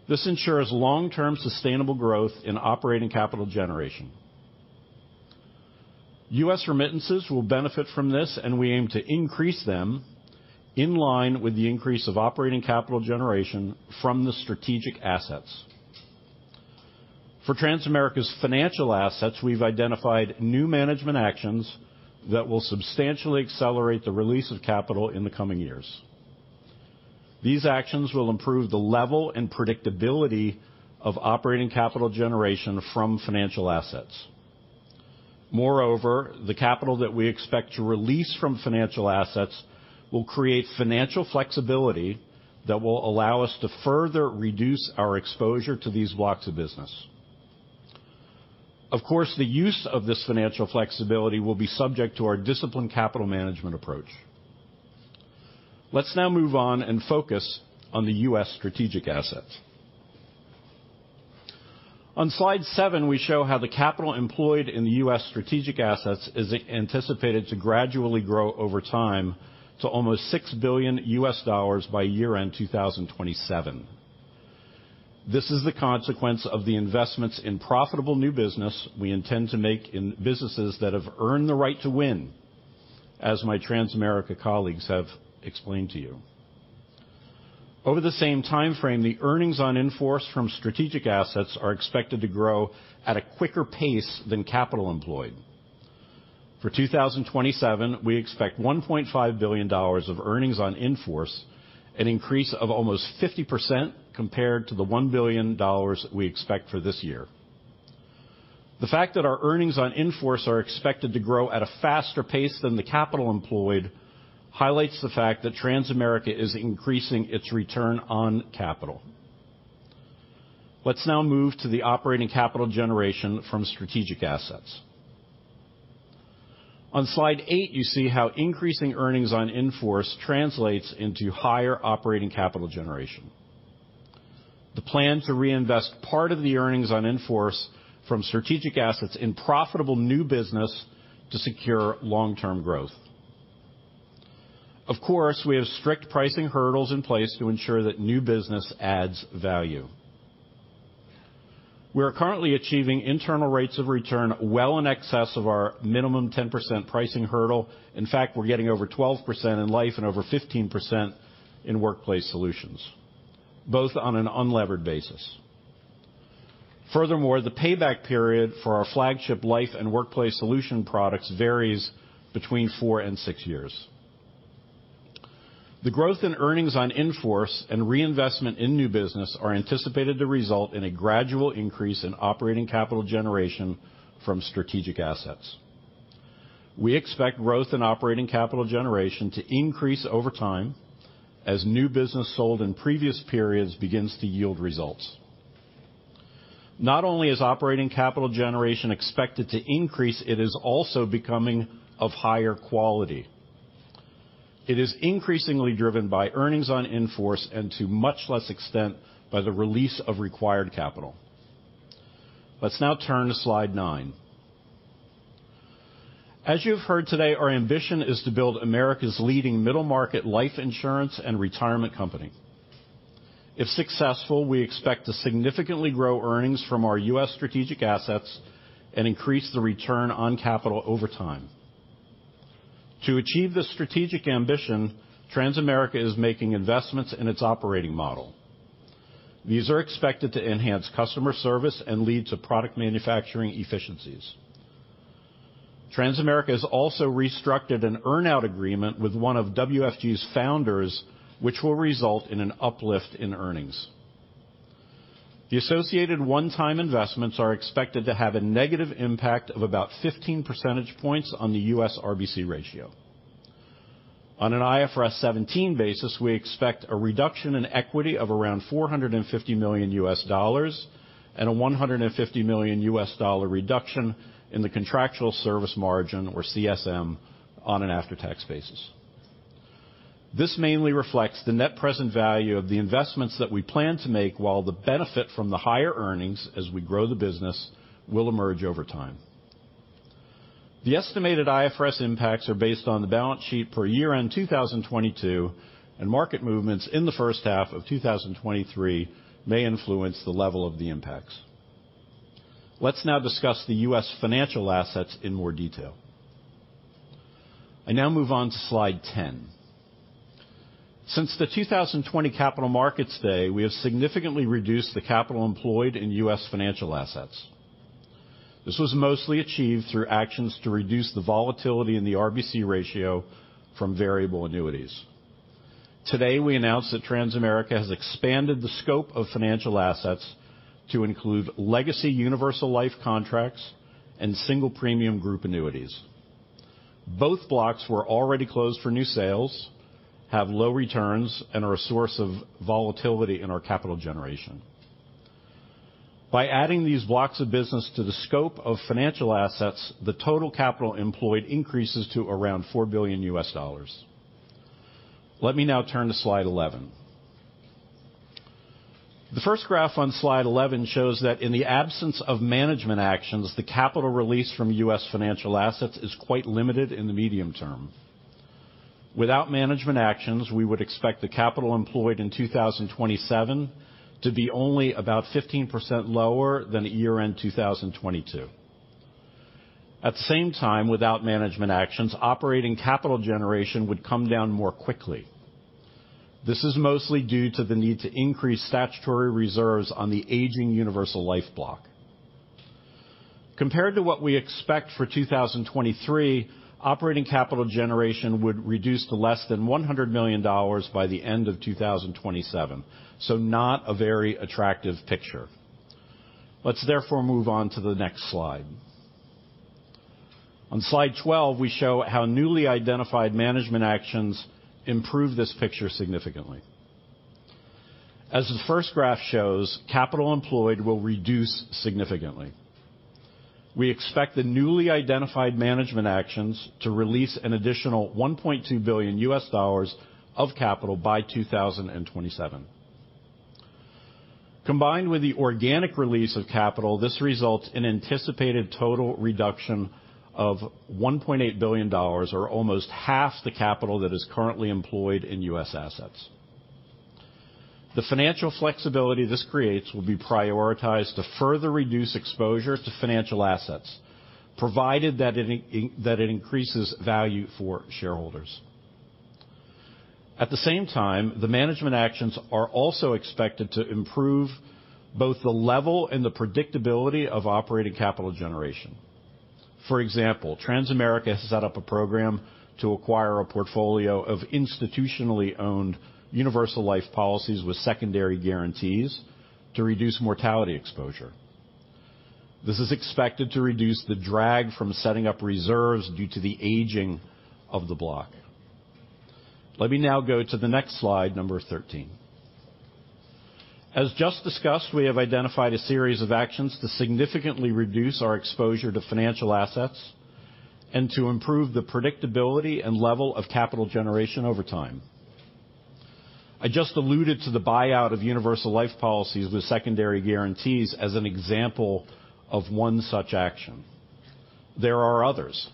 This ensures long-term sustainable growth in operating capital generation. U.S. remittances will benefit from this, and we aim to increase them in line with the increase of operating capital generation from the strategic assets. For Transamerica's financial assets, we've identified new management actions that will substantially accelerate the release of capital in the coming years. These actions will improve the level and predictability of operating capital generation from financial assets. Moreover, the capital that we expect to release from financial assets will create financial flexibility that will allow us to further reduce our exposure to these blocks of business. Of course, the use of this financial flexibility will be subject to our disciplined capital management approach. Let's now move on and focus on the U.S. strategic assets. On slide seven, we show how the capital employed in the U.S. strategic assets is anticipated to gradually grow over time to almost $6 billion by year-end 2027. This is the consequence of the investments in profitable new business we intend to make in businesses that have earned the right to win, as my Transamerica colleagues have explained to you. Over the same time frame, the earnings on in-force from strategic assets are expected to grow at a quicker pace than capital employed. For 2027, we expect $1.5 billion of earnings on in-force, an increase of almost 50% compared to the $1 billion we expect for this year. The fact that our earnings on in-force are expected to grow at a faster pace than the capital employed, highlights the fact that Transamerica is increasing its return on capital. Let's now move to the operating capital generation from strategic assets. On slide eight, you see how increasing earnings on in-force translates into higher operating capital generation. The plan to reinvest part of the earnings on in-force from strategic assets in profitable new business to secure long-term growth. Of course, we have strict pricing hurdles in place to ensure that new business adds value. We are currently achieving internal rates of return well in excess of our minimum 10% pricing hurdle. In fact, we're getting over 12% in life and over 15% in Workplace Solutions, both on an unlevered basis. Furthermore, the payback period for our flagship life and Workplace Solution products varies between four and six years. The growth in earnings on in-force and reinvestment in new business are anticipated to result in a gradual increase in operating capital generation from strategic assets. We expect growth in operating capital generation to increase over time as new business sold in previous periods begins to yield results. Not only is operating capital generation expected to increase, it is also becoming of higher quality. It is increasingly driven by earnings on in-force and to much less extent, by the release of required capital. Let's now turn to slide nine. As you've heard today, our ambition is to build America's leading middle market life insurance and retirement company. If successful, we expect to significantly grow earnings from our U.S. strategic assets and increase the return on capital over time. To achieve this strategic ambition, Transamerica is making investments in its operating model. These are expected to enhance customer service and lead to product manufacturing efficiencies. Transamerica has also restructured an earn-out agreement with one of WFG's founders, which will result in an uplift in earnings. The associated one-time investments are expected to have a negative impact of about 15 percentage points on the U.S. RBC ratio. On an IFRS 17 basis, we expect a reduction in equity of around $450 million, and a $150 million reduction in the contractual service margin, or CSM, on an after-tax basis. This mainly reflects the net present value of the investments that we plan to make, while the benefit from the higher earnings, as we grow the business, will emerge over time. The estimated IFRS impacts are based on the balance sheet for year-end 2022. Market movements in the first half of 2023 may influence the level of the impacts. Let's now discuss the U.S. financial assets in more detail. I now move on to slide 10. Since the 2020 Capital Markets Day, we have significantly reduced the capital employed in U.S. financial assets. This was mostly achieved through actions to reduce the volatility in the RBC ratio from Variable Annuities. Today, we announced that Transamerica has expanded the scope of financial assets to include legacy Universal Life contracts and Single Premium Group Annuities. Both blocks were already closed for new sales, have low returns, and are a source of volatility in our capital generation. By adding these blocks of business to the scope of financial assets, the total capital employed increases to around $4 billion. Let me now turn to slide 11. The first graph on slide 11 shows that in the absence of management actions, the capital release from U.S. financial assets is quite limited in the medium term. Without management actions, we would expect the capital employed in 2027 to be only about 15% lower than at year-end 2022. At the same time, without management actions, operating capital generation would come down more quickly. This is mostly due to the need to increase statutory reserves on the aging Universal Life block. Compared to what we expect for 2023, operating capital generation would reduce to less than $100 million by the end of 2027. Not a very attractive picture. Let's therefore move on to the next slide. On slide 12, we show how newly identified management actions improve this picture significantly. As the first graph shows, capital employed will reduce significantly. We expect the newly identified management actions to release an additional $1.2 billion of capital by 2027. Combined with the organic release of capital, this results in anticipated total reduction of $1.8 billion, or almost half the capital that is currently employed in U.S. assets. The financial flexibility this creates will be prioritized to further reduce exposure to financial assets, provided that it increases value for shareholders. At the same time, the management actions are also expected to improve both the level and the predictability of operating capital generation. For example, Transamerica has set up a program to acquire a portfolio of institutionally owned Universal Life policies with secondary guarantees to reduce mortality exposure. This is expected to reduce the drag from setting up reserves due to the aging of the block. Let me now go to the next slide, number 13. As just discussed, we have identified a series of actions to significantly reduce our exposure to financial assets and to improve the predictability and level of capital generation over time. I just alluded to the buyout of Universal Life policies with secondary guarantees as an example of one such action. There are others.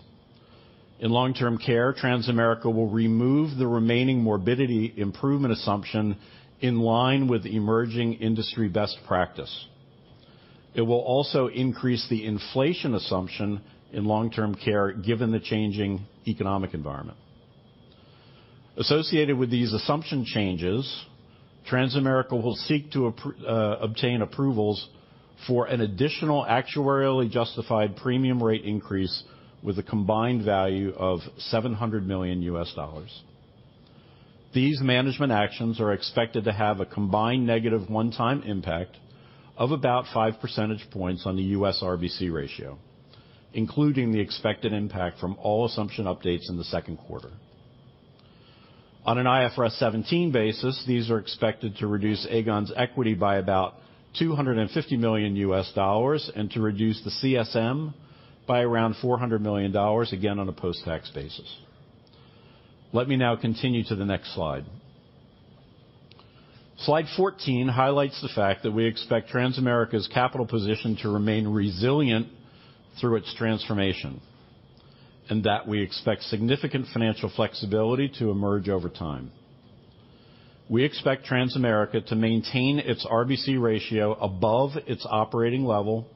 In long-term care, Transamerica will remove the remaining morbidity improvement assumption in line with emerging industry best practice. It will also increase the inflation assumption in long-term care, given the changing economic environment. Associated with these assumption changes-... Transamerica will seek to obtain approvals for an additional actuarially justified premium rate increase with a combined value of $700 million. These management actions are expected to have a combined negative one-time impact of about 5 percentage points on the U.S. RBC ratio, including the expected impact from all assumption updates in the second quarter. On an IFRS 17 basis, these are expected to reduce Aegon's equity by about $250 million, and to reduce the CSM by around $400 million, again, on a post-tax basis. Let me now continue to the next slide. Slide 14 highlights the fact that we expect Transamerica's capital position to remain resilient through its transformation, and that we expect significant financial flexibility to emerge over time. We expect Transamerica to maintain its RBC ratio above its operating level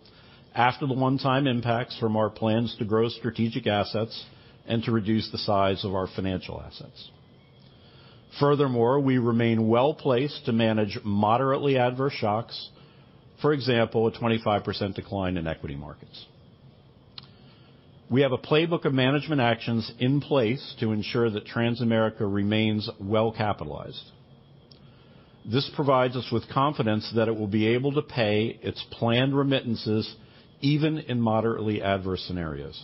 after the one-time impacts from our plans to grow strategic assets and to reduce the size of our financial assets. Furthermore, we remain well-placed to manage moderately adverse shocks, for example, a 25% decline in equity markets. We have a playbook of management actions in place to ensure that Transamerica remains well capitalized. This provides us with confidence that it will be able to pay its planned remittances even in moderately adverse scenarios.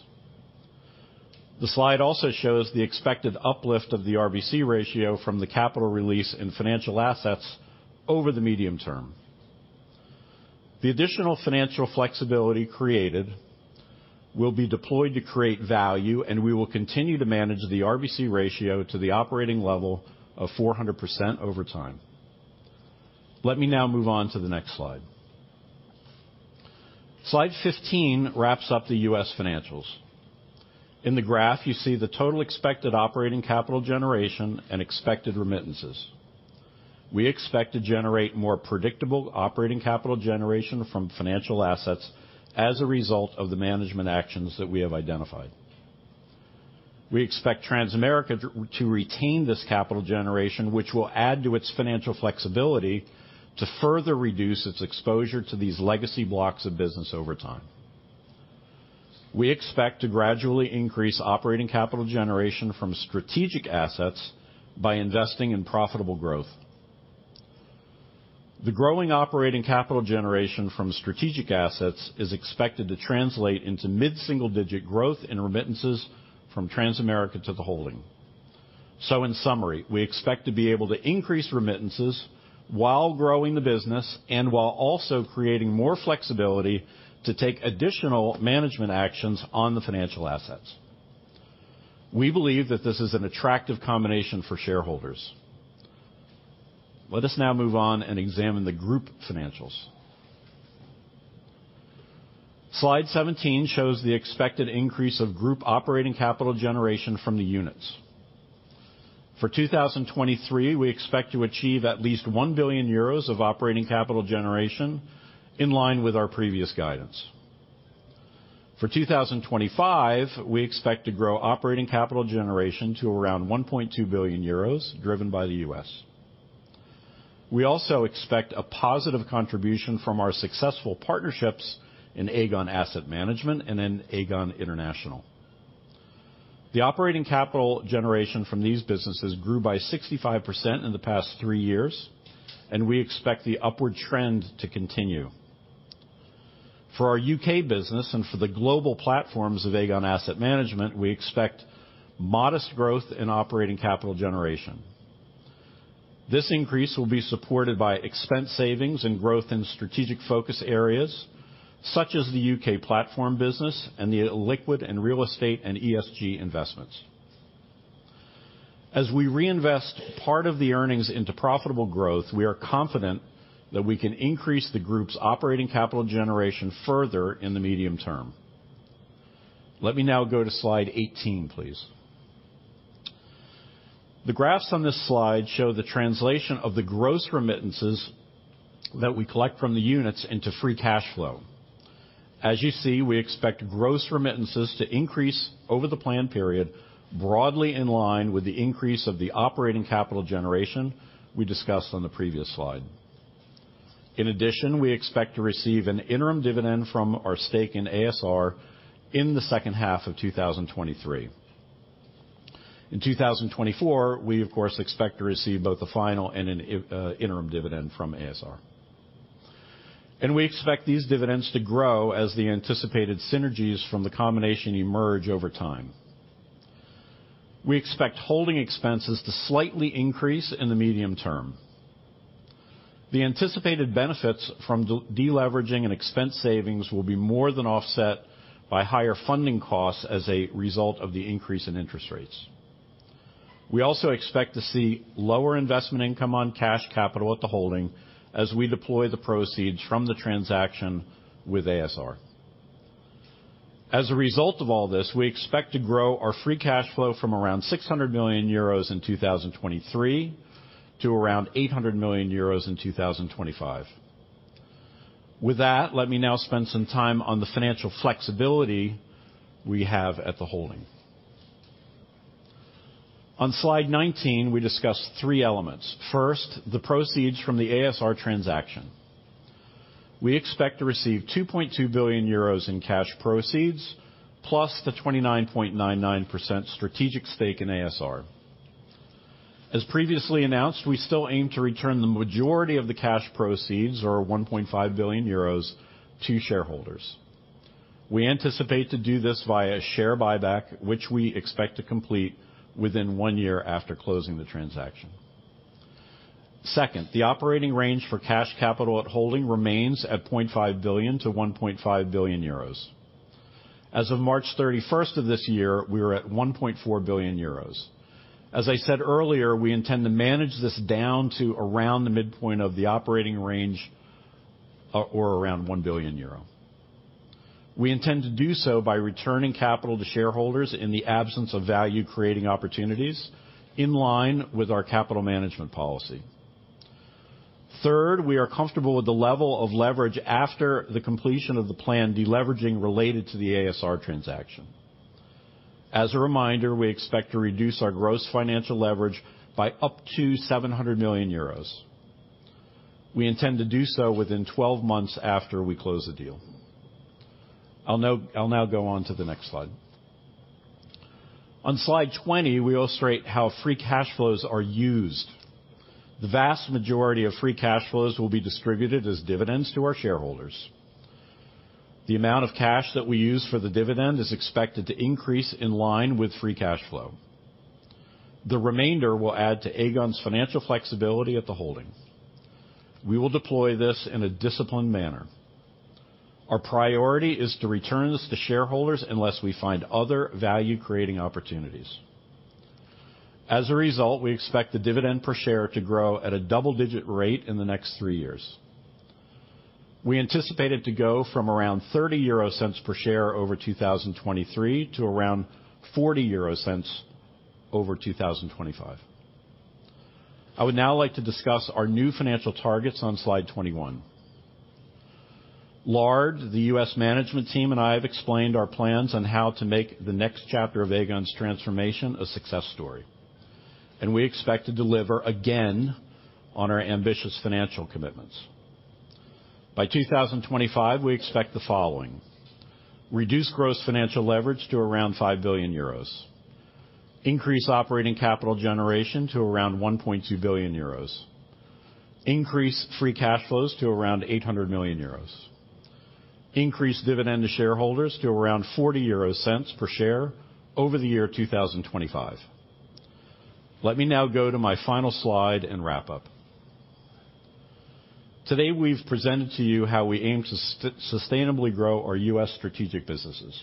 The slide also shows the expected uplift of the RBC ratio from the capital release and financial assets over the medium term. The additional financial flexibility created will be deployed to create value. We will continue to manage the RBC ratio to the operating level of 400% over time. Let me now move on to the next slide. Slide 15 wraps up the U.S. financials. In the graph, you see the total expected operating capital generation and expected remittances. We expect to generate more predictable operating capital generation from financial assets as a result of the management actions that we have identified. We expect Transamerica to retain this capital generation, which will add to its financial flexibility, to further reduce its exposure to these legacy blocks of business over time. We expect to gradually increase operating capital generation from strategic assets by investing in profitable growth. The growing operating capital generation from strategic assets is expected to translate into mid-single-digit growth in remittances from Transamerica to the holding. In summary, we expect to be able to increase remittances while growing the business and while also creating more flexibility to take additional management actions on the financial assets. We believe that this is an attractive combination for shareholders. Let us now move on and examine the group financials. Slide 17 shows the expected increase of group operating capital generation from the units. For 2023, we expect to achieve at least 1 billion euros of operating capital generation in line with our previous guidance. For 2025, we expect to grow operating capital generation to around 1.2 billion euros, driven by the U.S. We also expect a positive contribution from our successful partnerships in Aegon Asset Management and in Aegon International. The operating capital generation from these businesses grew by 65% in the past three years. We expect the upward trend to continue. For our U.K. business and for the global platforms of Aegon Asset Management, we expect modest growth in operating capital generation. This increase will be supported by expense savings and growth in strategic focus areas, such as the U.K. platform business and the illiquid and real estate and ESG investments. As we reinvest part of the earnings into profitable growth, we are confident that we can increase the group's operating capital generation further in the medium term. Let me now go to slide 18, please. The graphs on this slide show the translation of the gross remittances that we collect from the units into free cash flow. As you see, we expect gross remittances to increase over the plan period, broadly in line with the increase of the operating capital generation we discussed on the previous slide. We expect to receive an interim dividend from our stake in a.s.r. in the second half of 2023. 2024, we, of course, expect to receive both the final and an interim dividend from a.s.r. We expect these dividends to grow as the anticipated synergies from the combination emerge over time. We expect holding expenses to slightly increase in the medium term. The anticipated benefits from deleveraging and expense savings will be more than offset by higher funding costs as a result of the increase in interest rates. We also expect to see lower investment income on cash capital at the holding as we deploy the proceeds from the transaction with a.s.r. As a result of all this, we expect to grow our free cash flow from around 600 million euros in 2023 to around 800 million euros in 2025. With that, let me now spend some time on the financial flexibility we have at the holding. On slide 19, we discuss three elements. First, the proceeds from the a.s.r. transaction. We expect to receive 2.2 billion euros in cash proceeds, plus the 29.99% strategic stake in a.s.r. As previously announced, we still aim to return the majority of the cash proceeds, or 1.5 billion euros, to shareholders. We anticipate to do this via share buyback, which we expect to complete within one year after closing the transaction. The operating range for cash capital at holding remains at 0.5 billion-1.5 billion euros. As of March 31st of this year, we were at 1.4 billion euros. As I said earlier, we intend to manage this down to around the midpoint of the operating range, or around 1 billion euro. We intend to do so by returning capital to shareholders in the absence of value-creating opportunities, in line with our capital management policy. We are comfortable with the level of leverage after the completion of the planned deleveraging related to the a.s.r. transaction. As a reminder, we expect to reduce our gross financial leverage by up to 700 million euros. We intend to do so within 12 months after we close the deal. I'll now go on to the next slide. On slide 20, we illustrate how free cash flows are used. The vast majority of free cash flows will be distributed as dividends to our shareholders. The amount of cash that we use for the dividend is expected to increase in line with free cash flow. The remainder will add to Aegon's financial flexibility at the holding. We will deploy this in a disciplined manner. Our priority is to return this to shareholders unless we find other value-creating opportunities. As a result, we expect the dividend per share to grow at a double-digit rate in the next three years. We anticipate it to go from around 0.30 per share over 2023 to around 0.40 over 2025. I would now like to discuss our new financial targets on slide 21. Lard, the U.S. management team, and I have explained our plans on how to make the next chapter of Aegon's transformation a success story, and we expect to deliver again on our ambitious financial commitments. By 2025, we expect the following: reduce gross financial leverage to around 5 billion euros, increase operating capital generation to around 1.2 billion euros, increase free cash flows to around 800 million euros, increase dividend to shareholders to around 0.40 per share over the year 2025. Let me now go to my final slide and wrap up. Today, we've presented to you how we aim to sustainably grow our U.S. strategic businesses,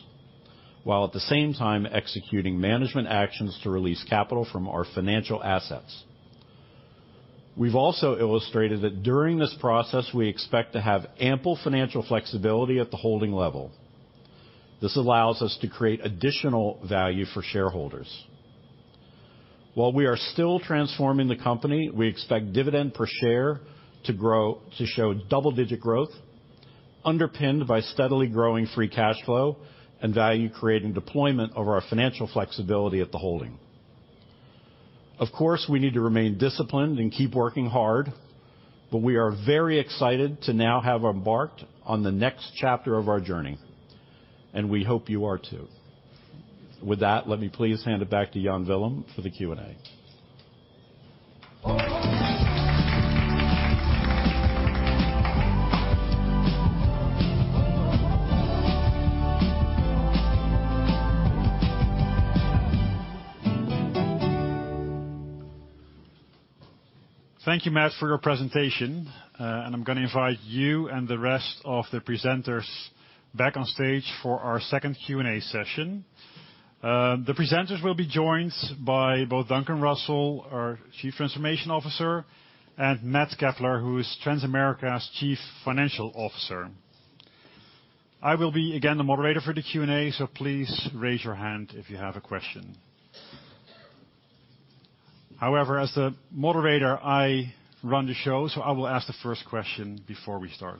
while at the same time executing management actions to release capital from our financial assets. We've also illustrated that during this process, we expect to have ample financial flexibility at the holding level. This allows us to create additional value for shareholders. While we are still transforming the company, we expect dividend per share to show double-digit growth, underpinned by steadily growing free cash flow and value-creating deployment of our financial flexibility at the holding. Of course, we need to remain disciplined and keep working hard, but we are very excited to now have embarked on the next chapter of our journey, and we hope you are, too. With that, let me please hand it back to Jan Willem for the Q&A. Thank you, Matt, for your presentation. I'm gonna invite you and the rest of the presenters back on stage for our second Q&A session. The presenters will be joined by both Duncan Russell, our Chief Transformation Officer, and Matt Keppler, who is Transamerica's Chief Financial Officer. I will be, again, the moderator for the Q&A, so please raise your hand if you have a question. However, as the moderator, I run the show, so I will ask the first question before we start.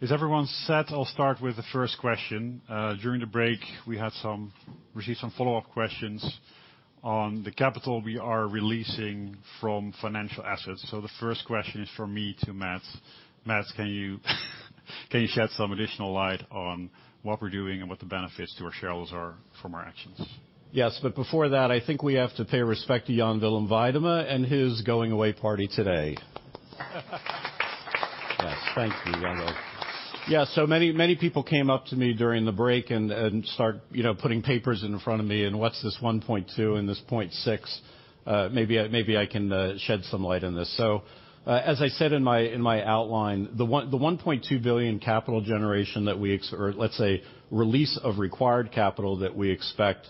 Yep. Is everyone set? I'll start with the first question. During the break, we received some follow-up questions on the capital we are releasing from financial assets. The first question is from me to Matt. Matt, can you shed some additional light on what we're doing and what the benefits to our shareholders are from our actions? Before that, I think we have to pay respect to Jan Willem Weidema and his going-away party today. Thank you. Many people came up to me during the break and start, you know, putting papers in front of me, and what's this 1.2 and this 0.6? Maybe I can shed some light on this. As I said in my outline, the 1.2 billion capital generation that we or let's say, release of required capital that we expect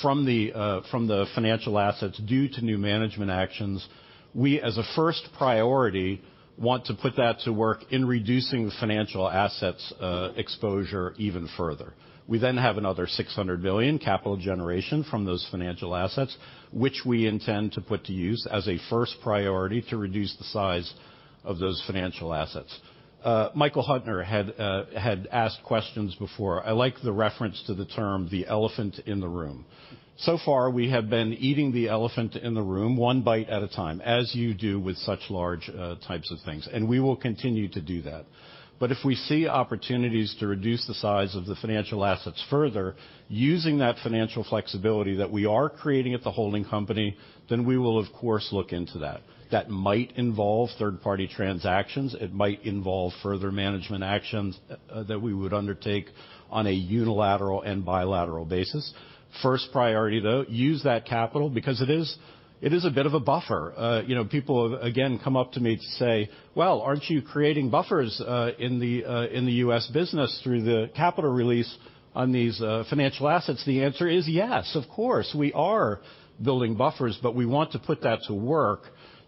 from the financial assets due to new management actions. We, as a first priority, want to put that to work in reducing the financial assets exposure even further. We have another 600 billion capital generation from those financial assets, which we intend to put to use as a first priority to reduce the size of those financial assets. Michael Huttner had asked questions before. I like the reference to the term, the elephant in the room. So far, we have been eating the elephant in the room, one bite at a time, as you do with such large types of things, and we will continue to do that. If we see opportunities to reduce the size of the financial assets further, using that financial flexibility that we are creating at the holding company, then we will, of course, look into that. That might involve third-party transactions. It might involve further management actions that we would undertake on a unilateral and bilateral basis. First priority, though, use that capital because it is a bit of a buffer. You know, people again come up to me to say, "Well, aren't you creating buffers, in the U.S. business through the capital release on these, financial assets?" The answer is yes, of course, we are building buffers, but we want to put that to work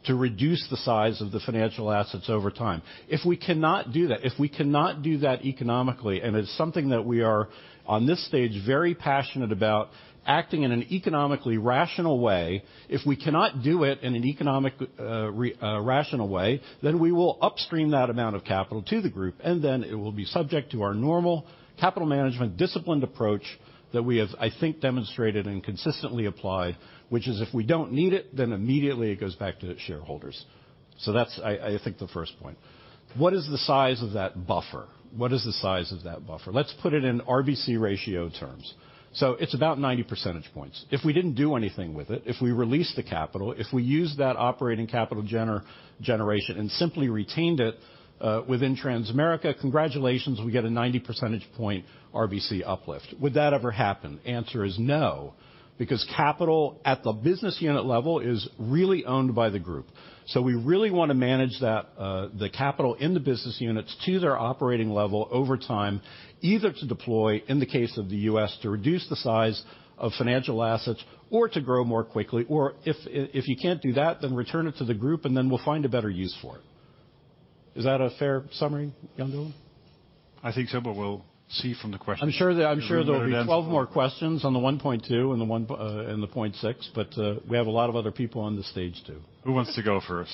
to reduce the size of the financial assets over time. If we cannot do that, if we cannot do that economically, and it's something that we are, on this stage, very passionate about, acting in an economically rational way. If we cannot do it in an economic, rational way, then we will upstream that amount of capital to the group, and then it will be subject to our normal capital management, disciplined approach that we have, I think, demonstrated and consistently applied, which is if we don't need it, then immediately it goes back to the shareholders. That's I think the first point. What is the size of that buffer? What is the size of that buffer? Let's put it in RBC ratio terms. It's about 90 percentage points. If we didn't do anything with it, if we released the capital, if we used that operating capital generation and simply retained it within Transamerica, congratulations, we get a 90 percentage point RBC uplift. Would that ever happen? Answer is no, because capital at the business unit level is really owned by the group. We really want to manage that the capital in the business units to their operating level over time, either to deploy, in the case of the U.S., to reduce the size of financial assets or to grow more quickly, or if you can't do that, then return it to the group, and then we'll find a better use for it. Is that a fair summary, Jan Willem? I think so, but we'll see from the question. I'm sure there'll be 12 more questions on the 1.2 and the 0.6, but we have a lot of other people on the stage, too. Who wants to go first?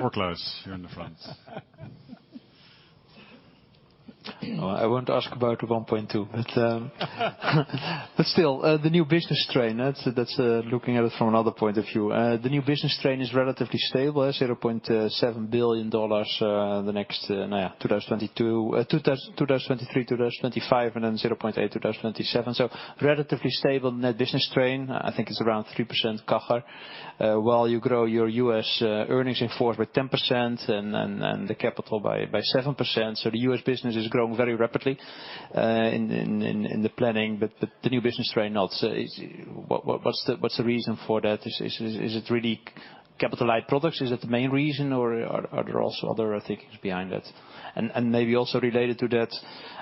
We're close here in the front. I won't ask about the 1.2, still, the new business strain, looking at it from another point of view. The new business strain is relatively stable at $0.7 billion, the next 2022, 2023, 2025, $0.8 billion 2027. Relatively stable new business strain. I think it's around 3% CAGR, while you grow your U.S. earnings on in-force with 10% and the capital by 7%. The U.S. business is growing very rapidly in the planning, the new business strain not. What's the reason for that? Is it really capitalized products? Is that the main reason, or are there also other thinkings behind that? Maybe also related to that,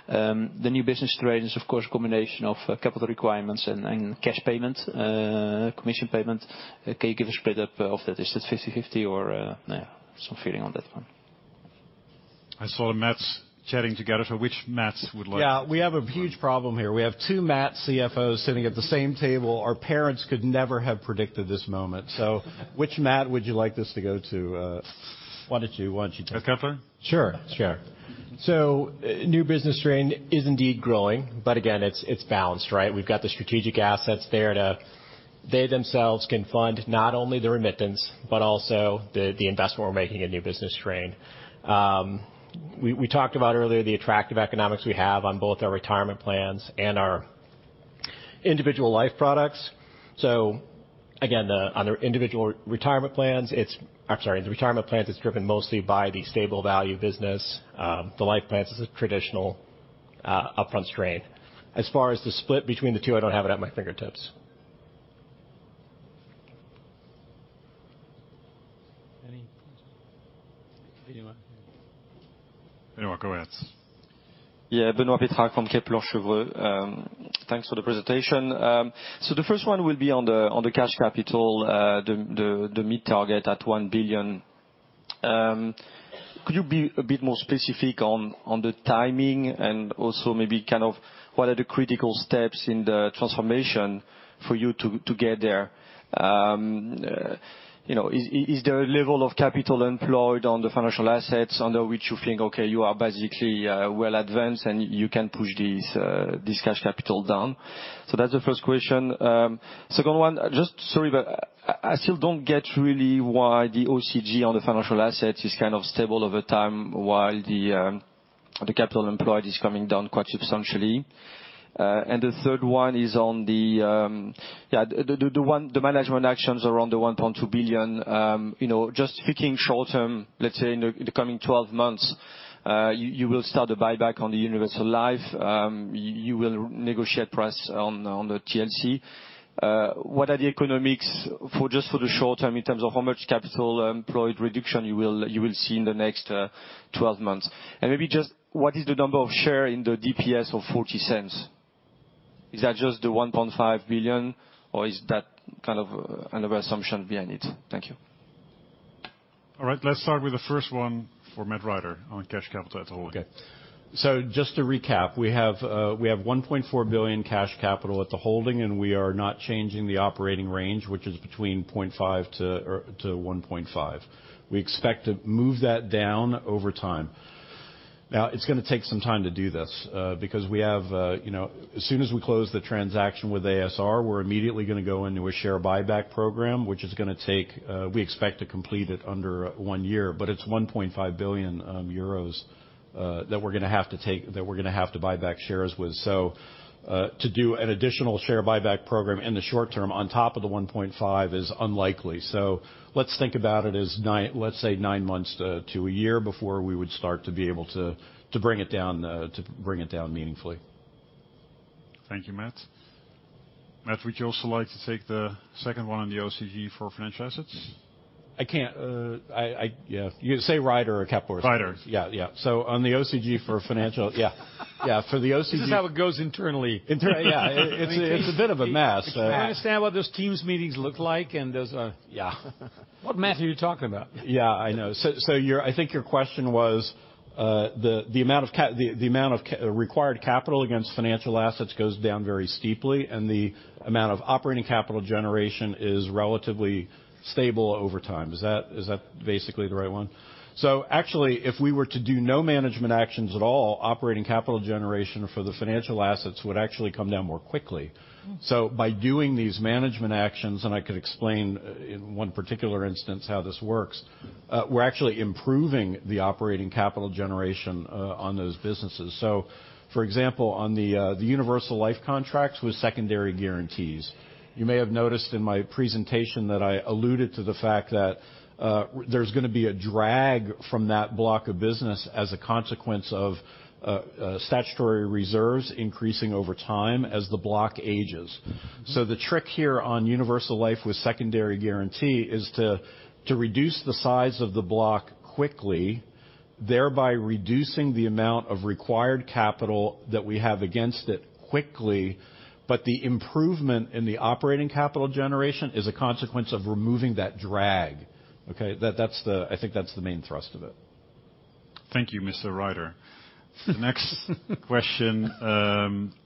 the new business strain is, of course, a combination of capital requirements and cash payments, commission payment. Can you give a split up of that? Is it 50/50 or yeah, some feeling on that one? I saw the Matts chatting together, so which Matt would. Yeah, we have a huge problem here. We have two Matt CFOs sitting at the same table. Our parents could never have predicted this moment. Which Matt would you like this to go to, why don't you? Matt Keppler? Sure, sure. New business strain is indeed growing, but again, it's balanced, right? We've got the strategic assets there to. They themselves can fund not only the remittance, but also the investment we're making in new business strain. We talked about earlier the attractive economics we have on both our retirement plans and our individual life products. Again, on their individual retirement plans, the retirement plans, it's driven mostly by the stable value business. The life plans is a traditional upfront strain. As far as the split between the two, I don't have it at my fingertips. Any? Anyone. Anyone, go ahead. Yeah, Benoît Pétrarque from Kepler Cheuvreux. Thanks for the presentation. The first one will be on the cash capital, the mid-target at 1 billion. Could you be a bit more specific on the timing and also maybe kind of, what are the critical steps in the transformation for you to get there? You know, is there a level of capital employed on the financial assets under which you think, okay, you are basically well advanced, and you can push this cash capital down? That's the first question. Second one, just sorry, but I still don't get really why the OCG on the financial assets is kind of stable over time, while the, The capital employed is coming down quite substantially. The third one is on the, yeah, the management actions around the 1.2 billion. You know, just thinking short term, let's say in the 12 months, you will start a buyback on the Universal Life. You will negotiate price on the TLC. What are the economics for just for the short term in terms of how much capital employed reduction you will see in the next 12 months? Maybe just what is the number of share in the DPS of 0.40? Is that just the 1.5 billion, or is that kind of another assumption behind it? Thank you. All right, let's start with the first one for Matt Rider on cash capital at the holding. Okay. Just to recap, we have 1.4 billion cash capital at the holding, and we are not changing the operating range, which is between 0.5 billion-1.5 billion. We expect to move that down over time. It's going to take some time to do this because we have, as soon as we close the transaction with a.s.r., we're immediately going to go into a share buyback program, which is going to take, we expect to complete it under one year, but it's 1.5 billion euros that we're going to have to buy back shares with. To do an additional share buyback program in the short term, on top of the 1.5 billion is unlikely. Let's think about it as nine... Let's say, nine months to a year before we would start to be able to bring it down, to bring it down meaningfully. Thank you, Matt. Matt, would you also like to take the second one on the OCG for financial assets? I can't. I, yeah, you say Rider or Keppler? Rider. Yeah. On the OCG for financial, yeah. This is how it goes internally. Internally, yeah. It's, it's a bit of a mess. Can I understand what those teams meetings look like? Yeah. What Matt are you talking about? Yeah, I know. I think your question was, the amount of required capital against financial assets goes down very steeply, and the amount of operating capital generation is relatively stable over time. Is that basically the right one? Actually, if we were to do no management actions at all, operating capital generation for the financial assets would actually come down more quickly. By doing these management actions, and I could explain in one particular instance how this works, we're actually improving the operating capital generation on those businesses. For example, on the Universal Life contracts with secondary guarantees, you may have noticed in my presentation that I alluded to the fact that there's gonna be a drag from that block of business as a consequence of statutory reserves increasing over time as the block ages. The trick here on Universal Life with secondary guarantee is to reduce the size of the block quickly, thereby reducing the amount of required capital that we have against it quickly. The improvement in the Operating Capital Generation is a consequence of removing that drag. Okay. That, that's the main thrust of it. Thank you, Mr. Rider. Next question,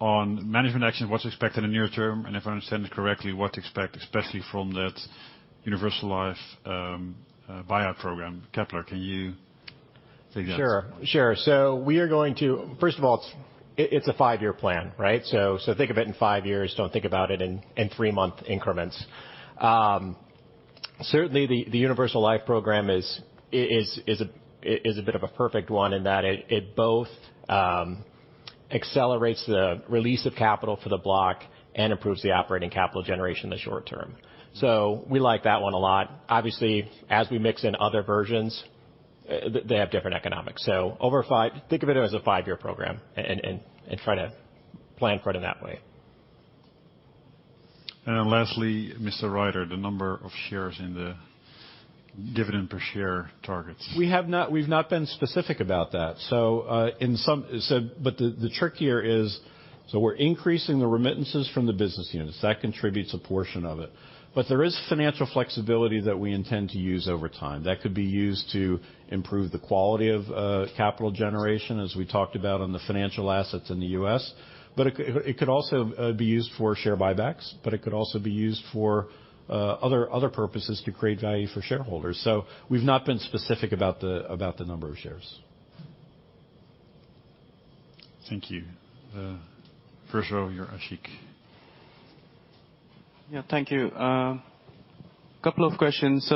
on management action, what's expected in the near term? If I understand correctly, what to expect, especially from that Universal Life buyout program? Keppler, can you take that? Sure. First of all, it's a five-year plan, right? Think of it in five years. Don't think about it in three-month increments. Certainly the Universal Life program is a bit of a perfect one in that it both accelerates the release of capital for the block and improves the operating capital generation in the short term. We like that one a lot. Obviously, as we mix in other versions, they have different economics. Over five, think of it as a five-year program and try to plan for it that way. Lastly, Mr. Rider, the number of shares in the dividend per share targets. We've not been specific about that. But the trick here is, so we're increasing the remittances from the business units. That contributes a portion of it. There is financial flexibility that we intend to use over time. That could be used to improve the quality of capital generation, as we talked about on the financial assets in the U.S. It could also be used for share buybacks, but it could also be used for other purposes to create value for shareholders. We've not been specific about the number of shares. Thank you. First row here, Ashik. Yeah, thank you. Couple of questions.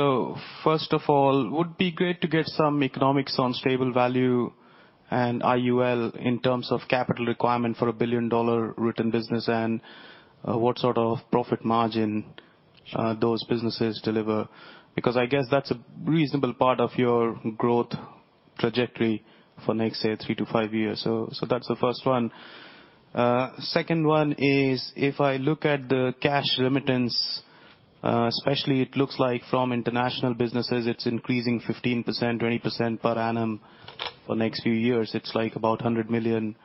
First of all, would be great to get some economics on stable value and IUL in terms of capital requirement for a billion-dollar return business, and what sort of profit margin those businesses deliver? Because I guess that's a reasonable part of your growth trajectory for next, say, three to five years. That's the first one. Second one is, if I look at the cash remittance, especially it looks like from international businesses, it's increasing 15%, 20% per annum for next few years. It's like about 100 million,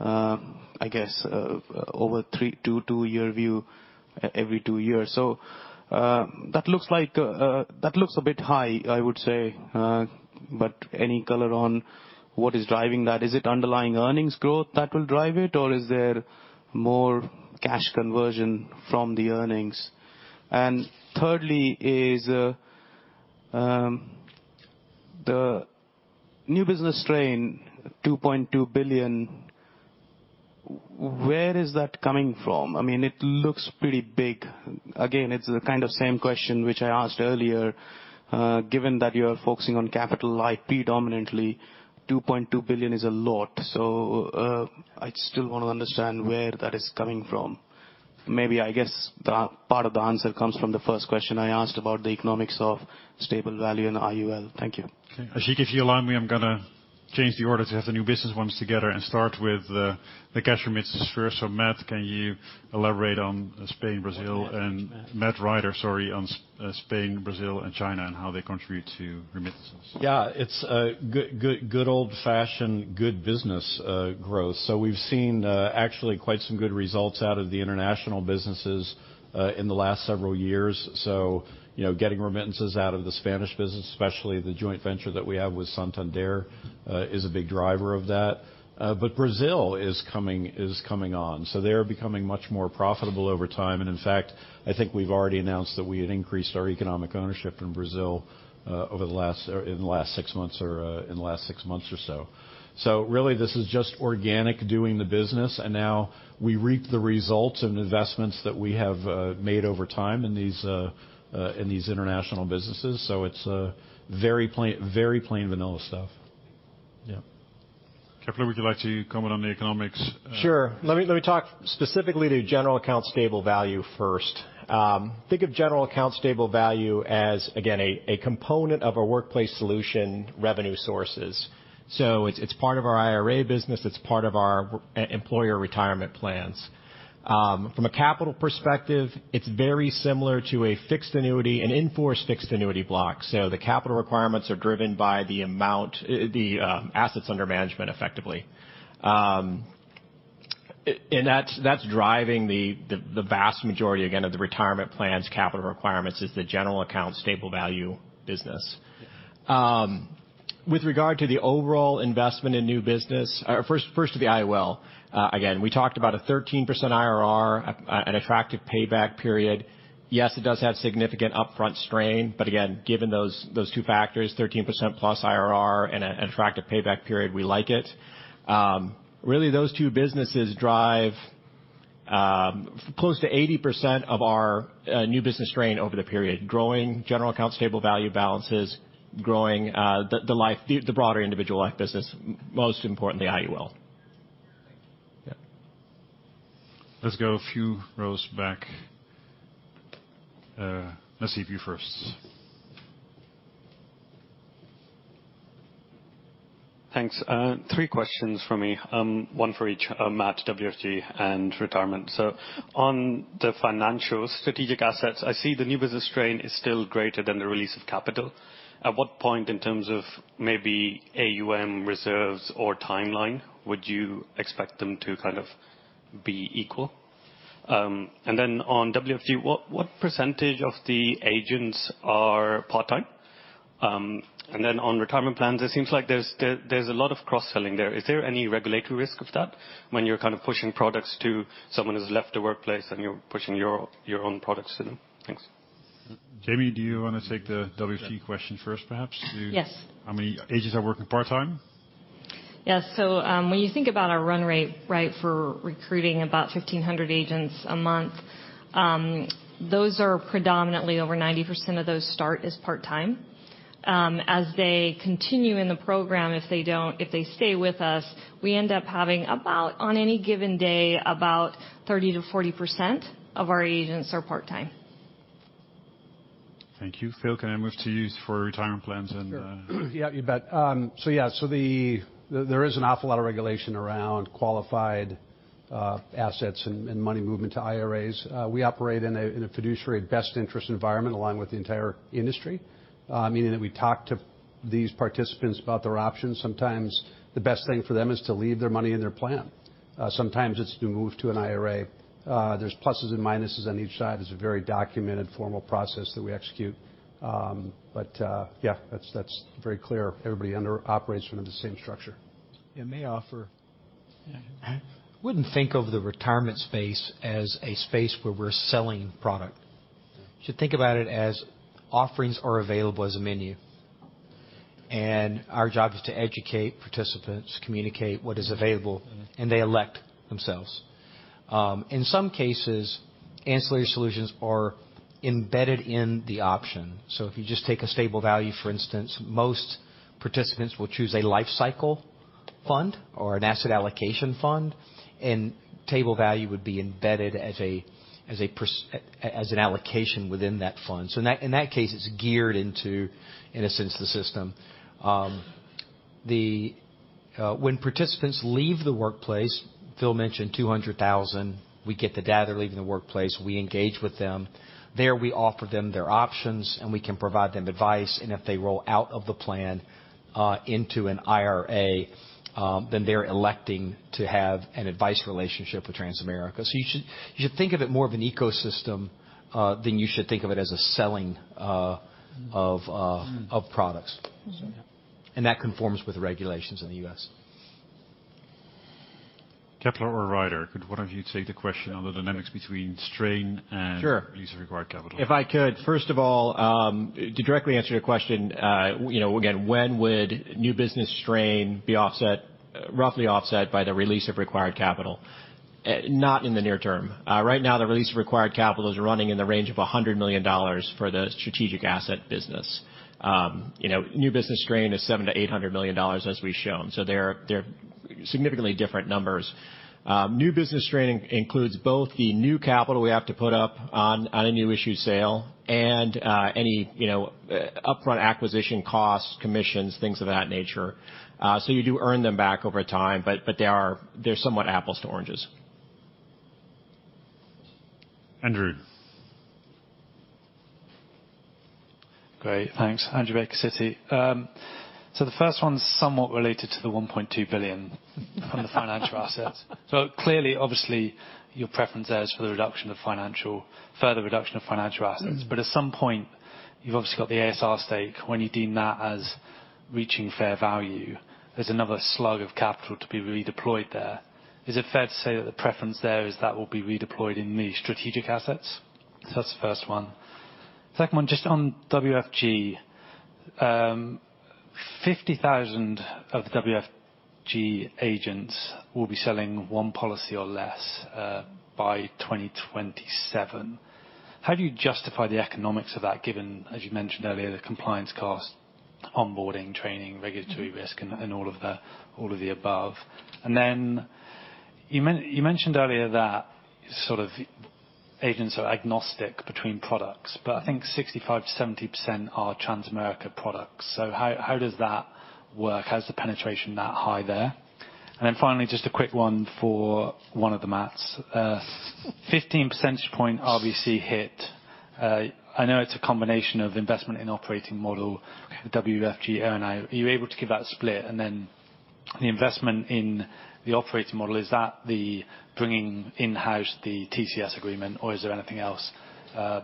I guess, over three, two year view every two years. That looks like a bit high, I would say, but any color on what is driving that? Is it underlying earnings growth that will drive it, or is there more cash conversion from the earnings? Thirdly is the new business strain, 2.2 billion- Where is that coming from? I mean, it looks pretty big. Again, it's the kind of same question which I asked earlier, given that you are focusing on capital light, predominantly 2.2 billion is a lot. I still want to understand where that is coming from. Maybe, I guess, the part of the answer comes from the first question I asked about the economics of stable value in IUL. Thank you. Ashik, if you allow me, I'm gonna change the order to have the new business ones together and start with the cash remittances first. Matt, can you elaborate on Spain, Brazil, and... Matt Rider. Matt Rider, sorry, on Spain, Brazil, and China, and how they contribute to remittances? Yeah, it's good old-fashioned, good business growth. We've seen actually quite some good results out of the international businesses in the last several years. You know, getting remittances out of the Spanish business, especially the joint venture that we have with Santander, is a big driver of that. Brazil is coming on, so they're becoming much more profitable over time. In fact, I think we've already announced that we had increased our economic ownership in Brazil over the last in the last six months or so. Really, this is just organic, doing the business, and now we reap the results and investments that we have made over time in these international businesses. It's a very plain, very plain vanilla stuff. Yeah. Keppler, would you like to comment on the economics? Sure. Let me talk specifically to general account stable value first. Think of general account stable value as, again, a component of our workplace solution revenue sources. It's part of our IRA business, it's part of our employer retirement plans. From a capital perspective, it's very similar to a fixed annuity, an in-force fixed annuity block. The capital requirements are driven by the amount, the assets under management, effectively. That's driving the vast majority, again, of the retirement plans' capital requirements, is the general account stable value business. With regard to the overall investment in new business, first to the IUL. Again, we talked about a 13% IRR, an attractive payback period. Yes, it does have significant upfront strain. Again, given those two factors, 13%+ IRR and an attractive payback period, we like it. Really, those two businesses drive close to 80% of our new business strain over the period, growing general account stable value balances, growing the life, the broader individual life business, most importantly, IUL. Thank you. Yeah. Let's go a few rows back. Nasib, you first. Thanks. Three questions from me, one for each, Matt, WFG, and Retirement. On the financial strategic assets, I see the new business strain is still greater than the release of capital. At what point, in terms of maybe AUM reserves or timeline, would you expect them to kind of be equal? On WFG, what % of the agents are part-time? On retirement plans, it seems like there's a lot of cross-selling there. Is there any regulatory risk of that when you're kind of pushing products to someone who's left the workplace, and you're pushing your own products to them? Thanks. Jamie, do you want to take the WFG question first, perhaps? Yes. How many agents are working part-time? Yes. When you think about our run rate, right, for recruiting about 1,500 agents a month, those are predominantly over 90% of those start as part-time. As they continue in the program, if they stay with us, we end up having about, on any given day, about 30%-40% of our agents are part-time. Thank you. Phil, can I move to you for retirement plans and? Sure. Yeah, you bet. There is an awful lot of regulation around qualified assets and money movement to IRAs. We operate in a fiduciary best interest environment, along with the entire industry, meaning that we talk to these participants about their options. Sometimes the best thing for them is to leave their money in their plan. Sometimes it's to move to an IRA. There's pluses and minuses on each side. There's a very documented, formal process that we execute. That's very clear. Everybody operates within the same structure. I may. Yeah. I wouldn't think of the retirement space as a space where we're selling product. You should think about it as offerings are available as a menu, our job is to educate participants, communicate what is available, and they elect themselves. In some cases, ancillary solutions are embedded in the option. If you just take a stable value, for instance, most participants will choose a life cycle fund or an asset allocation fund, and stable value would be embedded as an allocation within that fund. In that case, it's geared into, in a sense, the system. When participants leave the workplace, Phil mentioned 200,000, we get the data they're leaving the workplace, we engage with them. There, we offer them their options, and we can provide them advice, and if they roll out of the plan, into an IRA, then they're electing to have an advice relationship with Transamerica. You should think of it more of an ecosystem, than you should think of it as a selling, of products. Mm-hmm. That conforms with the regulations in the U.S. Keppler or Rider, could one of you take the question on the dynamics between strain and- Sure. Release of required capital? If I could, first of all, to directly answer your question, you know, again, when would new business strain be offset, roughly offset by the release of required capital? Not in the near term. Right now, the release of required capital is running in the range of $100 million for the strategic asset business. you know, new business strain is $700 million-$800 million, as we've shown, so they're significantly different numbers. New business strain includes both the new capital we have to put up on a new issue sale and any, you know, upfront acquisition costs, commissions, things of that nature. So you do earn them back over time, but they're somewhat apples to oranges. Andrew? Great, thanks. Andrew Baker, Citi. The first one's somewhat related to the $1.2 billion from the financial assets. Obviously, your preference there is for the reduction of financial further reduction of financial assets. Mm-hmm. At some point, you've obviously got the a.s.r. stake. When you deem that as reaching fair value, there's another slug of capital to be redeployed there. Is it fair to say that the preference there is that will be redeployed in the strategic assets? That's the first one. Second one, just on WFG, 50,000 of the WFG agents will be selling one policy or less by 2027. How do you justify the economics of that, given, as you mentioned earlier, the compliance costs, onboarding, training? Mm-hmm. Regulatory risk, and all of the above? You mentioned earlier that sort of agents are agnostic between products, but I think 65%-70% are Transamerica products. How, how does that work? How is the penetration that high there? Finally, just a quick one for one of the Matts. 15 percentage point RBC hit, I know it's a combination of investment in operating model, WFG earn-out. Are you able to give that split? The investment in the operating model, is that the bringing in-house the TCS agreement, or is there anything else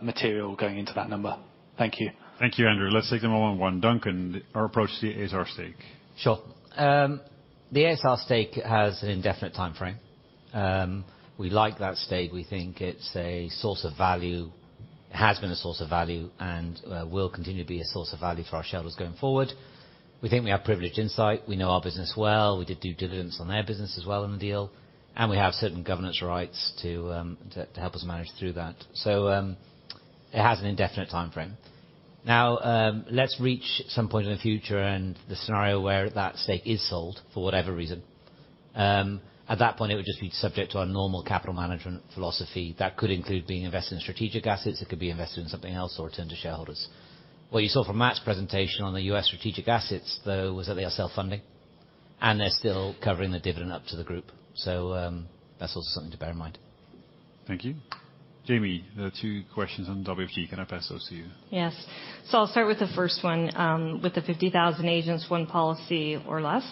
material going into that number? Thank you. Thank you, Andrew. Let's take them one by one. Duncan, our approach to the a.s.r. stake. Sure. The a.s.r. stake has an indefinite time frame. We like that stake. We think it's a source of value, has been a source of value, and will continue to be a source of value for our shareholders going forward. We think we have privileged insight. We know our business well. We did do dividends on their business as well in the deal, and we have certain governance rights to help us manage through that. It has an indefinite time frame. Now, let's reach some point in the future, and the scenario where that stake is sold for whatever reason, at that point, it would just be subject to our normal capital management philosophy. That could include being invested in strategic assets, it could be invested in something else, or returned to shareholders. What you saw from Matt's presentation on the U.S. strategic assets, though, was that they are self-funding, and they're still covering the dividend up to the group. That's also something to bear in mind. Thank you. Jamie, there are two questions on WFG. Can I pass those to you? Yes. I'll start with the first one, with the 50,000 agents, one policy or less.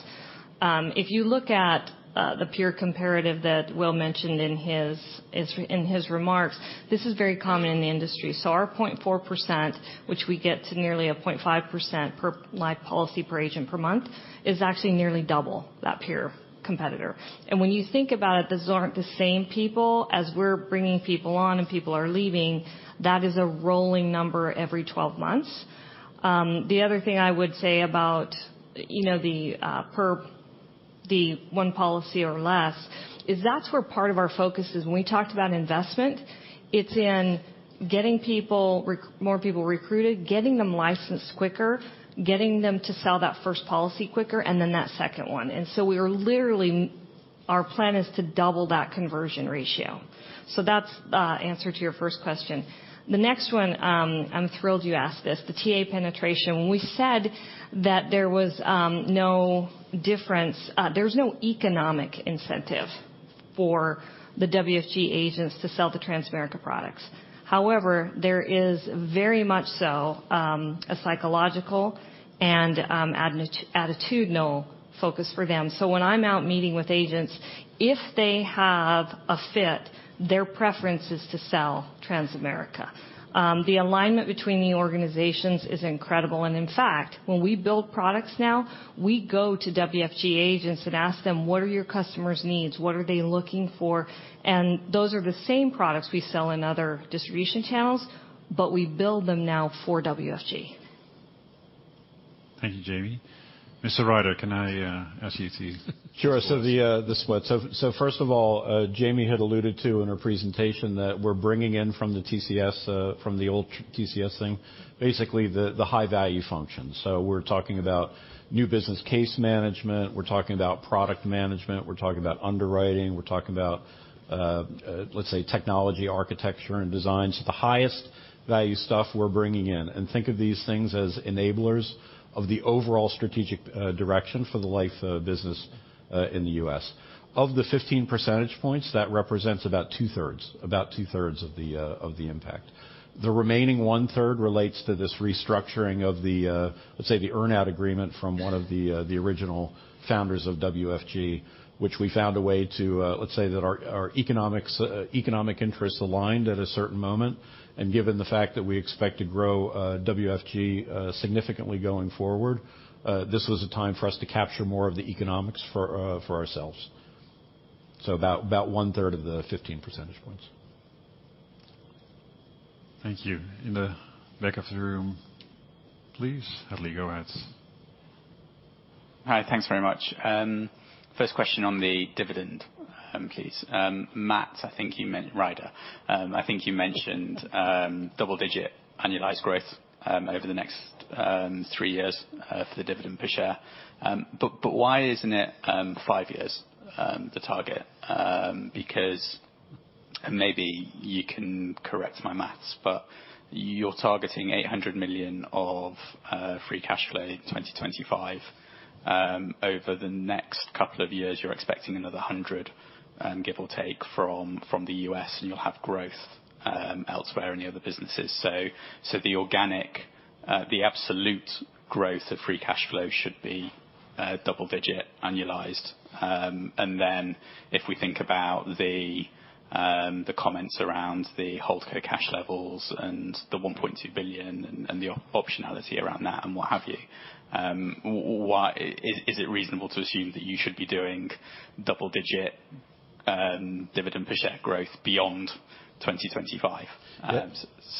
If you look at the peer comparative that Will mentioned in his remarks, this is very common in the industry. Our 0.4%, which we get to nearly a 0.5% per live policy, per agent, per month, is actually nearly double that peer competitor. When you think about it, these aren't the same people. As we're bringing people on and people are leaving, that is a rolling number every 12 months. The other thing I would say about, you know, the per the one policy or less, is that's where part of our focus is. When we talked about investment, it's in getting people more people recruited, getting them licensed quicker, getting them to sell that first policy quicker, that second one. We are literally Our plan is to double that conversion ratio. That's answer to your first question. The next one, I'm thrilled you asked this, the TA penetration. When we said that there was no difference, there's no economic incentive for the WFG agents to sell the Transamerica products. However, there is very much so a psychological and attitudinal focus for them. When I'm out meeting with agents, if they have a fit, their preference is to sell Transamerica. The alignment between the organizations is incredible, and in fact, when we build products now, we go to WFG agents and ask them: What are your customers' needs? What are they looking for? Those are the same products we sell in other distribution channels. We build them now for WFG. Thank you, Jamie. Mr. Rider, can I ask you to-. Sure. The split. First of all, Jamie had alluded to in her presentation that we're bringing in from the TCS, from the old TCS thing, basically, the high-value function. We're talking about new business case management, we're talking about product management, we're talking about underwriting, we're talking about, let's say, technology, architecture, and design. The highest value stuff we're bringing in, and think of these things as enablers of the overall strategic direction for the life business in the U.S. Of the 15 percentage points, that represents about 2/3 of the impact. The remaining 1/3 relates to this restructuring of the, let's say, the earn-out agreement from one of the original founders of WFG, which we found a way to, let's say that our economics, economic interests aligned at a certain moment. Given the fact that we expect to grow WFG significantly going forward, this was a time for us to capture more of the economics for ourselves. About one third of the 15 percentage points. Thank you. In the back of the room, please, Hadley, go ahead. Hi, thanks very much. First question on the dividend, please. Matt, I think you meant Rider. I think you mentioned double-digit annualized growth over the next three years for the dividend per share. Why isn't it five years, the target? And maybe you can correct my math, but you're targeting 800 million of free cash flow in 2025. Over the next couple of years, you're expecting another 100, give or take from the U.S., and you'll have growth elsewhere in the other businesses. The organic, the absolute growth of free cash flow should be double-digit annualized. If we think about the comments around the holdco cash levels and the 1.2 billion and the optionality around that and what have you, is it reasonable to assume that you should be doing double-digit dividend per share growth beyond 2025?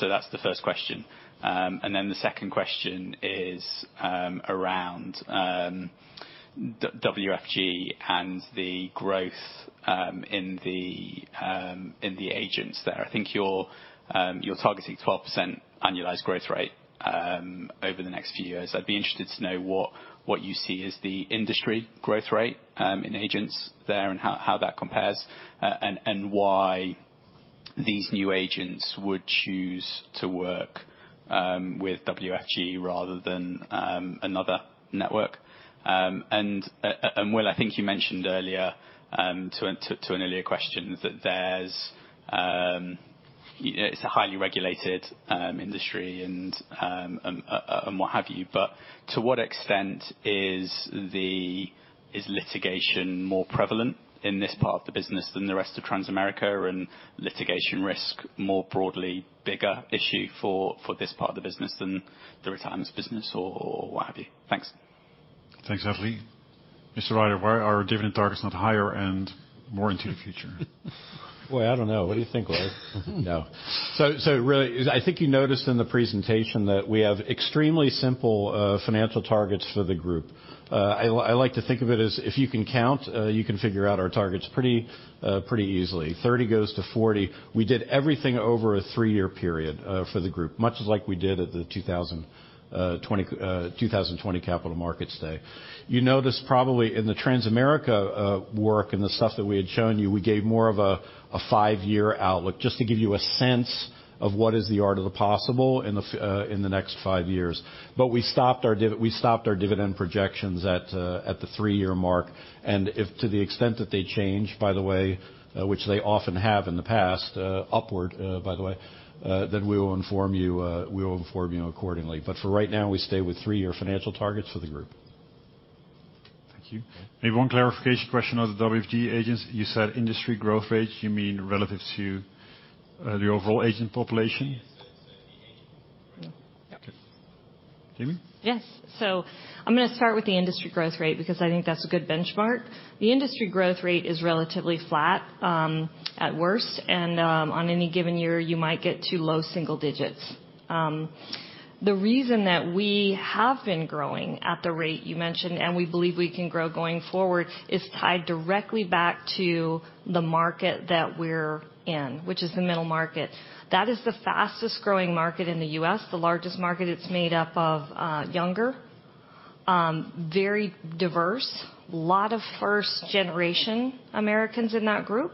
That's the first question. The second question is around WFG and the growth in the agents there. I think you're targeting 12% annualized growth rate over the next few years. I'd be interested to know what you see as the industry growth rate in agents there, and how that compares, and why these new agents would choose to work with WFG rather than another network. Will, I think you mentioned earlier, to an earlier question, that there's, it's a highly regulated industry and what have you, but to what extent is litigation more prevalent in this part of the business than the rest of Transamerica, and litigation risk more broadly, bigger issue for this part of the business than the retirement business or what have you? Thanks. Thanks, Hadley. Mr. Rider, why are dividend targets not higher and more into the future? Boy, I don't know. What do you think, Will? No. Really, I think you noticed in the presentation that we have extremely simple financial targets for the group. I like to think of it as if you can count, you can figure out our targets pretty easily. 30 goes to 40. We did everything over a three-year period for the group, much as like we did at the 2020 Capital Markets Day. You notice probably in the Transamerica work and the stuff that we had shown you, we gave more of a five-year outlook, just to give you a sense of what is the art of the possible in the next five years. We stopped our dividend projections at the three-year mark. If to the extent that they change, by the way, which they often have in the past, upward, by the way, then we will inform you accordingly. For right now, we stay with three-year financial targets for the group. Thank you. Maybe one clarification question on the WFG agents. You said industry growth rate, you mean relative to the overall agent population? Yes, the agent. Yeah. Okay. Jamie? Yes. I'm gonna start with the industry growth rate, because I think that's a good benchmark. The industry growth rate is relatively flat, at worst, and on any given year, you might get to low single digits. The reason that we have been growing at the rate you mentioned, and we believe we can grow going forward, is tied directly back to the market that we're in, which is the middle market. That is the fastest-growing market in the U.S., the largest market. It's made up of younger, very diverse, lot of first-generation Americans in that group.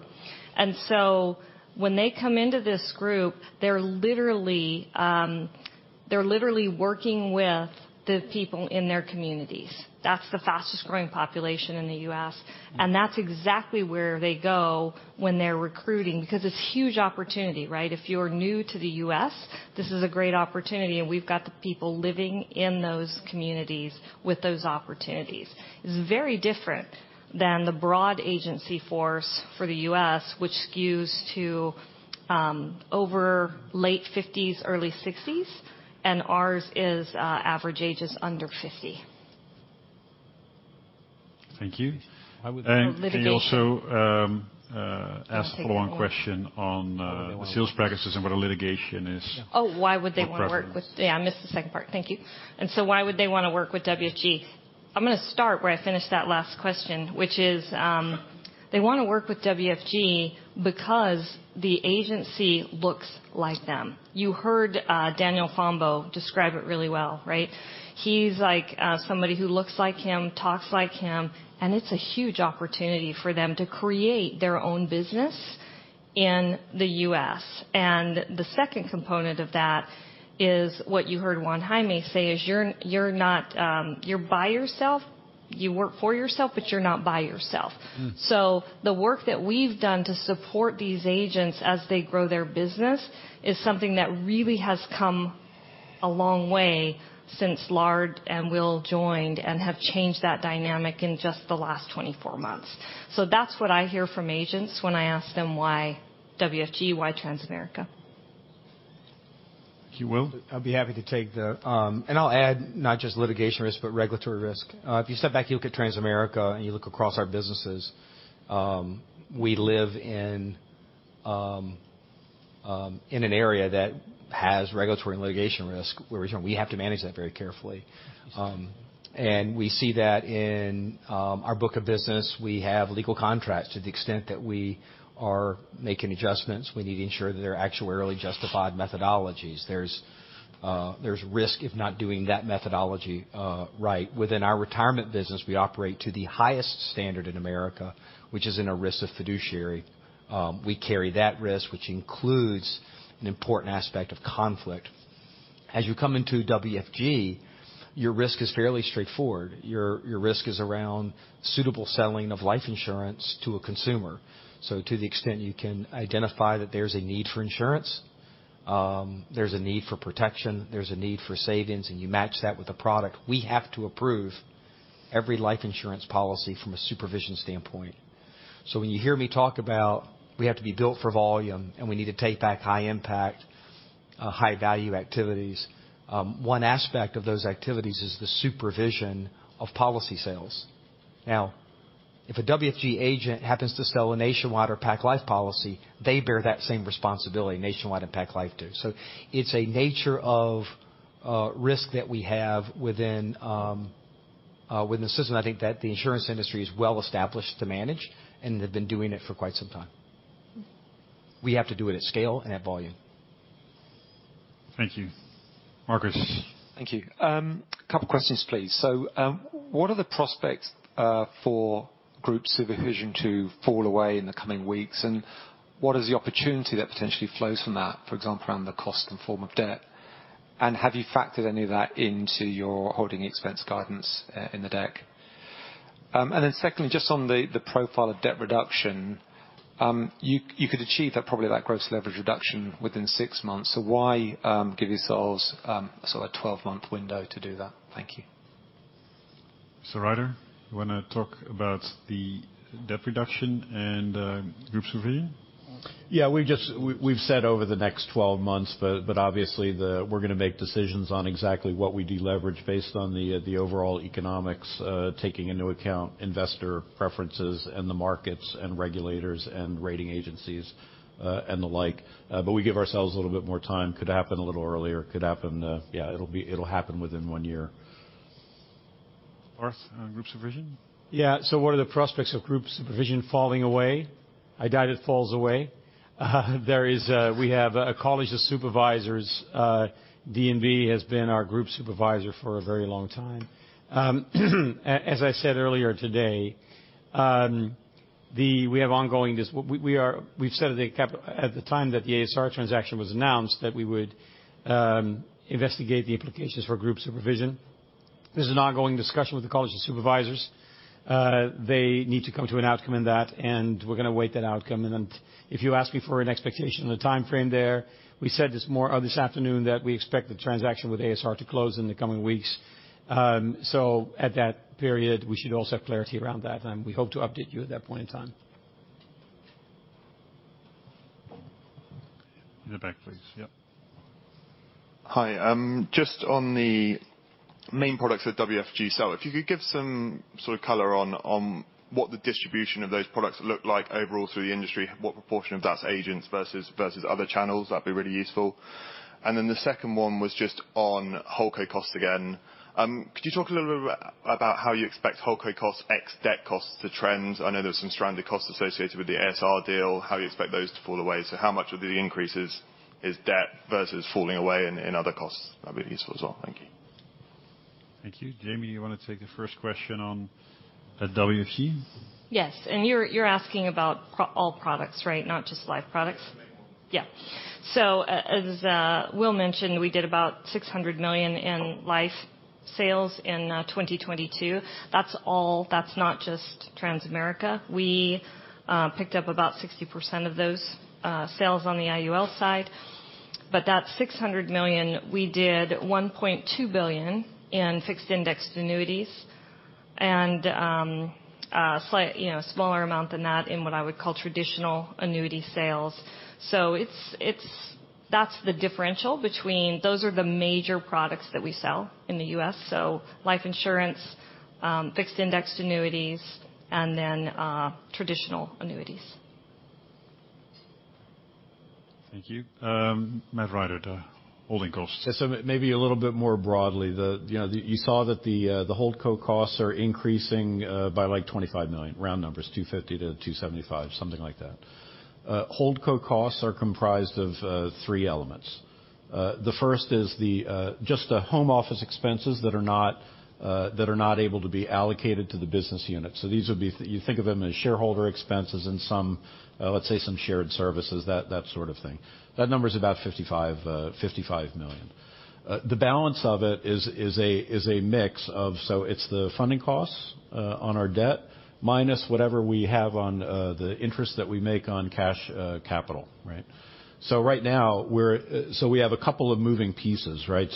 When they come into this group, they're literally working with the people in their communities. That's the fastest-growing population in the U.S., and that's exactly where they go when they're recruiting, because it's huge opportunity, right? If you're new to the U.S., this is a great opportunity, and we've got the people living in those communities with those opportunities. It's very different than the broad agency force for the U.S., which skews to, over late fifties, early sixties, and ours is, average age is under 50. Thank you. I would- He also. Litigation ask a follow-on question on the sales practices and what a litigation is. Oh, why would they want to work with- Yeah. Yeah, I missed the second part. Thank you. So why would they want to work with WFG? I'm gonna start where I finished that last question, which is, they want to work with WFG because the agency looks like them. You heard Daniel Fombo describe it really well, right? He's like, somebody who looks like him, talks like him, and it's a huge opportunity for them to create their own business in the U.S. The second component of that is what you heard Juan Jaime say is, "You're, you're not, you're by yourself. You work for yourself, but you're not by yourself. Mm. The work that we've done to support these agents as they grow their business is something that really has come a long way since Lard and Will joined and have changed that dynamic in just the last 24 months. That's what I hear from agents when I ask them why WFG, why Transamerica? You, Will? I'll be happy to take that. I'll add not just litigation risk, but regulatory risk. If you step back, you look at Transamerica, and you look across our businesses, we live in an area that has regulatory and litigation risk, where we have to manage that very carefully. We see that in our book of business. We have legal contracts. To the extent that we are making adjustments, we need to ensure that they're actuarially justified methodologies. There's risk if not doing that methodology right. Within our retirement business, we operate to the highest standard in America, which is in a risk of fiduciary. We carry that risk, which includes an important aspect of conflict. As you come into WFG, your risk is fairly straightforward. Your risk is around suitable selling of life insurance to a consumer. To the extent you can identify that there's a need for insurance, there's a need for protection, there's a need for savings, and you match that with a product, we have to approve every life insurance policy from a supervision standpoint. When you hear me talk about we have to be built for volume, and we need to take back high impact, high value activities, one aspect of those activities is the supervision of policy sales. If a WFG agent happens to sell a Nationwide or Pacific Life policy, they bear that same responsibility, Nationwide and Pacific Life do. It's a nature of risk that we have within within the system. I think that the insurance industry is well-established to manage and have been doing it for quite some time. We have to do it at scale and at volume. Thank you. Marcus? Thank you. A couple questions, please. What are the prospects for group supervision to fall away in the coming weeks? What is the opportunity that potentially flows from that, for example, around the cost and form of debt? Have you factored any of that into your holding expense guidance in the deck? Secondly, just on the profile of debt reduction, you could achieve that, probably that gross leverage reduction within six months. Why give yourselves sort of a 12-month window to do that? Thank you. Rider, you want to talk about the debt reduction and group supervision? We've said over the next 12 months, but obviously, the we're going to make decisions on exactly what we deleverage based on the overall economics, taking into account investor preferences and the markets and regulators and rating agencies, and the like. We give ourselves a little bit more time. Could happen a little earlier, could happen. It'll happen within one year. Lard, on group supervision. What are the prospects of group supervision falling away? I doubt it falls away. There is. We have a College of Supervisors. DNB has been our group supervisor for a very long time. As I said earlier today, we've said at the time that the a.s.r. transaction was announced, that we would investigate the implications for group supervision. This is an ongoing discussion with the College of Supervisors. They need to come to an outcome in that, and we're going to await that outcome. If you ask me for an expectation on the time frame there, we said this afternoon, that we expect the transaction with a.s.r. to close in the coming weeks. At that period, we should also have clarity around that, and we hope to update you at that point in time. In the back, please. Yeah. Hi. Just on the main products that WFG sell, if you could give some sort of color on what the distribution of those products look like overall through the industry, what proportion of that's agents versus other channels, that'd be really useful. The second one was just on holdco costs again. Could you talk a little bit about how you expect holdco costs, ex debt costs, the trends? I know there's some stranded costs associated with the a.s.r. deal, how you expect those to fall away? How much of the increases is debt versus falling away in other costs? That'd be useful as well. Thank you. Thank you. Jamie, you want to take the first question on WFG? Yes. You're asking about all products, right? Not just life products. Yeah, the main one. Yeah. As Will mentioned, we did about $600 million in life sales in 2022. That's all. That's not just Transamerica. We picked up about 60% of those sales on the IUL side. That $600 million, we did $1.2 billion in fixed indexed annuities and slight, you know, smaller amount than that in what I would call traditional annuity sales. That's the differential between, those are the major products that we sell in the U.S., life insurance, fixed indexed annuities, and then traditional annuities. Thank you. Matt Rider, to holding costs. Maybe a little bit more broadly, the, you know, you saw that the holdco costs are increasing by, like, 25 million, round numbers, 250-275, something like that. Holdco costs are comprised of three elements. The first is the just the home office expenses that are not able to be allocated to the business unit. These would be, you think of them as shareholder expenses in some, let's say, some shared services, that sort of thing. That number is about 55 million. The balance of it is a mix of. It's the funding costs on our debt, minus whatever we have on the interest that we make on cash, capital, right. Right now, we have a couple of moving pieces, right?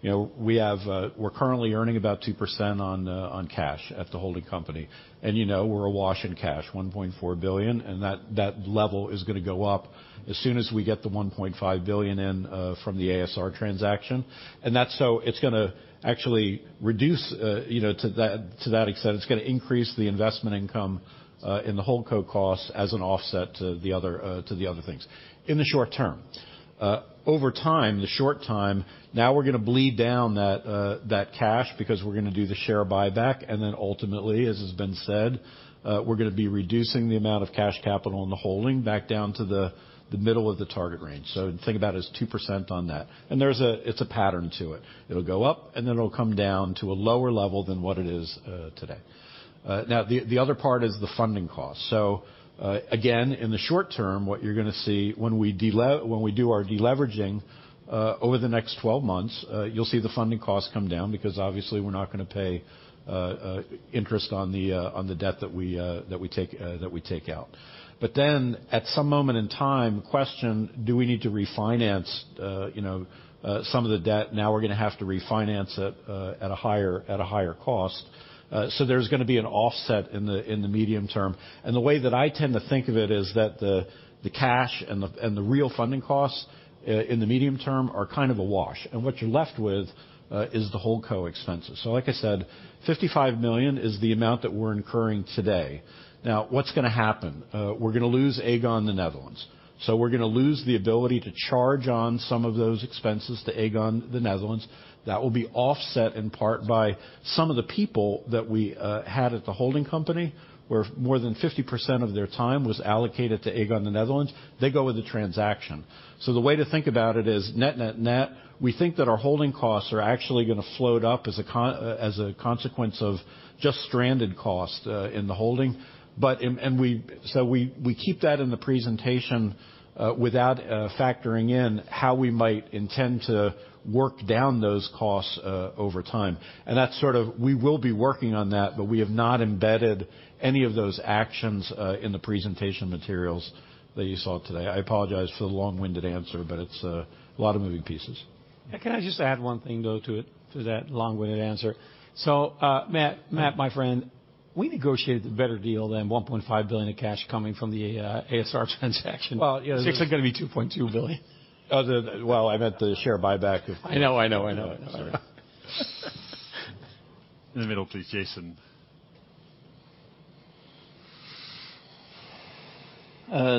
You know, we have, we're currently earning about 2% on cash at the holding company. You know, we're awash in cash, 1.4 billion, and that level is gonna go up as soon as we get the 1.5 billion from the a.s.r. transaction. That's so it's gonna actually reduce, you know, to that, to that extent, it's gonna increase the investment income in the holdco costs as an offset to the other things in the short term. Over time, the short time, now we're gonna bleed down that cash because we're gonna do the share buyback, and then ultimately, as has been said, we're gonna be reducing the amount of cash capital in the holding back down to the middle of the target range. Think about it as 2% on that. It's a pattern to it. It'll go up, and then it'll come down to a lower level than what it is, today. Now, the other part is the funding cost. Again, in the short term, what you're gonna see when we do our deleveraging, over the next 12 months, you'll see the funding costs come down because obviously we're not gonna pay interest on the debt that we take out. At some moment in time, the question: Do we need to refinance, you know, some of the debt? We're gonna have to refinance it at a higher cost. There's gonna be an offset in the medium term. The way that I tend to think of it is that the cash and the real funding costs in the medium term are kind of a wash, and what you're left with is the holdco expenses. Like I said, 55 million is the amount that we're incurring today. What's gonna happen? We're gonna lose Aegon Netherlands, so we're gonna lose the ability to charge on some of those expenses to Aegon Netherlands. That will be offset in part by some of the people that we had at the holding company, where more than 50% of their time was allocated to Aegon Netherlands. They go with the transaction. The way to think about it is net, net, we think that our holding costs are actually gonna float up as a consequence of just stranded costs in the holding. We keep that in the presentation without factoring in how we might intend to work down those costs over time. We will be working on that. We have not embedded any of those actions in the presentation materials that you saw today. I apologize for the long-winded answer, it's a lot of moving pieces. Can I just add one thing, though, to it, to that long-winded answer? Matt, my friend, we negotiated a better deal than 1.5 billion of cash coming from the a.s.r. transaction. Well. It's actually gonna be 2.2 billion. Other than. Well, I meant the share buyback. I know, I know, I know. In the middle, please, Jason.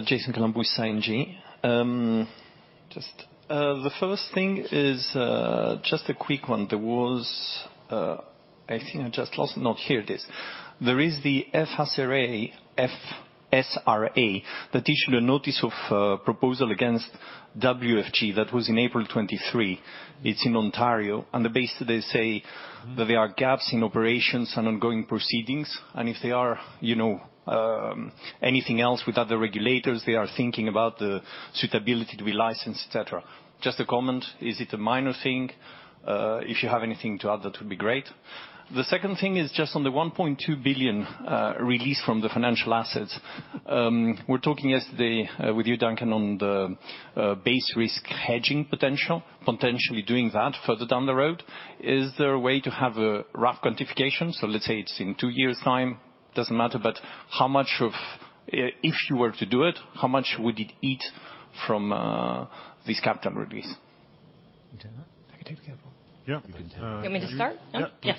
Jason Kalamboussis with ING. Just the first thing is just a quick one. I think I just lost, no, here it is. There is the FSRA, F-S-R-A, that issued a notice of proposal against WFG. That was in April 2023. It's in Ontario, on the base, they say that there are gaps in operations and ongoing proceedings, and if there are, you know, anything else with other regulators, they are thinking about the suitability to be licensed, et cetera. Just a comment, is it a minor thing? If you have anything to add, that would be great. The second thing is just on the $1.2 billion release from the financial assets. We're talking yesterday with you, Duncan, on the base risk hedging potential, potentially doing that further down the road. Is there a way to have a rough quantification? Let's say it's in two years' time, doesn't matter, but how much of... if you were to do it, how much would it eat from this capital release? You take that? I can take the other one. Yeah. You want me to start? Yeah. Yes.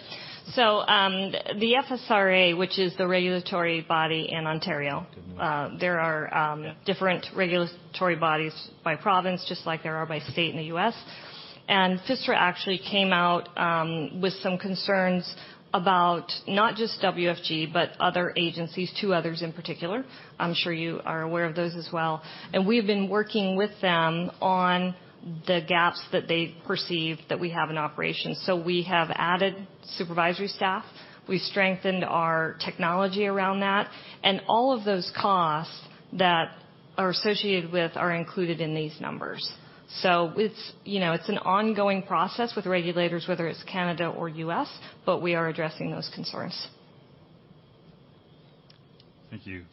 The FSRA, which is the regulatory body in Ontario, there are different regulatory bodies by province, just like there are by state in the U.S. FSRA actually came out with some concerns about not just WFG, but other agencies, two others in particular. I'm sure you are aware of those as well, and we have been working with them on the gaps that they perceive that we have in operation. We have added supervisory staff. We've strengthened our technology around that, and all of those costs that are associated with are included in these numbers. It's, you know, it's an ongoing process with regulators, whether it's Canada or U.S., but we are addressing those concerns. Thank you.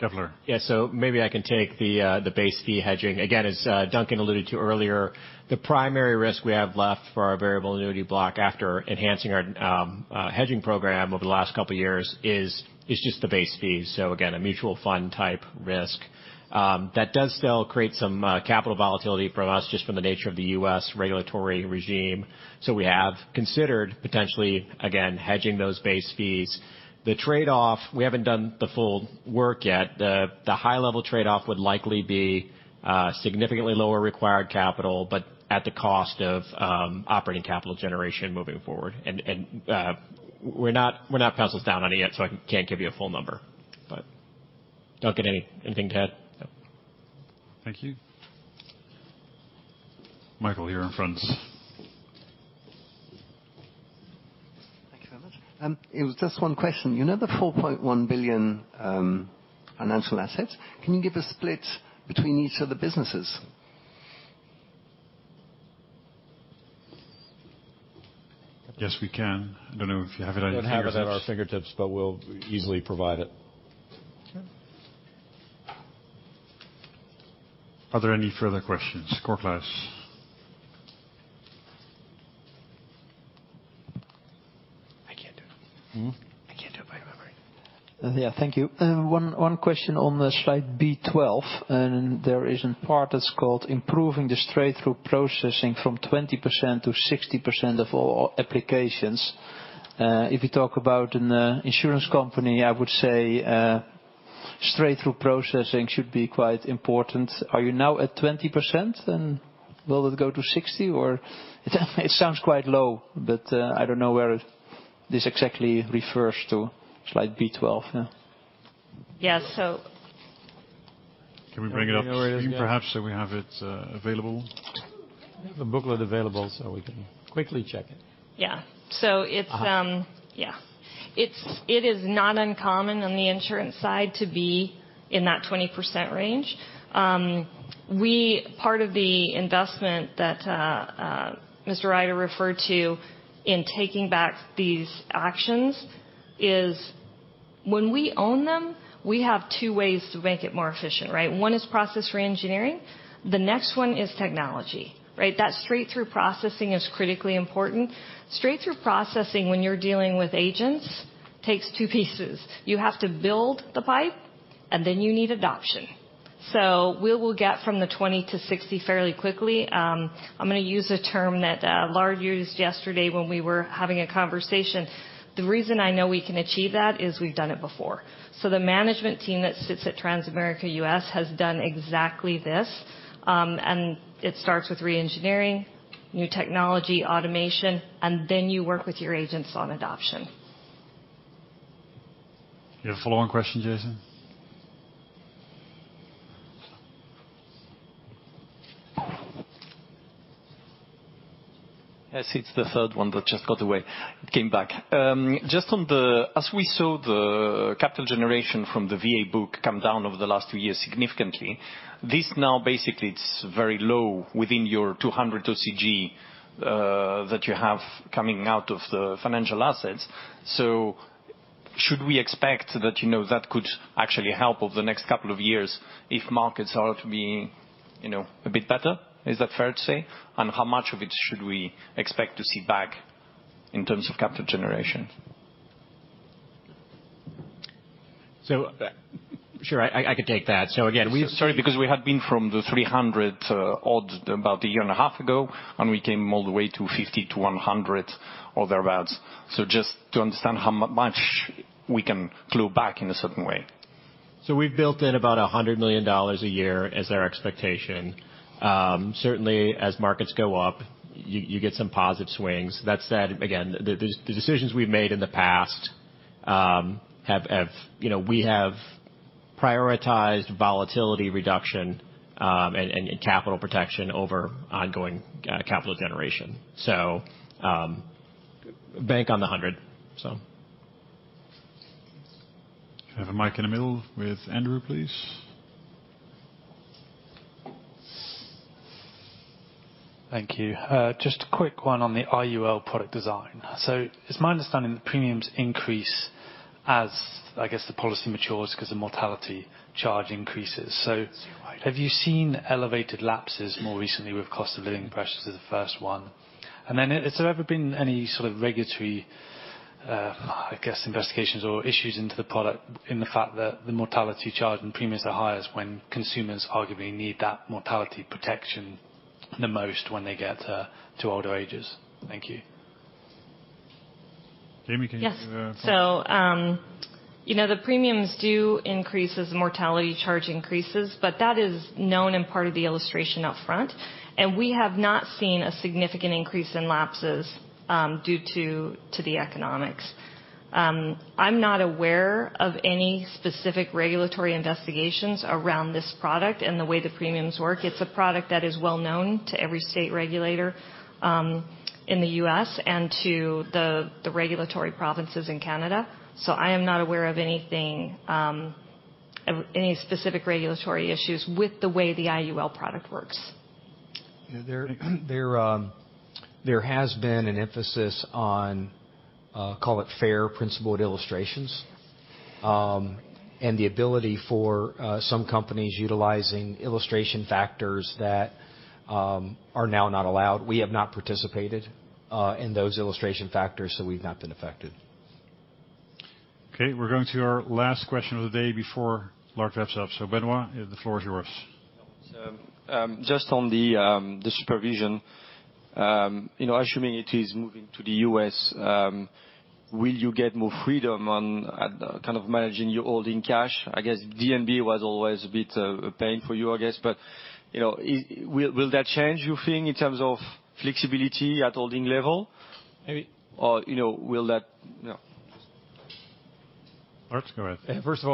So- Keppler? Maybe I can take the base fee hedging. Again, as Duncan alluded to earlier, the primary risk we have left for our variable annuity block after enhancing our hedging program over the last couple of years is just the base fee. Again, a mutual fund type risk. That does still create some capital volatility from us, just from the nature of the U.S. regulatory regime. We have considered potentially, again, hedging those base fees. The trade-off, we haven't done the full work yet. The high-level trade-off would likely be significantly lower required capital, but at the cost of operating capital generation moving forward. We're not pencils down on it yet. I can't give you a full number. Duncan, anything to add? No. Thank you. Michael, you're in front. Thank you very much. It was just one question. You know the 4.1 billion financial assets, can you give a split between each of the businesses? Yes, we can. I don't know if you have it at your fingertips. We don't have it at our fingertips, but we'll easily provide it. Okay. Are there any further questions? Cor Kluis. I can't do it. Hmm? I can't do it by memory. Yeah, thank you. One question on the slide B12, and there is a part that's called improving the straight-through processing from 20%-60% of all applications. If you talk about an insurance company, I would say straight-through processing should be quite important. Are you now at 20%, and will it go to 60, or? It sounds quite low, but, I don't know where this exactly refers to, slide B12, yeah. Yes. Can we bring it up perhaps, so we have it available? We have the booklet available, so we can quickly check it. It is not uncommon on the insurance side to be in that 20% range. Part of the investment that Mr. Rider referred to in taking back these actions is when we own them, we have two ways to make it more efficient, right? One is process reengineering, the next one is technology, right? That straight-through processing is critically important. Straight-through processing, when you're dealing with agents, takes two pieces. You have to build the pipe, and then you need adoption. We will get from the 20%-60% fairly quickly. I'm gonna use a term that Lard used yesterday when we were having a conversation. The reason I know we can achieve that is we've done it before. The management team that sits at Transamerica U.S. has done exactly this, and it starts with reengineering, new technology, automation, and then you work with your agents on adoption. You have a follow-on question, Jason? Yes, it's the third one that just got away. It came back. As we saw the capital generation from the VA book come down over the last two years significantly, this now basically it's very low within your 200 OCG that you have coming out of the financial assets. Should we expect that, you know, that could actually help over the next couple of years if markets are to be, you know, a bit better? Is that fair to say? How much of it should we expect to see back in terms of capital generation? Sure, I could take that. Again. Sorry, because we had been from the 300 odds about a year and a half ago, and we came all the way to 50-100 or thereabouts. Just to understand how much we can claw back in a certain way. We've built in about $100 million a year as our expectation. Certainly, as markets go up, you get some positive swings. That said, again, the decisions we've made in the past, have, you know, we have prioritized volatility reduction, and capital protection over ongoing capital generation. Bank on the $100. Can I have a mic in the middle with Andrew, please? Thank you. Just a quick one on the IUL product design. It's my understanding the premiums increase as, I guess, the policy matures because the mortality charge increases. Have you seen elevated lapses more recently with cost of living pressures as the first one? Has there ever been any sort of regulatory, I guess, investigations or issues into the product in the fact that the mortality charge and premiums are highest when consumers arguably need that mortality protection the most when they get to older ages? Thank you. Jamie. Yes. You know, the premiums do increase as the mortality charge increases, but that is known in part of the illustration up front, and we have not seen a significant increase in lapses due to the economics. I'm not aware of any specific regulatory investigations around this product and the way the premiums work. It's a product that is well known to every state regulator in the U.S. and to the regulatory provinces in Canada. I am not aware of anything of any specific regulatory issues with the way the IUL product works. There has been an emphasis on call it fair principled illustrations, and the ability for some companies utilizing illustration factors that are now not allowed. We have not participated in those illustration factors, so we've not been affected. Okay, we're going to our last question of the day before Lard wraps up. Benoît, the floor is yours. Just on the supervision, you know, assuming it is moving to the U.S., will you get more freedom on, kind of managing your holding cash? I guess DNB was always a bit, pain for you, I guess. You know, Will that change, you think, in terms of flexibility at holding level, maybe? Or, you know, will that? Lard, go ahead. First of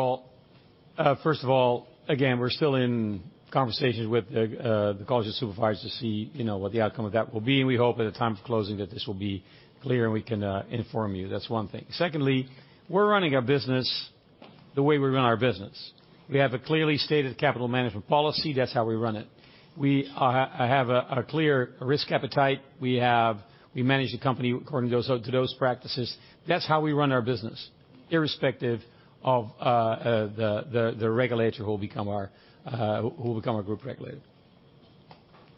all, again, we're still in conversations with the College of Supervisors to see, you know, what the outcome of that will be. We hope at the time of closing that this will be clear, and we can inform you. That's one thing. Secondly, we're running our business the way we run our business. We have a clearly stated capital management policy. That's how we run it. We have a clear risk appetite. We manage the company according to those practices. That's how we run our business, irrespective of the regulator who will become our group regulator.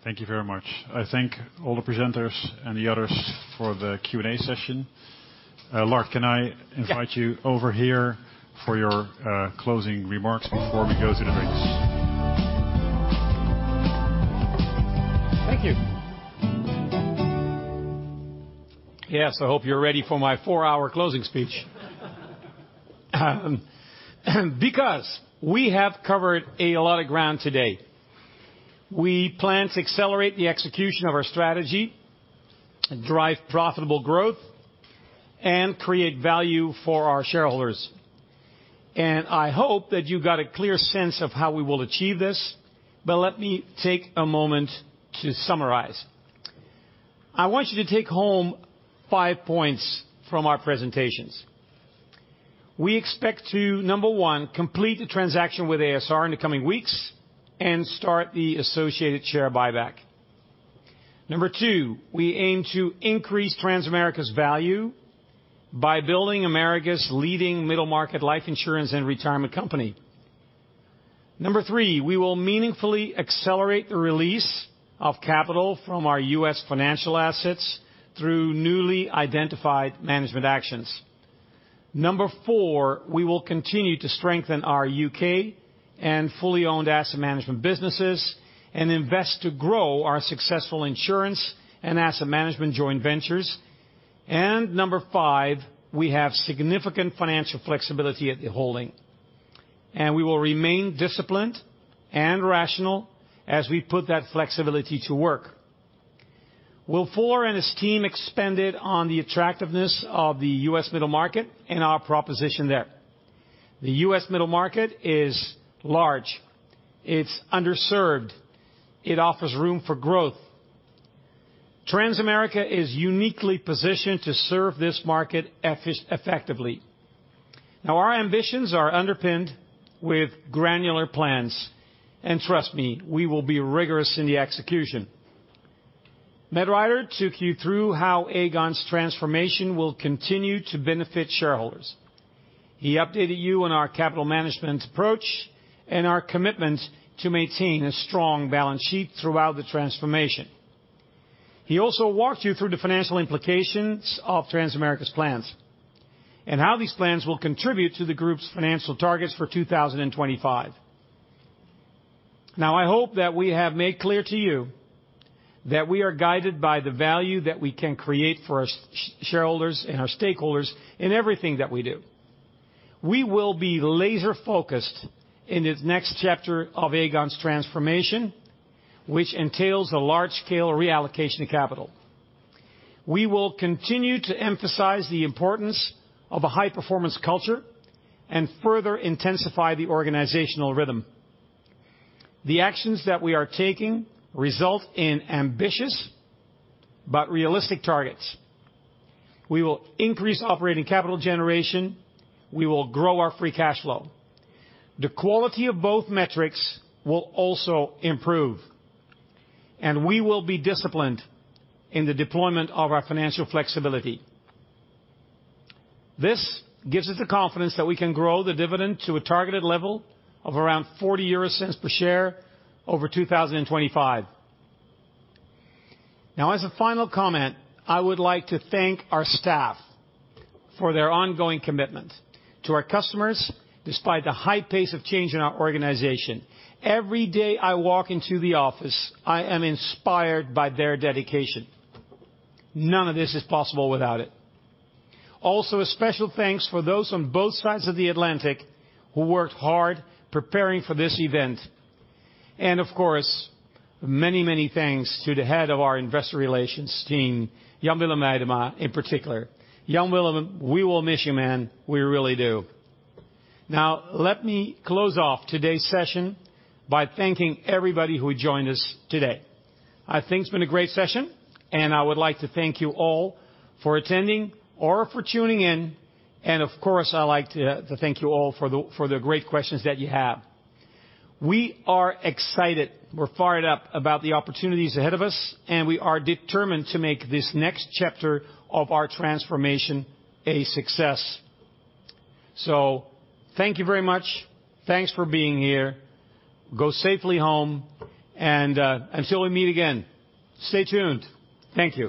Thank you very much. I thank all the presenters and the others for the Q&A session. Lard, can I invite Yeah. over here for your closing remarks before we go to the breaks? Thank you. Yes, I hope you're ready for my four-hour closing speech. We have covered a lot of ground today. We plan to accelerate the execution of our strategy, drive profitable growth, and create value for our shareholders. I hope that you got a clear sense of how we will achieve this, but let me take a moment to summarize. I want you to take home five points from our presentations. We expect to, number one, complete the transaction with a.s.r. in the coming weeks and start the associated share buyback. Number two, we aim to increase Transamerica's value by building America's leading middle market life insurance and retirement company. Number three, we will meaningfully accelerate the release of capital from our U.S. financial assets through newly identified management actions. Number four, we will continue to strengthen our U.K. and fully owned asset management businesses and invest to grow our successful insurance and asset management joint ventures. Number five, we have significant financial flexibility at the holding, and we will remain disciplined and rational as we put that flexibility to work. Will Fuller and his team expended on the attractiveness of the U.S. middle market and our proposition there. The U.S. middle market is large, it's underserved, it offers room for growth. Transamerica is uniquely positioned to serve this market effectively. Now, our ambitions are underpinned with granular plans, and trust me, we will be rigorous in the execution. Matt Rider took you through how Aegon's transformation will continue to benefit shareholders. He updated you on our capital management approach and our commitment to maintain a strong balance sheet throughout the transformation. He also walked you through the financial implications of Transamerica's plans, and how these plans will contribute to the group's financial targets for 2025. I hope that we have made clear to you that we are guided by the value that we can create for our shareholders and our stakeholders in everything that we do. We will be laser focused in this next chapter of Aegon's transformation, which entails a large-scale reallocation of capital. We will continue to emphasize the importance of a high-performance culture and further intensify the organizational rhythm. The actions that we are taking result in ambitious but realistic targets. We will increase operating capital generation. We will grow our free cash flow. The quality of both metrics will also improve, and we will be disciplined in the deployment of our financial flexibility. This gives us the confidence that we can grow the dividend to a targeted level of around 0.40 per share over 2025. As a final comment, I would like to thank our staff for their ongoing commitment to our customers, despite the high pace of change in our organization. Every day I walk into the office, I am inspired by their dedication. None of this is possible without it. Also, a special thanks for those on both sides of the Atlantic who worked hard preparing for this event. Of course, many, many thanks to the Head of Investor Relations, Jan Willem Weidema, in particular. Jan Willem, we will miss you, man. We really do. Let me close off today's session by thanking everybody who joined us today. I think it's been a great session, and I would like to thank you all for attending or for tuning in. Of course, I'd like to thank you all for the great questions that you have. We are excited, we're fired up about the opportunities ahead of us, and we are determined to make this next chapter of our transformation a success. Thank you very much. Thanks for being here. Go safely home, and until we meet again, stay tuned. Thank you.